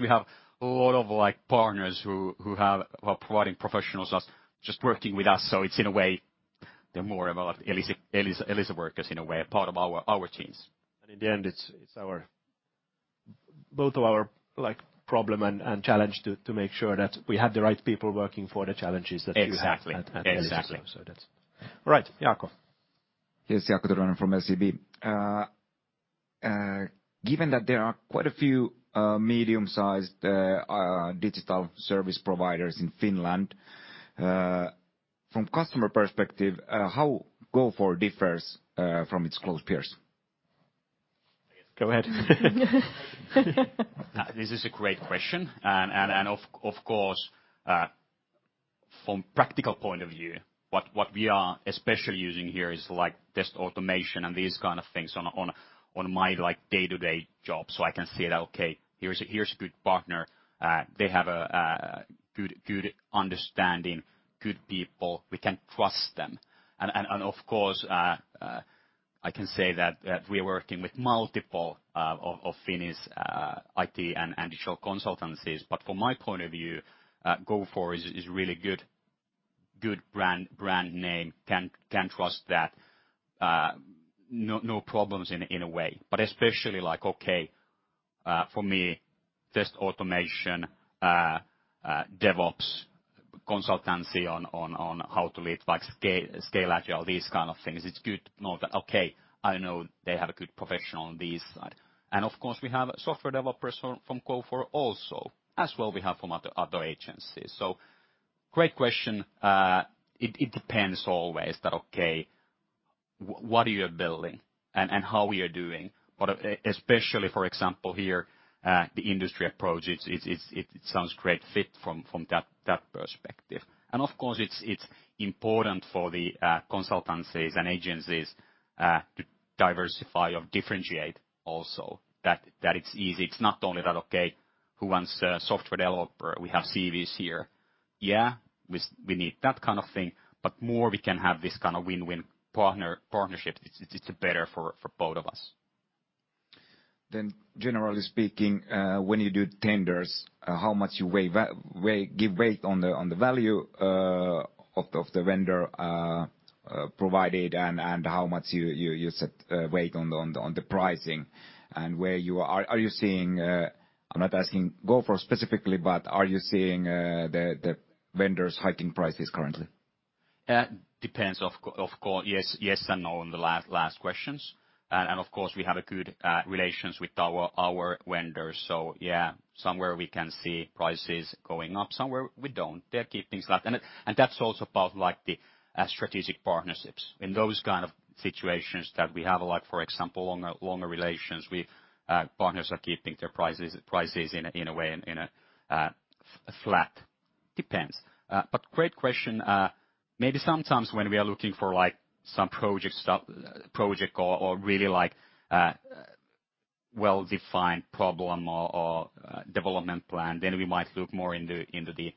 We have a lot of like partners who are providing professionals just working with us. It's in a way, they're more of a Elisa workers in a way, part of our teams. In the end, it's both of our like problem and challenge to make sure that we have the right people working for the challenges that you have. Exactly. At Elisa. Exactly. That's. All right, Jaako. nen from SEB. Given that there are quite a few medium-sized digital service providers in Finland, from a customer perspective, how Gofore differs from its close peers? Go ahead. This is a great question. Of course, from practical point of view, what we are especially using here is like test automation and these kind of things on my like day-to-day job, so I can see that, okay, here's a good partner. They have a good understanding, good people. We can trust them. Of course, I can say that we are working with multiple of Finnish IT and digital consultancies. From my point of view, Gofore is really good brand name, can trust that. No problems in a way, but especially like, okay, for me, test automation, DevOps consultancy on how to lead like scale Agile, these kind of things. It's good to know that, okay, I know they have a good professional on this side. Of course, we have software developers from Gofore also, as well we have from other agencies. Great question. It depends always that, okay, what are you building and how we are doing. Especially, for example, here, the industry approach, it sounds great fit from that perspective. Of course, it's important for the consultancies and agencies to diversify or differentiate also that it's easy. It's not only that, okay, who wants a software developer? We have CVs here. Yeah, we need that kind of thing, but more we can have this kind of win-win partnership. It's better for both of us. Generally speaking, when you do tenders, how much you give weight on the value of the vendor provided and how much you set weight on the pricing and where you are? I'm not asking Gofore specifically, but are you seeing the vendors hiking prices currently? Depends of course. Yes and no on the last questions. Of course, we have a good relations with our vendors. Yeah, somewhere we can see prices going up. Somewhere we don't. They're keeping flat. That's also about, like, the strategic partnerships. In those kind of situations that we have a lot, for example, longer relations, we partners are keeping their prices in a way, in a flat. Depends. Great question. Maybe sometimes when we are looking for, like, some project or really, like, well-defined problem or development plan, then we might look more into the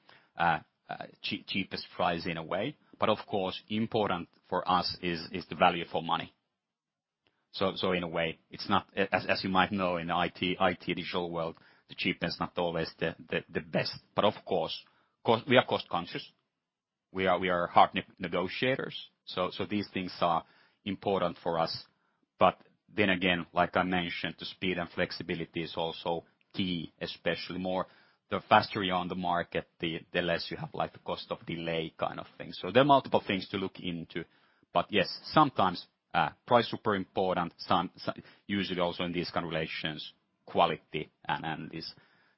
cheapest price in a way. Of course, important for us is the value for money. In a way, it's not as you might know, in the IT digital world, the cheapest is not always the best. Of course, we are cost conscious. We are hard negotiators. These things are important for us. Like I mentioned, the speed and flexibility is also key, especially more. The faster you're on the market, the less you have, like, the cost of delay kind of thing. There are multiple things to look into. Yes, sometimes, price super important. Usually also in these kinds of relations, quality and this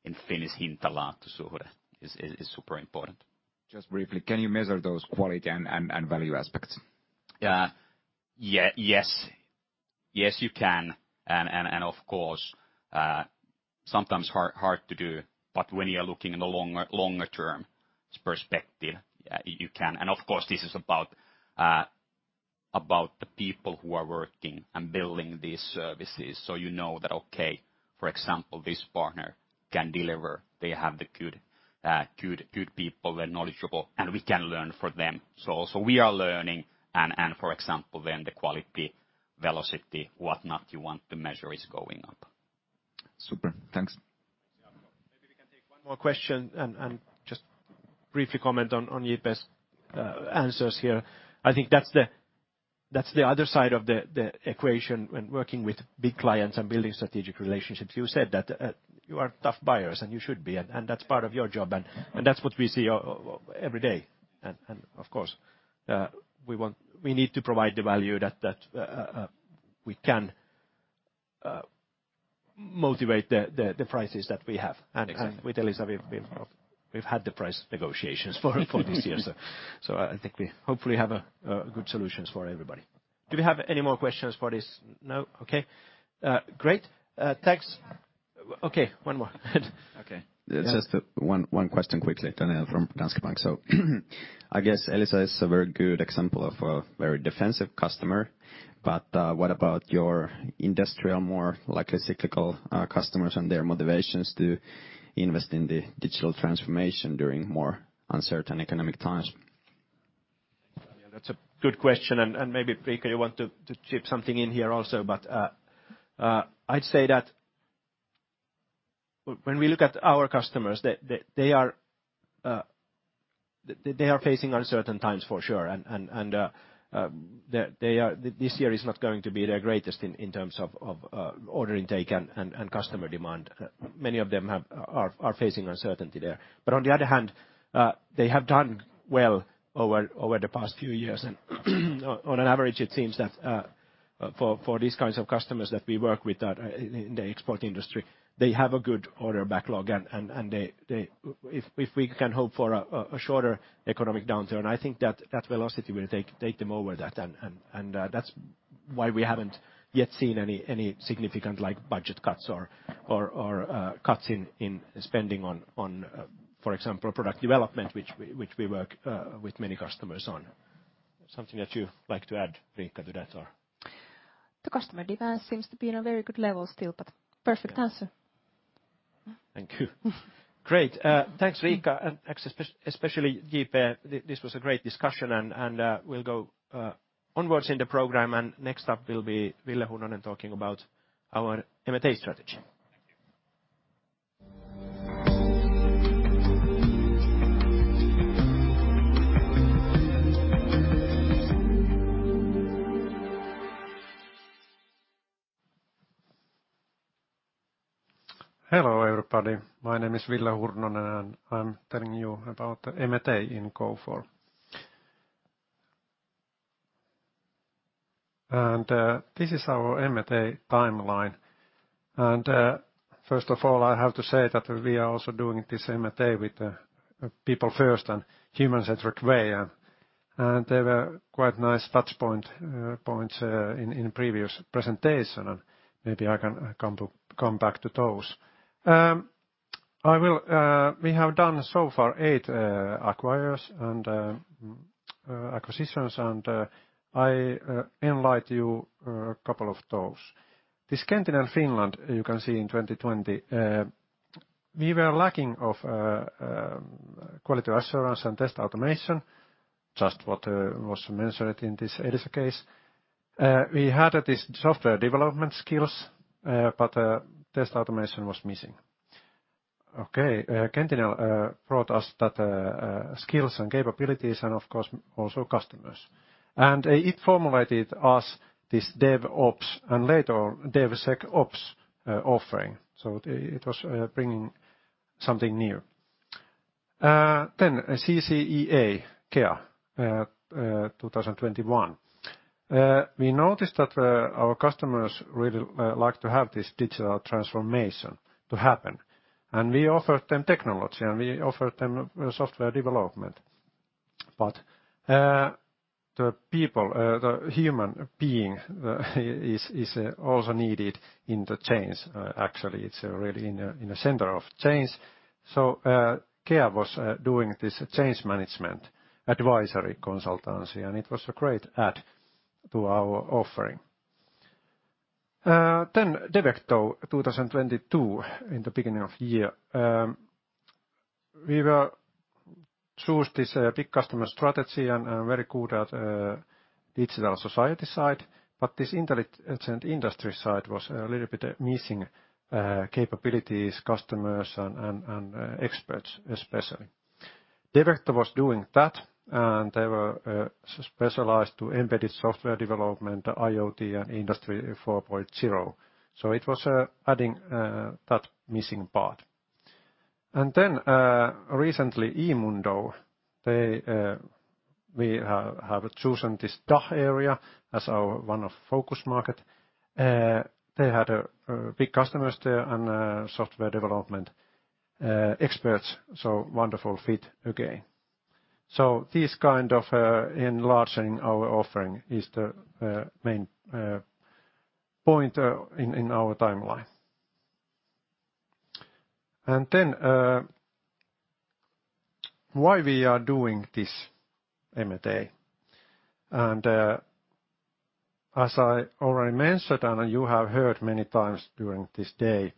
in Finnish hinta-laatusuhde is super important. Just briefly, can you measure those quality and value aspects? Yeah. Yes. Yes, you can. Of course, sometimes hard to do. When you are looking in the longer term perspective, you can. Of course, this is about the people who are working and building these services. You know that, okay, for example, this partner can deliver. They have the good people. They're knowledgeable, and we can learn from them. Also we are learning for example, the quality, velocity, whatnot you want to measure is going up. Super. Thanks. Maybe we can take one more question and just briefly comment on JP's answers here. I think that's the other side of the equation when working with big clients and building strategic relationships. You said that you are tough buyers, and you should be, and that's part of your job. Mm-hmm. That's what we see every day. Of course, we need to provide the value that we can motivate the prices that we have. Exactly. With Elisa, we've had the price negotiations for these years. I think we hopefully have good solutions for everybody. Do we have any more questions for this? No? Okay. Great. Thanks. Okay, one more. Okay. Just one question quickly. Daniel from Danske Bank. I guess Elisa is a very good example of a very defensive customer. What about your industrial, more likely cyclical, customers and their motivations to invest in the digital transformation during more uncertain economic times? That's a good question. Maybe Riikka, you want to chip something in here also. I'd say that when we look at our customers, they are facing uncertain times for sure. They are this year is not going to be their greatest in terms of order intake and customer demand. Many of them are facing uncertainty there. On the other hand, they have done well over the past few years. On average, it seems that for these kinds of customers that we work with that in the export industry, they have a good order backlog, and they... If we can hope for a shorter economic downturn, I think that velocity will take them over that. That's why we haven't yet seen any significant, like, budget cuts or cuts in spending on, for example, product development, which we work with many customers on. Something that you'd like to add, Riikka, to that or? The customer demand seems to be in a very good level still, but perfect answer. Thank you. Great. Thanks, Riikka, and especially JP. This was a great discussion. We'll go onwards in the program. Next up will be Ville Hurnonen talking about our M&A strategy. Thank you. Hello, everybody. My name is Ville Hurnonen, and I'm telling you about M&A in Gofore. This is our M&A timeline. First of all, I have to say that we are also doing this M&A with people first and human-centric way. There were quite nice touch points in previous presentation, and maybe I can come back to those. We have done so far eight acquires and acquisitions, and I enlight you a couple of those. This Kenttinen Finland, you can see in 2020, we were lacking of quality assurance and test automation, just what was mentioned in this Elisa case. We had this software development skills, but the test automation was missing. Okay. Centinel brought us that skills and capabilities and, of course, also customers. It formulated us this DevOps and later DevSecOps offering. It was bringing something new. CCEA, KEA, 2021. We noticed that our customers really like to have this digital transformation to happen, and we offered them technology, and we offered them software development. The people, the human being is also needed in the change. Actually it's really in a center of change. KEA was doing this change management advisory consultancy, and it was a great add to our offering. the beginning of year, we will choose this big customer strategy and very good at Digital Society side, but this Intelligent Industry side was a little bit missing capabilities, customers and experts, especially. Devecto was doing that, and they were specialized to embedded software development, IoT and Industry 4.0. It was adding that missing part. Recently, eMundo, we have chosen this DACH area as our one of focus market. They had big customers there and software development experts, so wonderful fit again. This kind of enlarging our offering is the main point in our timeline. Why we are doing this M&A. As I already mentioned, and you have heard many times during this day,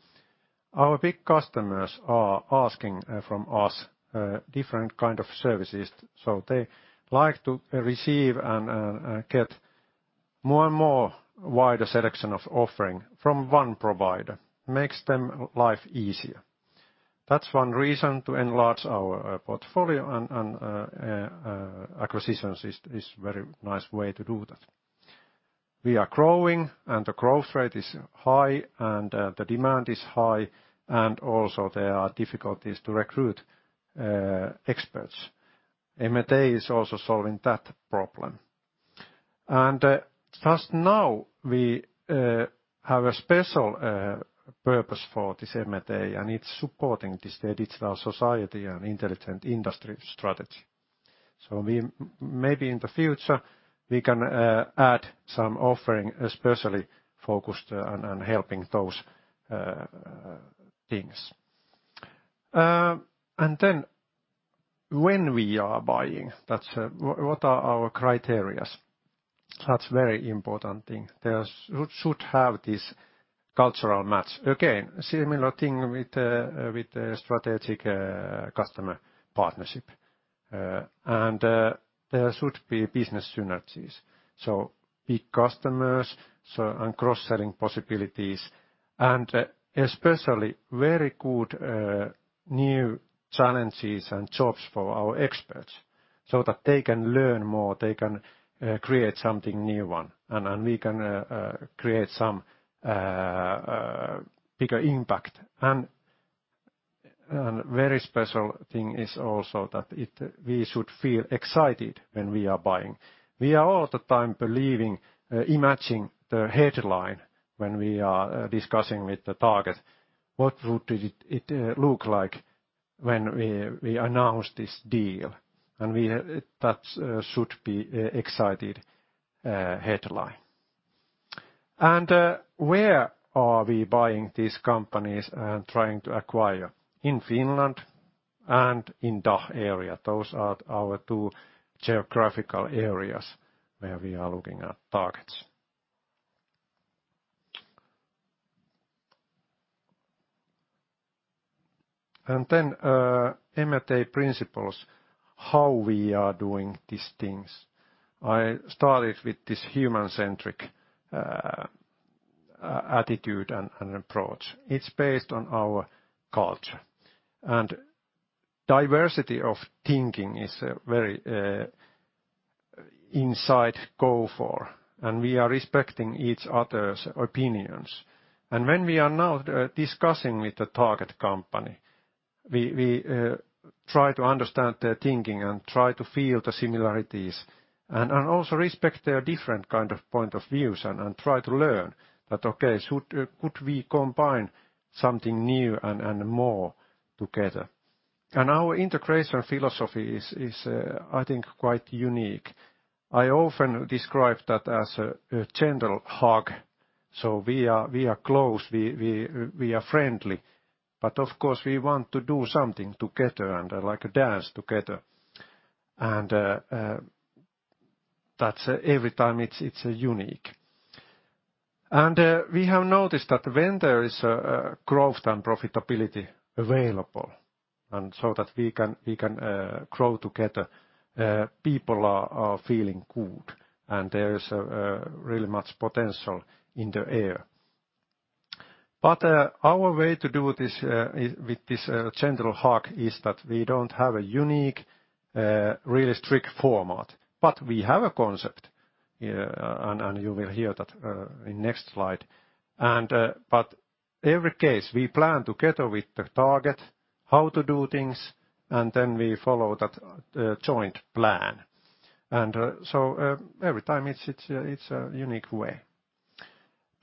our big customers are asking from us different kind of services. They like to receive and get more and more wider selection of offering from one provider. Makes them life easier. That's one reason to enlarge our portfolio and acquisitions is very nice way to do that. We are growing, and the growth rate is high, and the demand is high, and also there are difficulties to recruit experts. M&A is also solving that problem. Just now we have a special purpose for this M&A, and it's supporting this Digital Society and Intelligent Industry strategy. We maybe in the future, we can add some offering especially focused and helping those things. Then when we are buying, what are our criteria? That's very important thing. There should have this cultural match. Again, similar thing with the, with the strategic customer partnership. There should be business synergies, so big customers, and cross-selling possibilities, and especially very good new challenges and jobs for our experts, so that they can learn more, they can create something new one, and we can create some bigger impact. Very special thing is also that we should feel excited when we are buying. We are all the time believing, imagining the headline when we are discussing with the target. What would it look like when we announce this deal? That should be excited headline. Where are we buying these companies and trying to acquire? In Finland and in DACH area. Those are our two geographical areas where we are looking at targets. Then M&A principles, how we are doing these things. I started with this human-centric attitude and approach. It's based on our culture and diversity of thinking is very inside Gofore, and we are respecting each other's opinions. When we are now discussing with the target company, we try to understand their thinking and try to feel the similarities and also respect their different kind of point of views and try to learn that, okay, could we combine something new and more together? Our integration philosophy is I think, quite unique. I often describe that as a gentle hug, we are close, we are friendly, but of course, we want to do something together and like a dance together. That's every time it's unique. We have noticed that when there is a growth and profitability available so that we can grow together. People are feeling good and there is really much potential in the air. Our way to do this with this general hug is that we don't have a unique really strict format. We have a concept, and you will hear that in next slide. Every case we plan together with the target how to do things, and then we follow that joint plan. Every time it's, it's a unique way.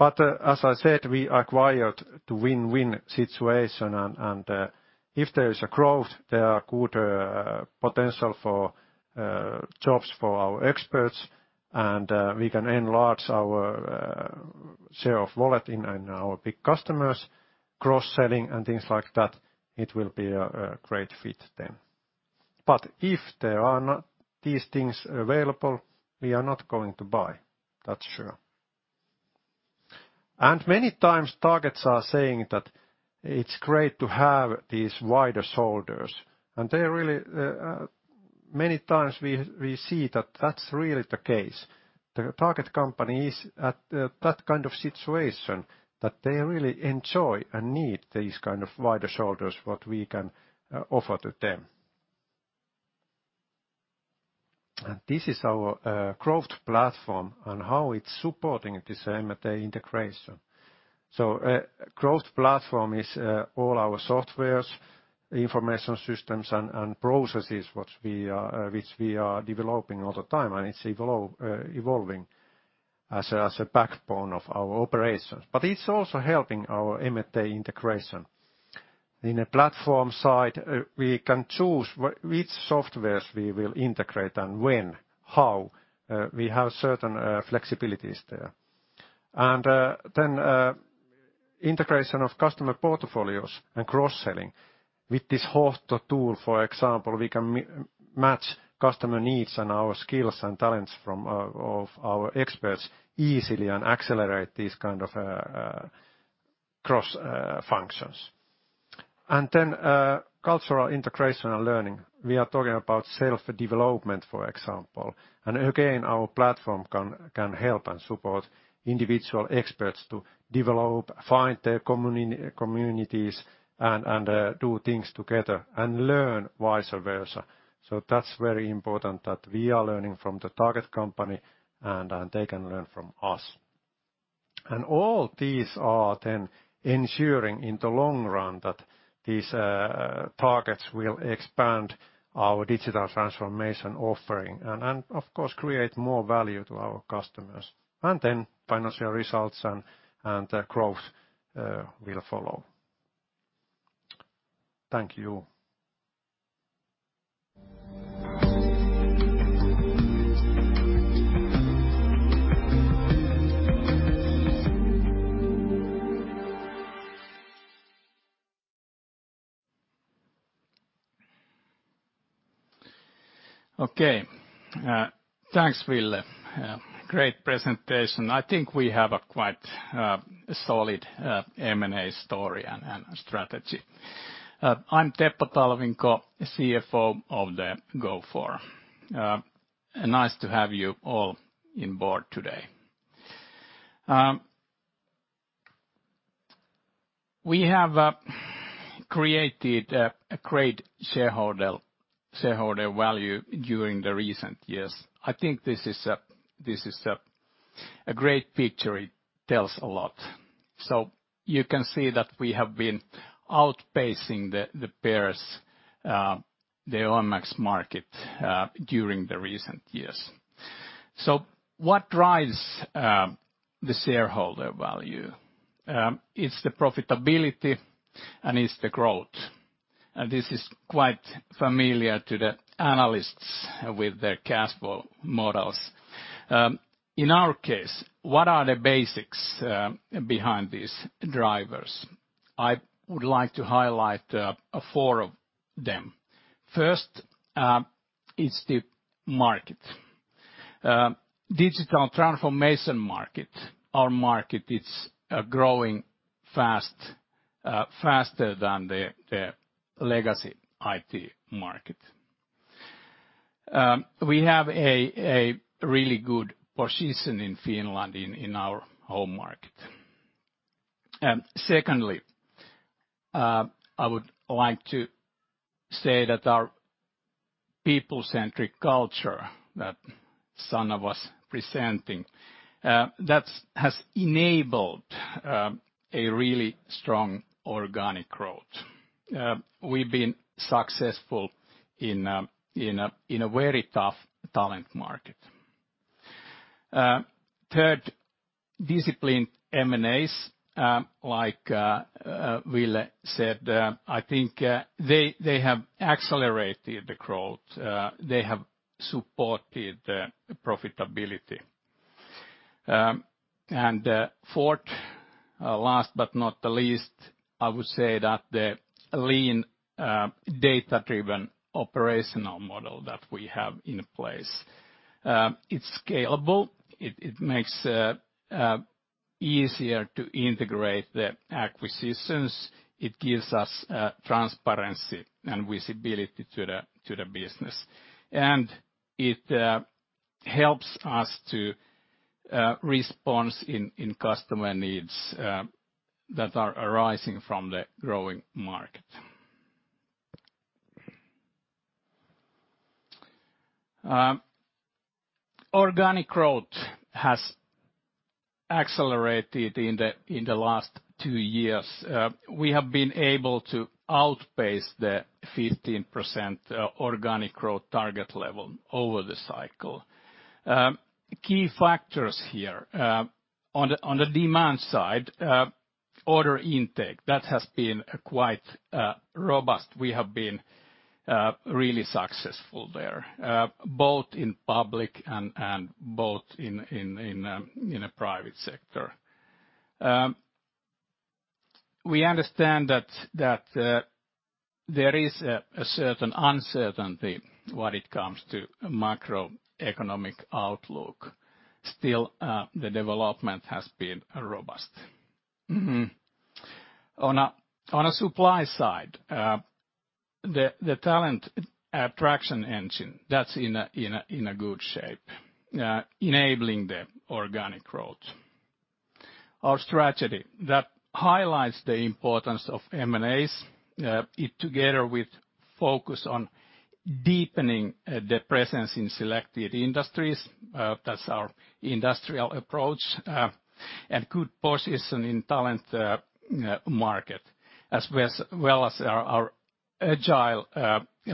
As I said, we acquired to win-win situation and, if there is a growth, there are good potential for jobs for our experts and, we can enlarge our share of wallet in our big customers, cross-selling and things like that. It will be a great fit then. If there are not these things available, we are not going to buy, that's sure. Many times targets are saying that it's great to have these wider shoulders, and they really, many times we see that that's really the case. The target company is at that kind of situation that they really enjoy and need these kind of wider shoulders, what we can offer to them. This is our growth platform and how it's supporting the same day integration. Growth platform is all our softwares, information systems and processes, which we are developing all the time. It's evolving as a backbone of our operations. It's also helping our M&A integration. In a platform side, we can choose which softwares we will integrate and when, how. We have certain flexibilities there. Then, integration of customer portfolios and cross-selling with this Hohto tool, for example, we can match customer needs and our skills and talents from of our experts easily and accelerate these kind of cross functions. Then, cultural integration and learning. We are talking about self-development, for example. Again, our platform can help and support individual experts to develop, find their communities and do things together and learn vice versa. That's very important that we are learning from the target company, and they can learn from us. All these are then ensuring in the long run that these targets will expand our digital transformation offering and of course, create more value to our customers. Financial results and growth will follow. Thank you. Okay. Thanks, Ville. Great presentation. I think we have a quite solid M&A story and strategy. I'm Teppo Talvinko, CFO of the Gofore. Nice to have you all on board today. We have created a great shareholder value during the recent years. I think this is a great picture. It tells a lot. You can see that we have been outpacing the peers, the OMX market during the recent years. What drives the shareholder value? It's the profitability and it's the growth. This is quite familiar to the analysts with their cash flow models. In our case, what are the basics behind these drivers? I would like to highlight 4 of them. First, it's the market. Digital transformation market. Our market it's growing fast, faster than the legacy IT market. We have a really good position in Finland in our home market. Secondly, I would like to say that our people-centric culture that Sanna was presenting, that has enabled a really strong organic growth. We've been successful in a very tough talent market. Third, disciplined M&As, like Ville said, I think they have accelerated the growth. They have supported the profitability. Fourth, last but not the least, I would say that the lean, data-driven operational model that we have in place, it's scalable, it makes easier to integrate the acquisitions. It gives us transparency and visibility to the business. It helps us to respond in customer needs that are arising from the growing market. Organic growth has accelerated in the last two years. We have been able to outpace the 15% organic growth target level over the cycle. Key factors here. On the demand side, order intake, that has been quite robust. We have been really successful there, both in public and both in a private sector. We understand that there is a certain uncertainty when it comes to macroeconomic outlook. Still, the development has been robust. On a supply side, the talent attraction engine, that's in a good shape, enabling the organic growth. Our strategy, that highlights the importance of M&As, together with focus on deepening the presence in selected industries, that's our industrial approach, and good position in talent market, as well as our agile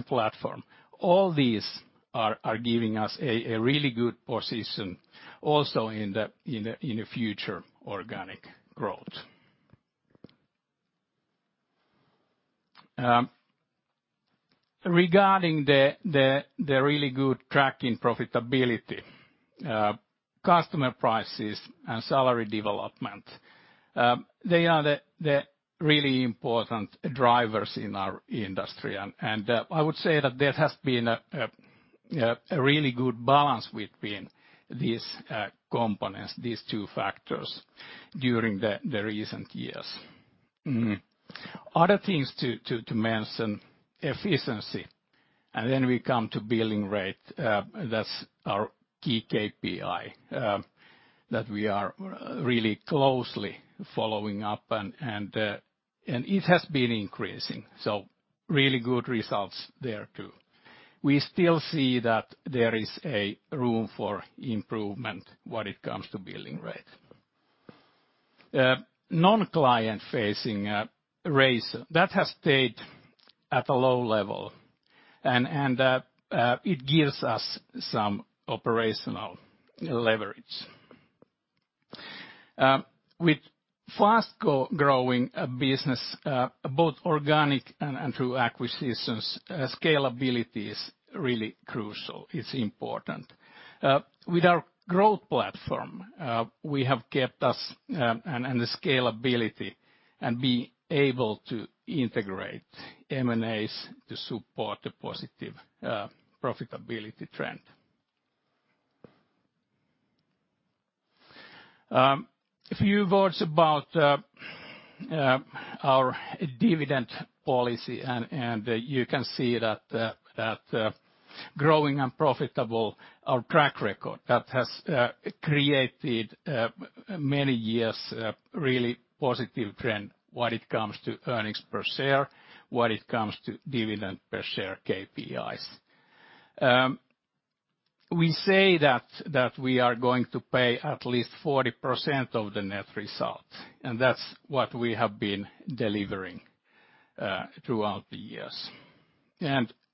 platform. All these are giving us a really good position also in the future organic growth. Regarding the really good track in profitability, customer prices and salary development, they are the really important drivers in our industry. I would say that there has been a really good balance between these components, these two factors during the recent years. Other things to mention, efficiency. We come to billing rate, that's our key KPI, that we are really closely following up and it has been increasing. Really good results there too. We still see that there is a room for improvement when it comes to billing rate. Non-client facing race, that has stayed at a low level and it gives us some operational leverage. With fast-growing business, both organic and through acquisitions, scalability is really crucial. It's important. With our growth platform, we have kept us and the scalability and be able to integrate M&As to support the positive profitability trend. A few words about our dividend policy and you can see that growing and profitable, our track record that has created many years of really positive trend when it comes to earnings per share, when it comes to dividend per share KPIs. We say that we are going to pay at least 40% of the net results. That's what we have been delivering throughout the years.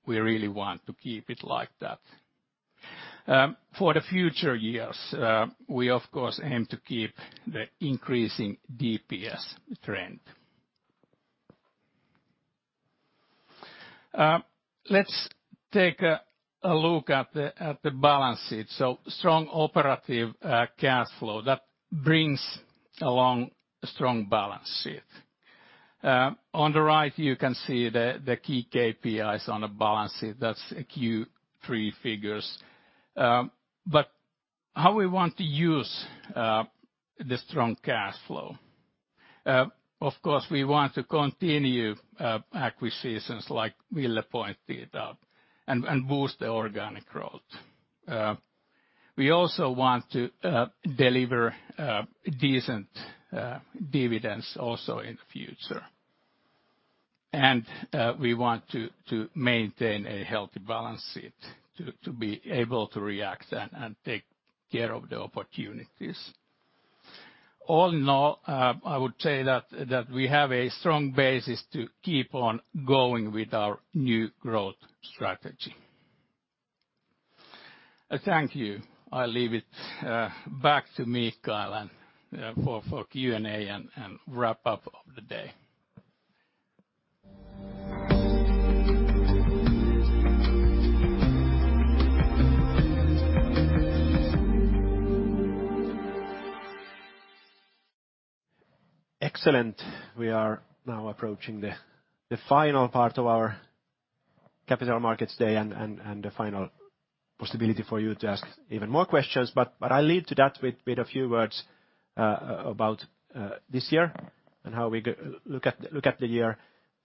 We really want to keep it like that. For the future years, we, of course, aim to keep the increasing DPS trend. Let's take a look at the balance sheet. Strong operative cash flow, that brings along a strong balance sheet. On the right, you can see the key KPIs on the balance sheet. That's the Q3 figures. How we want to use the strong cash flow? Of course, we want to continue acquisitions like Ville pointed out and boost the organic growth. We also want to deliver decent dividends also in the future. We want to maintain a healthy balance sheet to be able to react and take care of the opportunities. All in all, I would say that we have a strong basis to keep on going with our new growth strategy. Thank you. I leave it back to Mikael and for Q&A and wrap up of the day. Excellent. We are now approaching the final part of our capital markets day and the final possibility for you to ask even more questions. I'll lead to that with a few words about this year and how we look at the year.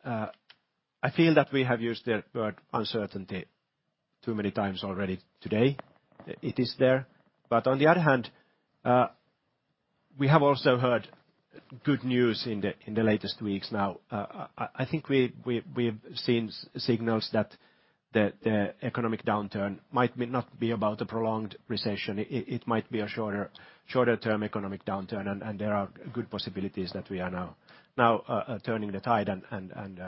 I feel that we have used the word uncertainty too many times already today. It is there. On the other hand, we have also heard good news in the latest weeks now. I think we've seen signals that the economic downturn might not be about a prolonged recession. It might be a shorter-term economic downturn, and there are good possibilities that we are now turning the tide and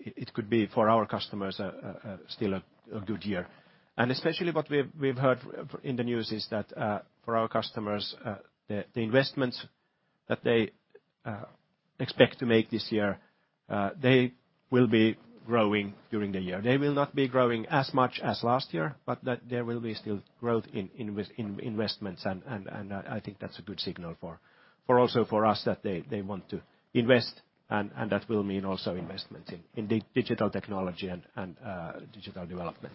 it could be for our customers still a good year. Especially what we've heard in the news is that for our customers the investments that they expect to make this year they will be growing during the year. They will not be growing as much as last year, but that there will be still growth in with in investments. I think that's a good signal for also for us that they want to invest, and that will mean also investment in digital technology and digital development.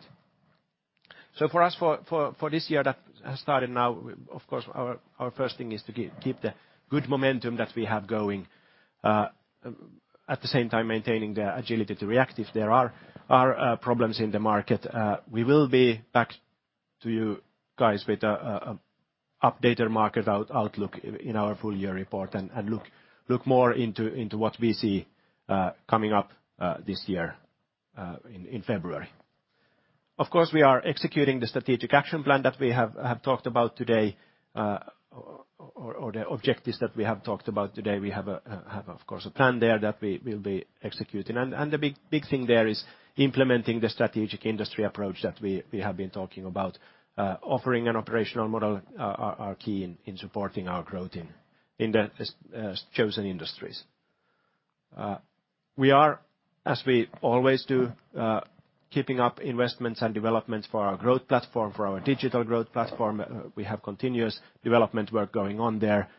For us, for this year that has started now, of course, our first thing is to keep the good momentum that we have going at the same time maintaining the agility to react if there are problems in the market. We will be back to you guys with a updated market out-outlook in our full year report and look more into what we see coming up this year in February. Of course, we are executing the strategic action plan that we have talked about today, or the objectives that we have talked about today. We have, of course, a plan there that we will be executing. The big thing there is implementing the strategic industry approach that we have been talking about, offering an operational model are key in supporting our growth in the chosen industries. We are, as we always do, keeping up investments and developments for our growth platform, for our digital growth platform. We have continuous development work going on there.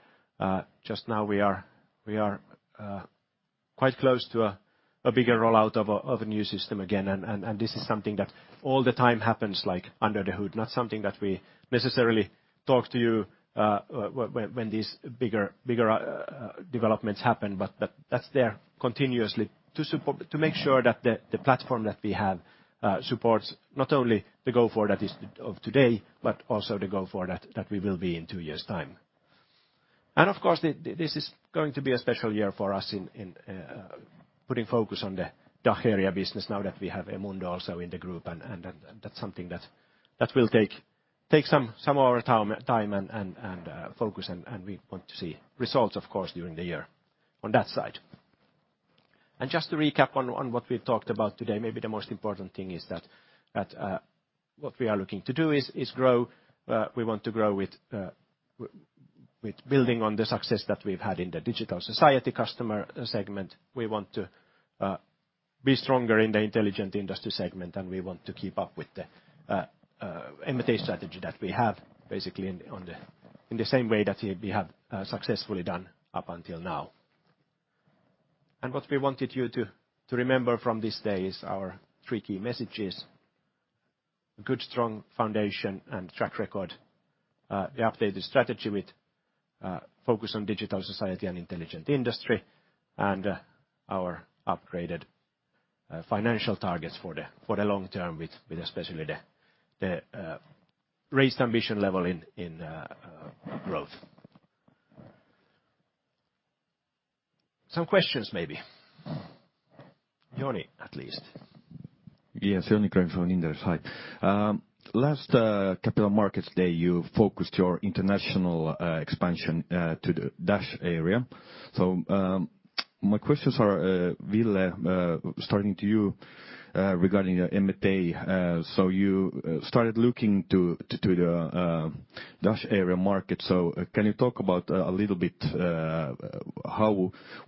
Just now we are quite close to a bigger rollout of a new system again. This is something that all the time happens like under the hood, not something that we necessarily talk to you, when these bigger developments happen, but that's there continuously to make sure that the platform that we have, supports not only the Gofore that is of today, but also the Gofore that we will be in two years' time. Of course, this is going to be a special year for us in putting focus on the DACH area business now that we have eMundo also in the group. That's something that will take some of our time and focus, and we want to see results, of course, during the year on that side. Just to recap on what we've talked about today, maybe the most important thing is that what we are looking to do is grow. We want to grow with building on the success that we've had in the Digital Society customer segment. We want to be stronger in the Intelligent Industry segment, and we want to keep up with the M&A strategy that we have basically in the same way that we have successfully done up until now. What we wanted you to remember from this day is our three key messages, good, strong foundation and track record, the updated strategy with focus on Digital Society and Intelligent Industry, and our upgraded financial targets for the long term with especially the raised ambition level in growth. Some questions maybe. Joni, at least. Yes, Joni Zsukov from Inderes. Hi. last capital markets day, you focused your international expansion to the DACH area. My questions are Ville, starting to you, regarding M&A. You started looking to the DACH area market. Can you talk about a little bit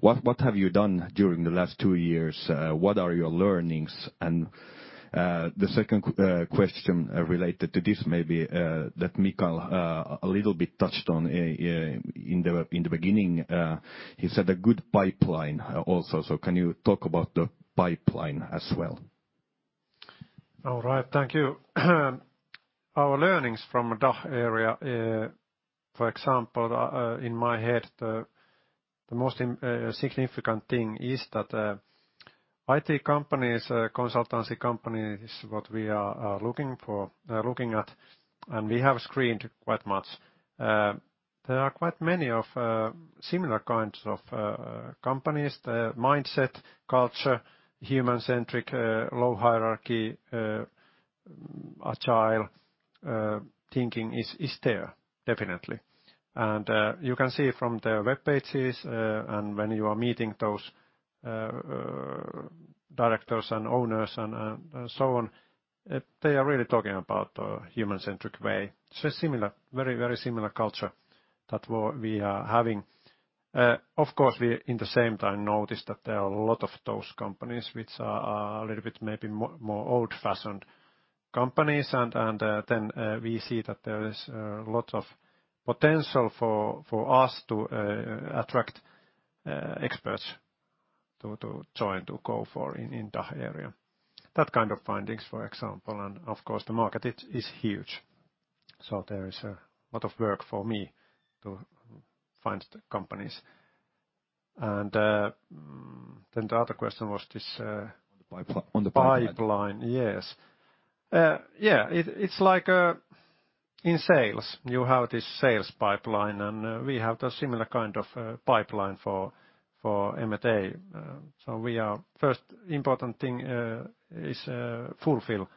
what have you done during the last two years? What are your learnings? The second question related to this maybe, that Mika a little bit touched on in the beginning, he said a good pipeline also. Can you talk about the pipeline as well? All right. Thank you. Our learnings from DACH area, for example, in my head, the most significant thing is that IT companies, consultancy companies is what we are looking for, looking at, and we have screened quite much. There are quite many of similar kinds of companies. The mindset, culture, human-centric, low hierarchy, agile thinking is there definitely. You can see from their web pages, and when you are meeting those directors and owners and so on, they are really talking about human-centric way. Similar, very similar culture that we are having. Of course, we, in the same time, notice that there are a lot of those companies which are a little bit maybe more old-fashioned. Companies then, we see that there is lot of potential for us to attract experts to join Gofore in that area. That kind of findings, for example. Of course, the market it is huge. There is a lot of work for me to find companies. Then the other question was this. On the pipeline. Pipeline, yes. Yeah, it's like, in sales you have this sales pipeline, and we have the similar kind of pipeline for M&A. We are first important thing, is fulfill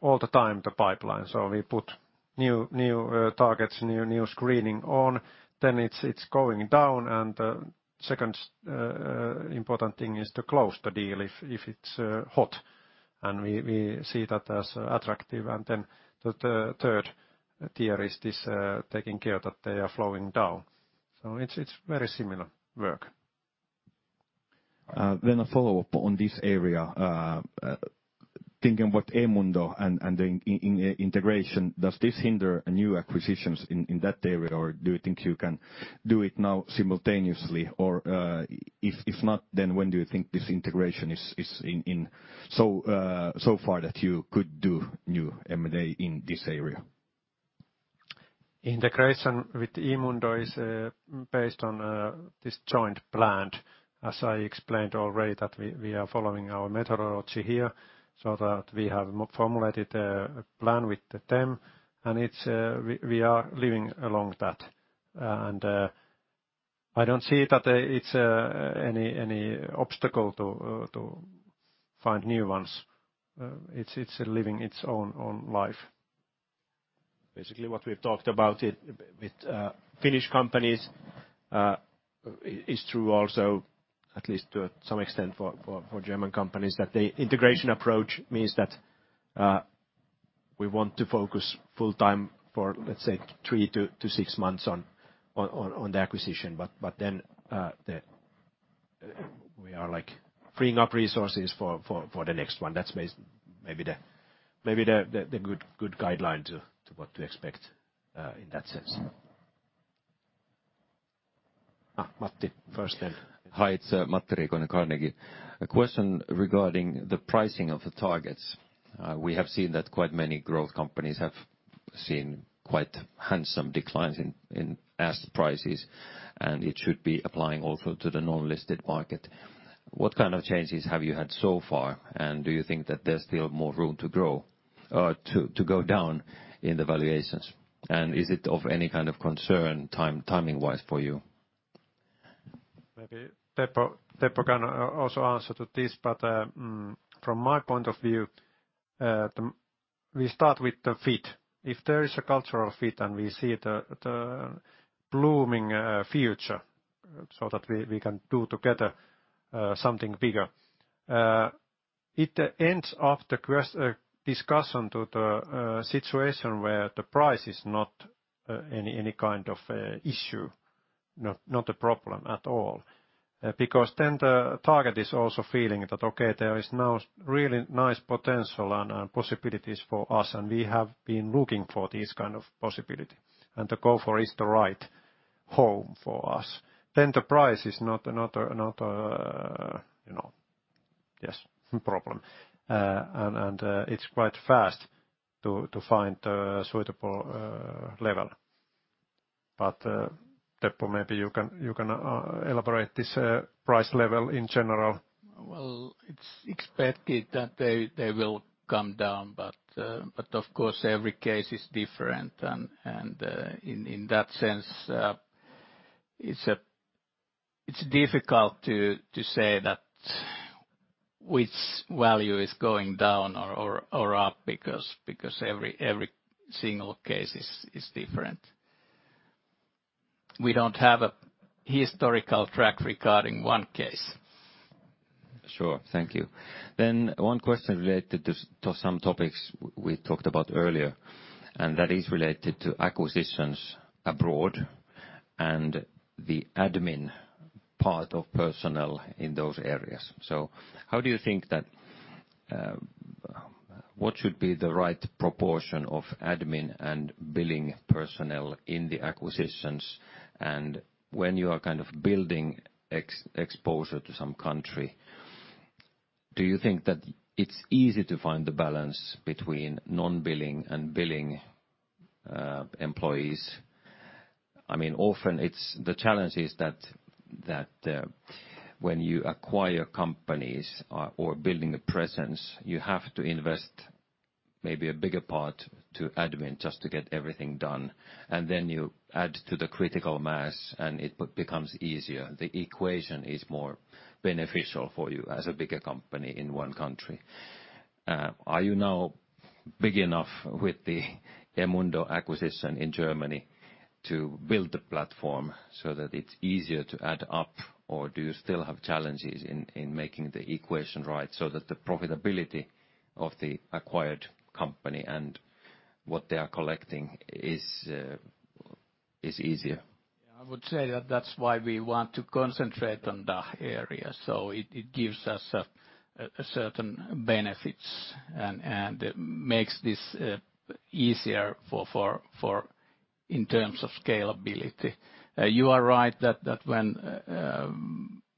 all the time the pipeline. We put new targets, new screening on then it's going down. Second important thing is to close the deal if it's hot and we see that as attractive. Then the third tier is this, taking care that they are flowing down. It's very similar work. A follow-up on this area. Thinking about eMundo and integration, does this hinder new acquisitions in that area? Do you think you can do it now simultaneously? If not, then when do you think this integration is in so far that you could do new M&A in this area? Integration with eMundo is based on this joint plant, as I explained already, that we are following our methodology here so that we have formulated a plan with them, and it's we are living along that. I don't see that it's any obstacle to find new ones. It's living its own life. Basically what we've talked about it with Finnish companies, is true also, at least to some extent for German companies, that the integration approach means that we want to focus full time for, let's say, three to six months on the acquisition. We are like freeing up resources for the next one. That's maybe the good guideline to what to expect in that sense. Matti first then. Hi, it's Matti Riekkinen, Carnegie. A question regarding the pricing of the targets. We have seen that quite many growth companies have seen quite handsome declines in asset prices, and it should be applying also to the non-listed market. What kind of changes have you had so far, and do you think that there's still more room to grow or to go down in the valuations? Is it of any kind of concern time-timing-wise for you? Maybe Teppo can also answer to this, but from my point of view, we start with the fit. If there is a cultural fit and we see the blooming future so that we can do together something bigger, it ends up the discussion to the situation where the price is not any kind of issue, not a problem at all. Then the target is also feeling that, okay, there is now really nice potential and possibilities for us, and we have been looking for this kind of possibility, and the Gofore is the right home for us, then the price is not another, you know, yes, problem. It's quite fast to find a suitable level. Teppo, maybe you can elaborate this price level in general. It's expected that they will come down, but of course every case is different. In that sense, it's difficult to say that which value is going down or up because every single case is different. We don't have a historical track regarding one case. Sure. Thank you. One question related to some topics we talked about earlier, and that is related to acquisitions abroad and the admin part of personnel in those areas. How do you think that, what should be the right proportion of admin and billing personnel in the acquisitions? When you are kind of building ex-exposure to some country, do you think that it's easy to find the balance between non-billing and billing employees? I mean, often it's the challenge is that, when you acquire companies or building a presence, you have to invest maybe a bigger part to admin just to get everything done, and then you add to the critical mass and it becomes easier. The equation is more beneficial for you as a bigger company in one country. Are you now big enough with the eMundo acquisition in Germany to build the platform so that it's easier to add up? Do you still have challenges in making the equation right so that the profitability of the acquired company and what they are collecting is? say that that's why we want to concentrate on that area. So it gives us certain benefits and makes this easier for in terms of scalability. You are right that when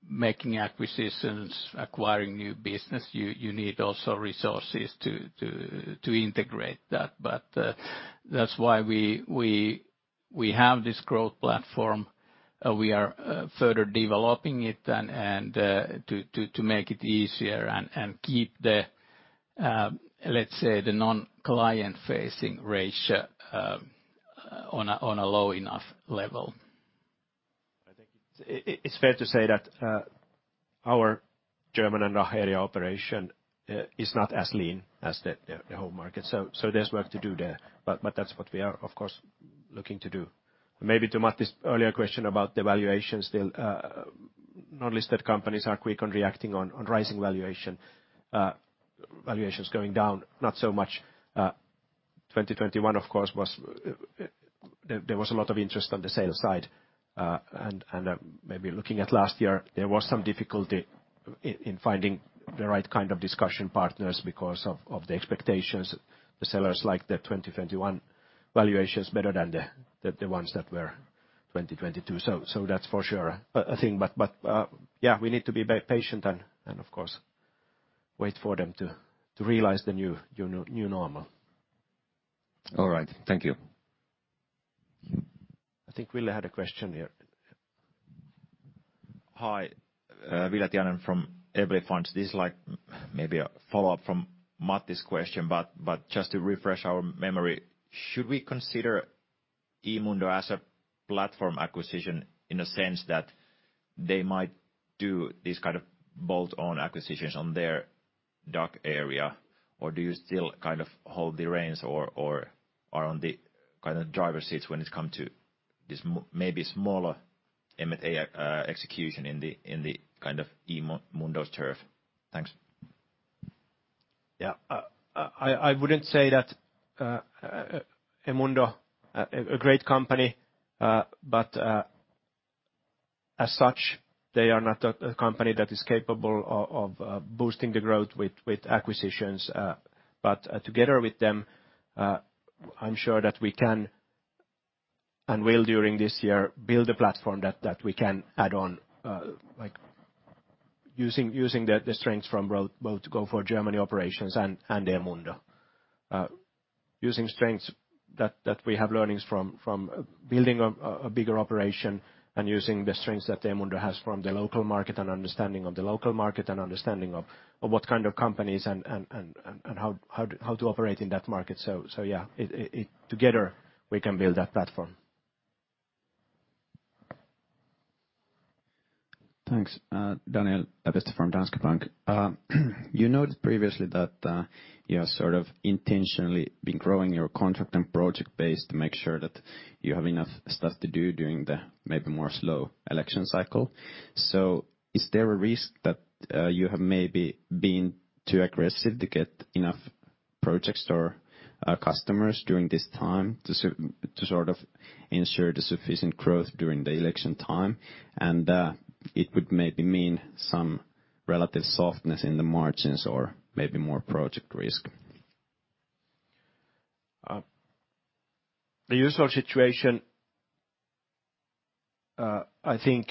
making acquisitions, acquiring new business, you need also resources to integrate that. But that's why we have this growth platform. We are further developing it and to make it easier and keep the, let's say, the non-client facing ratio on a low enough level. I think it's fair to say that our German and DACH area operation is not as lean as the home market. So there's work to do there, but that's what we are, of course, looking to do. Maybe to Matti's earlier question about the valuations still, non-listed companies are quick on reacting on rising valuation. Valuations going down not so much. 2021, of course, was. There was a lot of interest on the sales side. And maybe looking at last year, there was some difficulty in finding the right kind of discussion partners because of the expectations. The sellers like the 2021 valuations better than the ones that were 2022. That's for sure a thing. Yeah, we need to be very patient and of course wait for them to realize the new normal. All right. Thank you. I think Ville had a question here. Hi. Ville Tiainen from Evli Funds. This is like maybe a follow-up from Matti's question, but just to refresh our memory, should we consider eMundo as a platform acquisition in a sense that they might do these kind of bolt-on acquisitions on their dock area? Do you still kind of hold the reins or are on the kind of driver's seats when it come to this maybe smaller M&A execution in the kind of eMundo's turf? Thanks. Yeah. I wouldn't say that eMundo, a great company, but as such, they are not a company that is capable of boosting the growth with acquisitions. Together with them, I'm sure that we can and will, during this year build a platform that we can add on, like using the strengths from both Gofore Germany operations and eMundo. Using strengths that we have learnings from building a bigger operation and using the strengths that eMundo has from the local market and understanding of the local market and understanding of what kind of companies and how to operate in that market. Yeah. Together we can build that platform. Thanks. Daniel Lepistö from Danske Bank. You noted previously that you have sort of intentionally been growing your contract and project base to make sure that you have enough stuff to do during the maybe more slow election cycle. Is there a risk that you have maybe been too aggressive to get enough projects or customers during this time to sort of ensure the sufficient growth during the election time, and it would maybe mean some relative softness in the margins or maybe more project risk? The usual situation, I think.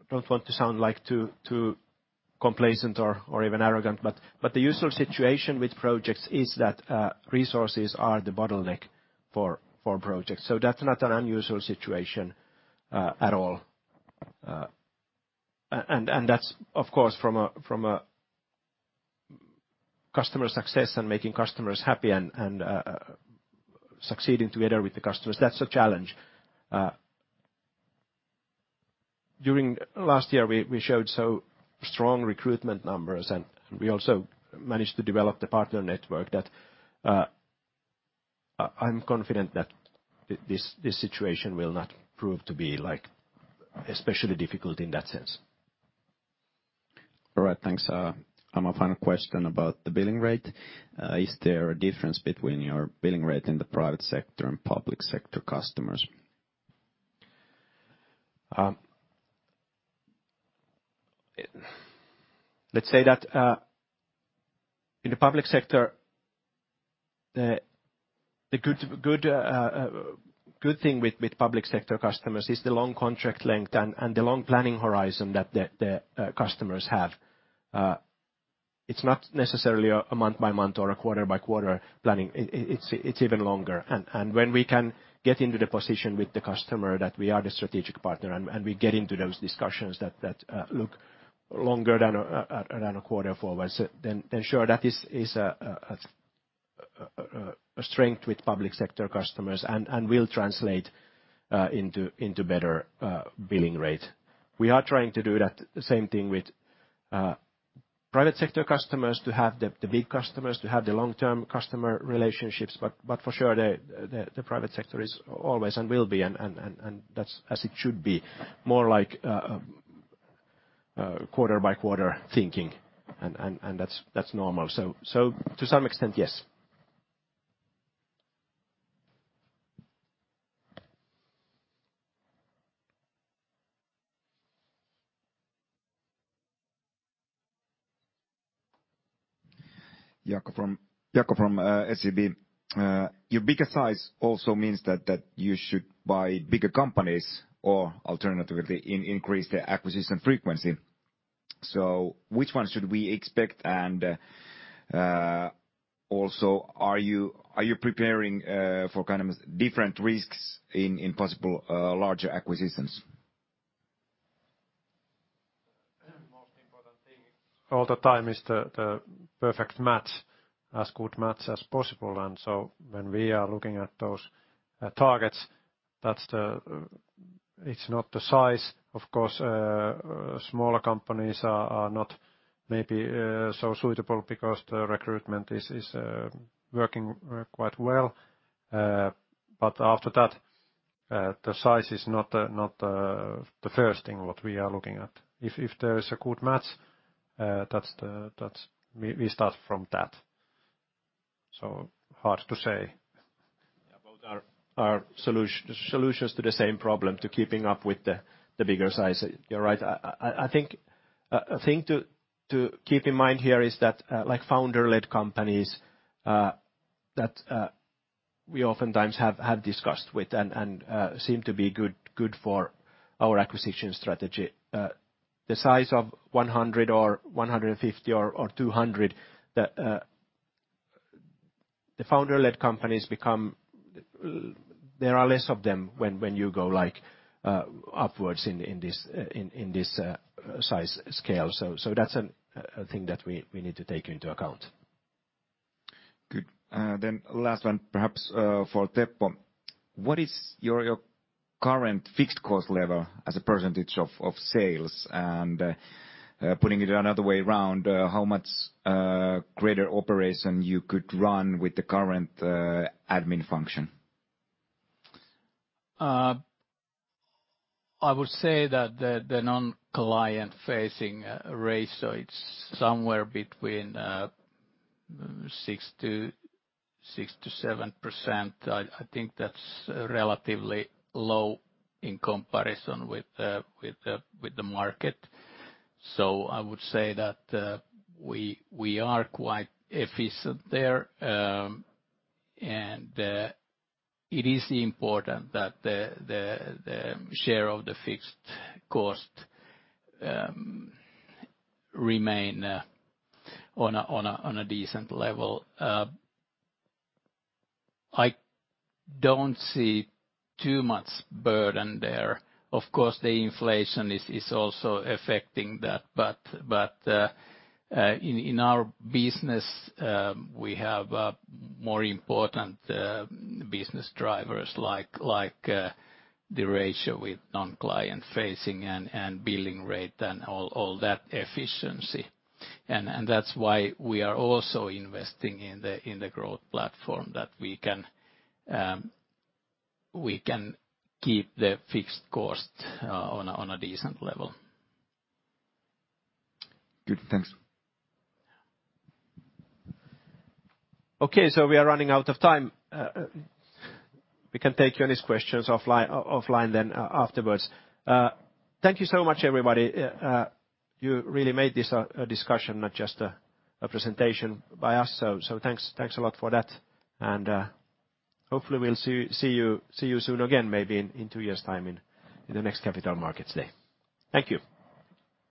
I don't want to sound like too complacent or even arrogant, but the usual situation with projects is that resources are the bottleneck for projects. That's not an unusual situation at all. That's of course from a customer success and making customers happy and succeeding together with the customers. That's a challenge. During last year we showed so strong recruitment numbers, and we also managed to develop the partner network that I'm confident that this situation will not prove to be like especially difficult in that sense All right. Thanks. A final question about the billing rate. Is there a difference between your billing rate in the private sector and public sector customers? Let's say that in the public sector, the good thing with public sector customers is the long contract length and the long planning horizon that the customers have. It's not necessarily a month-by-month or a quarter-by-quarter planning. It's even longer. When we can get into the position with the customer that we are the strategic partner and we get into those discussions that look longer than a quarter forwards, then sure that is a strength with public sector customers and will translate into better billing rate. We are trying to do that same thing with private sector customers to have the big customers, to have the long-term customer relationships, but for sure the private sector is always and will be and that's as it should be more like quarter by quarter thinking, and that's normal. So to some extent, yes. Jaakko from SEB, your bigger size also means that you should buy bigger companies or alternatively increase the acquisition frequency. Which ones should we expect and also are you preparing for kind of different risks in possible larger acquisitions? Most important thing all the time is the perfect match, as good match as possible. When we are looking at those targets, that's the. It's not the size. Of course, smaller companies are not maybe so suitable because the recruitment is working quite well. But after that, the size is not the first thing what we are looking at. If there is a good match, that's we start from that. Hard to say. Yeah. Both are solutions to the same problem, to keeping up with the bigger size. You're right. I think like founder-led companies that we oftentimes have discussed with and seem to be good for our acquisition strategy. The size of 100 or 150 or 200, the founder-led companies become. There are less of them when you go like upwards in this in this size scale. That's a thing that we need to take into account. Good. Last one, perhaps, for Teppo. What is your current fixed cost level as a percentage of sales? Putting it another way around, how much greater operation you could run with the current admin function? I would say that the non-client facing ratio, it's somewhere between 6%-7%. I think that's relatively low in comparison with the market. I would say that we are quite efficient there. It is important that the share of the fixed cost remain on a decent level. I don't see too much burden there. Of course, the inflation is also affecting that. In our business, we have more important business drivers like the ratio with non-client facing and billing rate and all that efficiency. That's why we are also investing in the growth platform that we can keep the fixed cost on a decent level. Good. Thanks. Okay. We are running out of time. We can take any questions offline afterwards. Thank you so much, everybody. You really made this a discussion, not just a presentation by us. Thanks a lot for that. Hopefully we'll see you soon again, maybe in two years' time in the next Capital Markets Day. Thank you.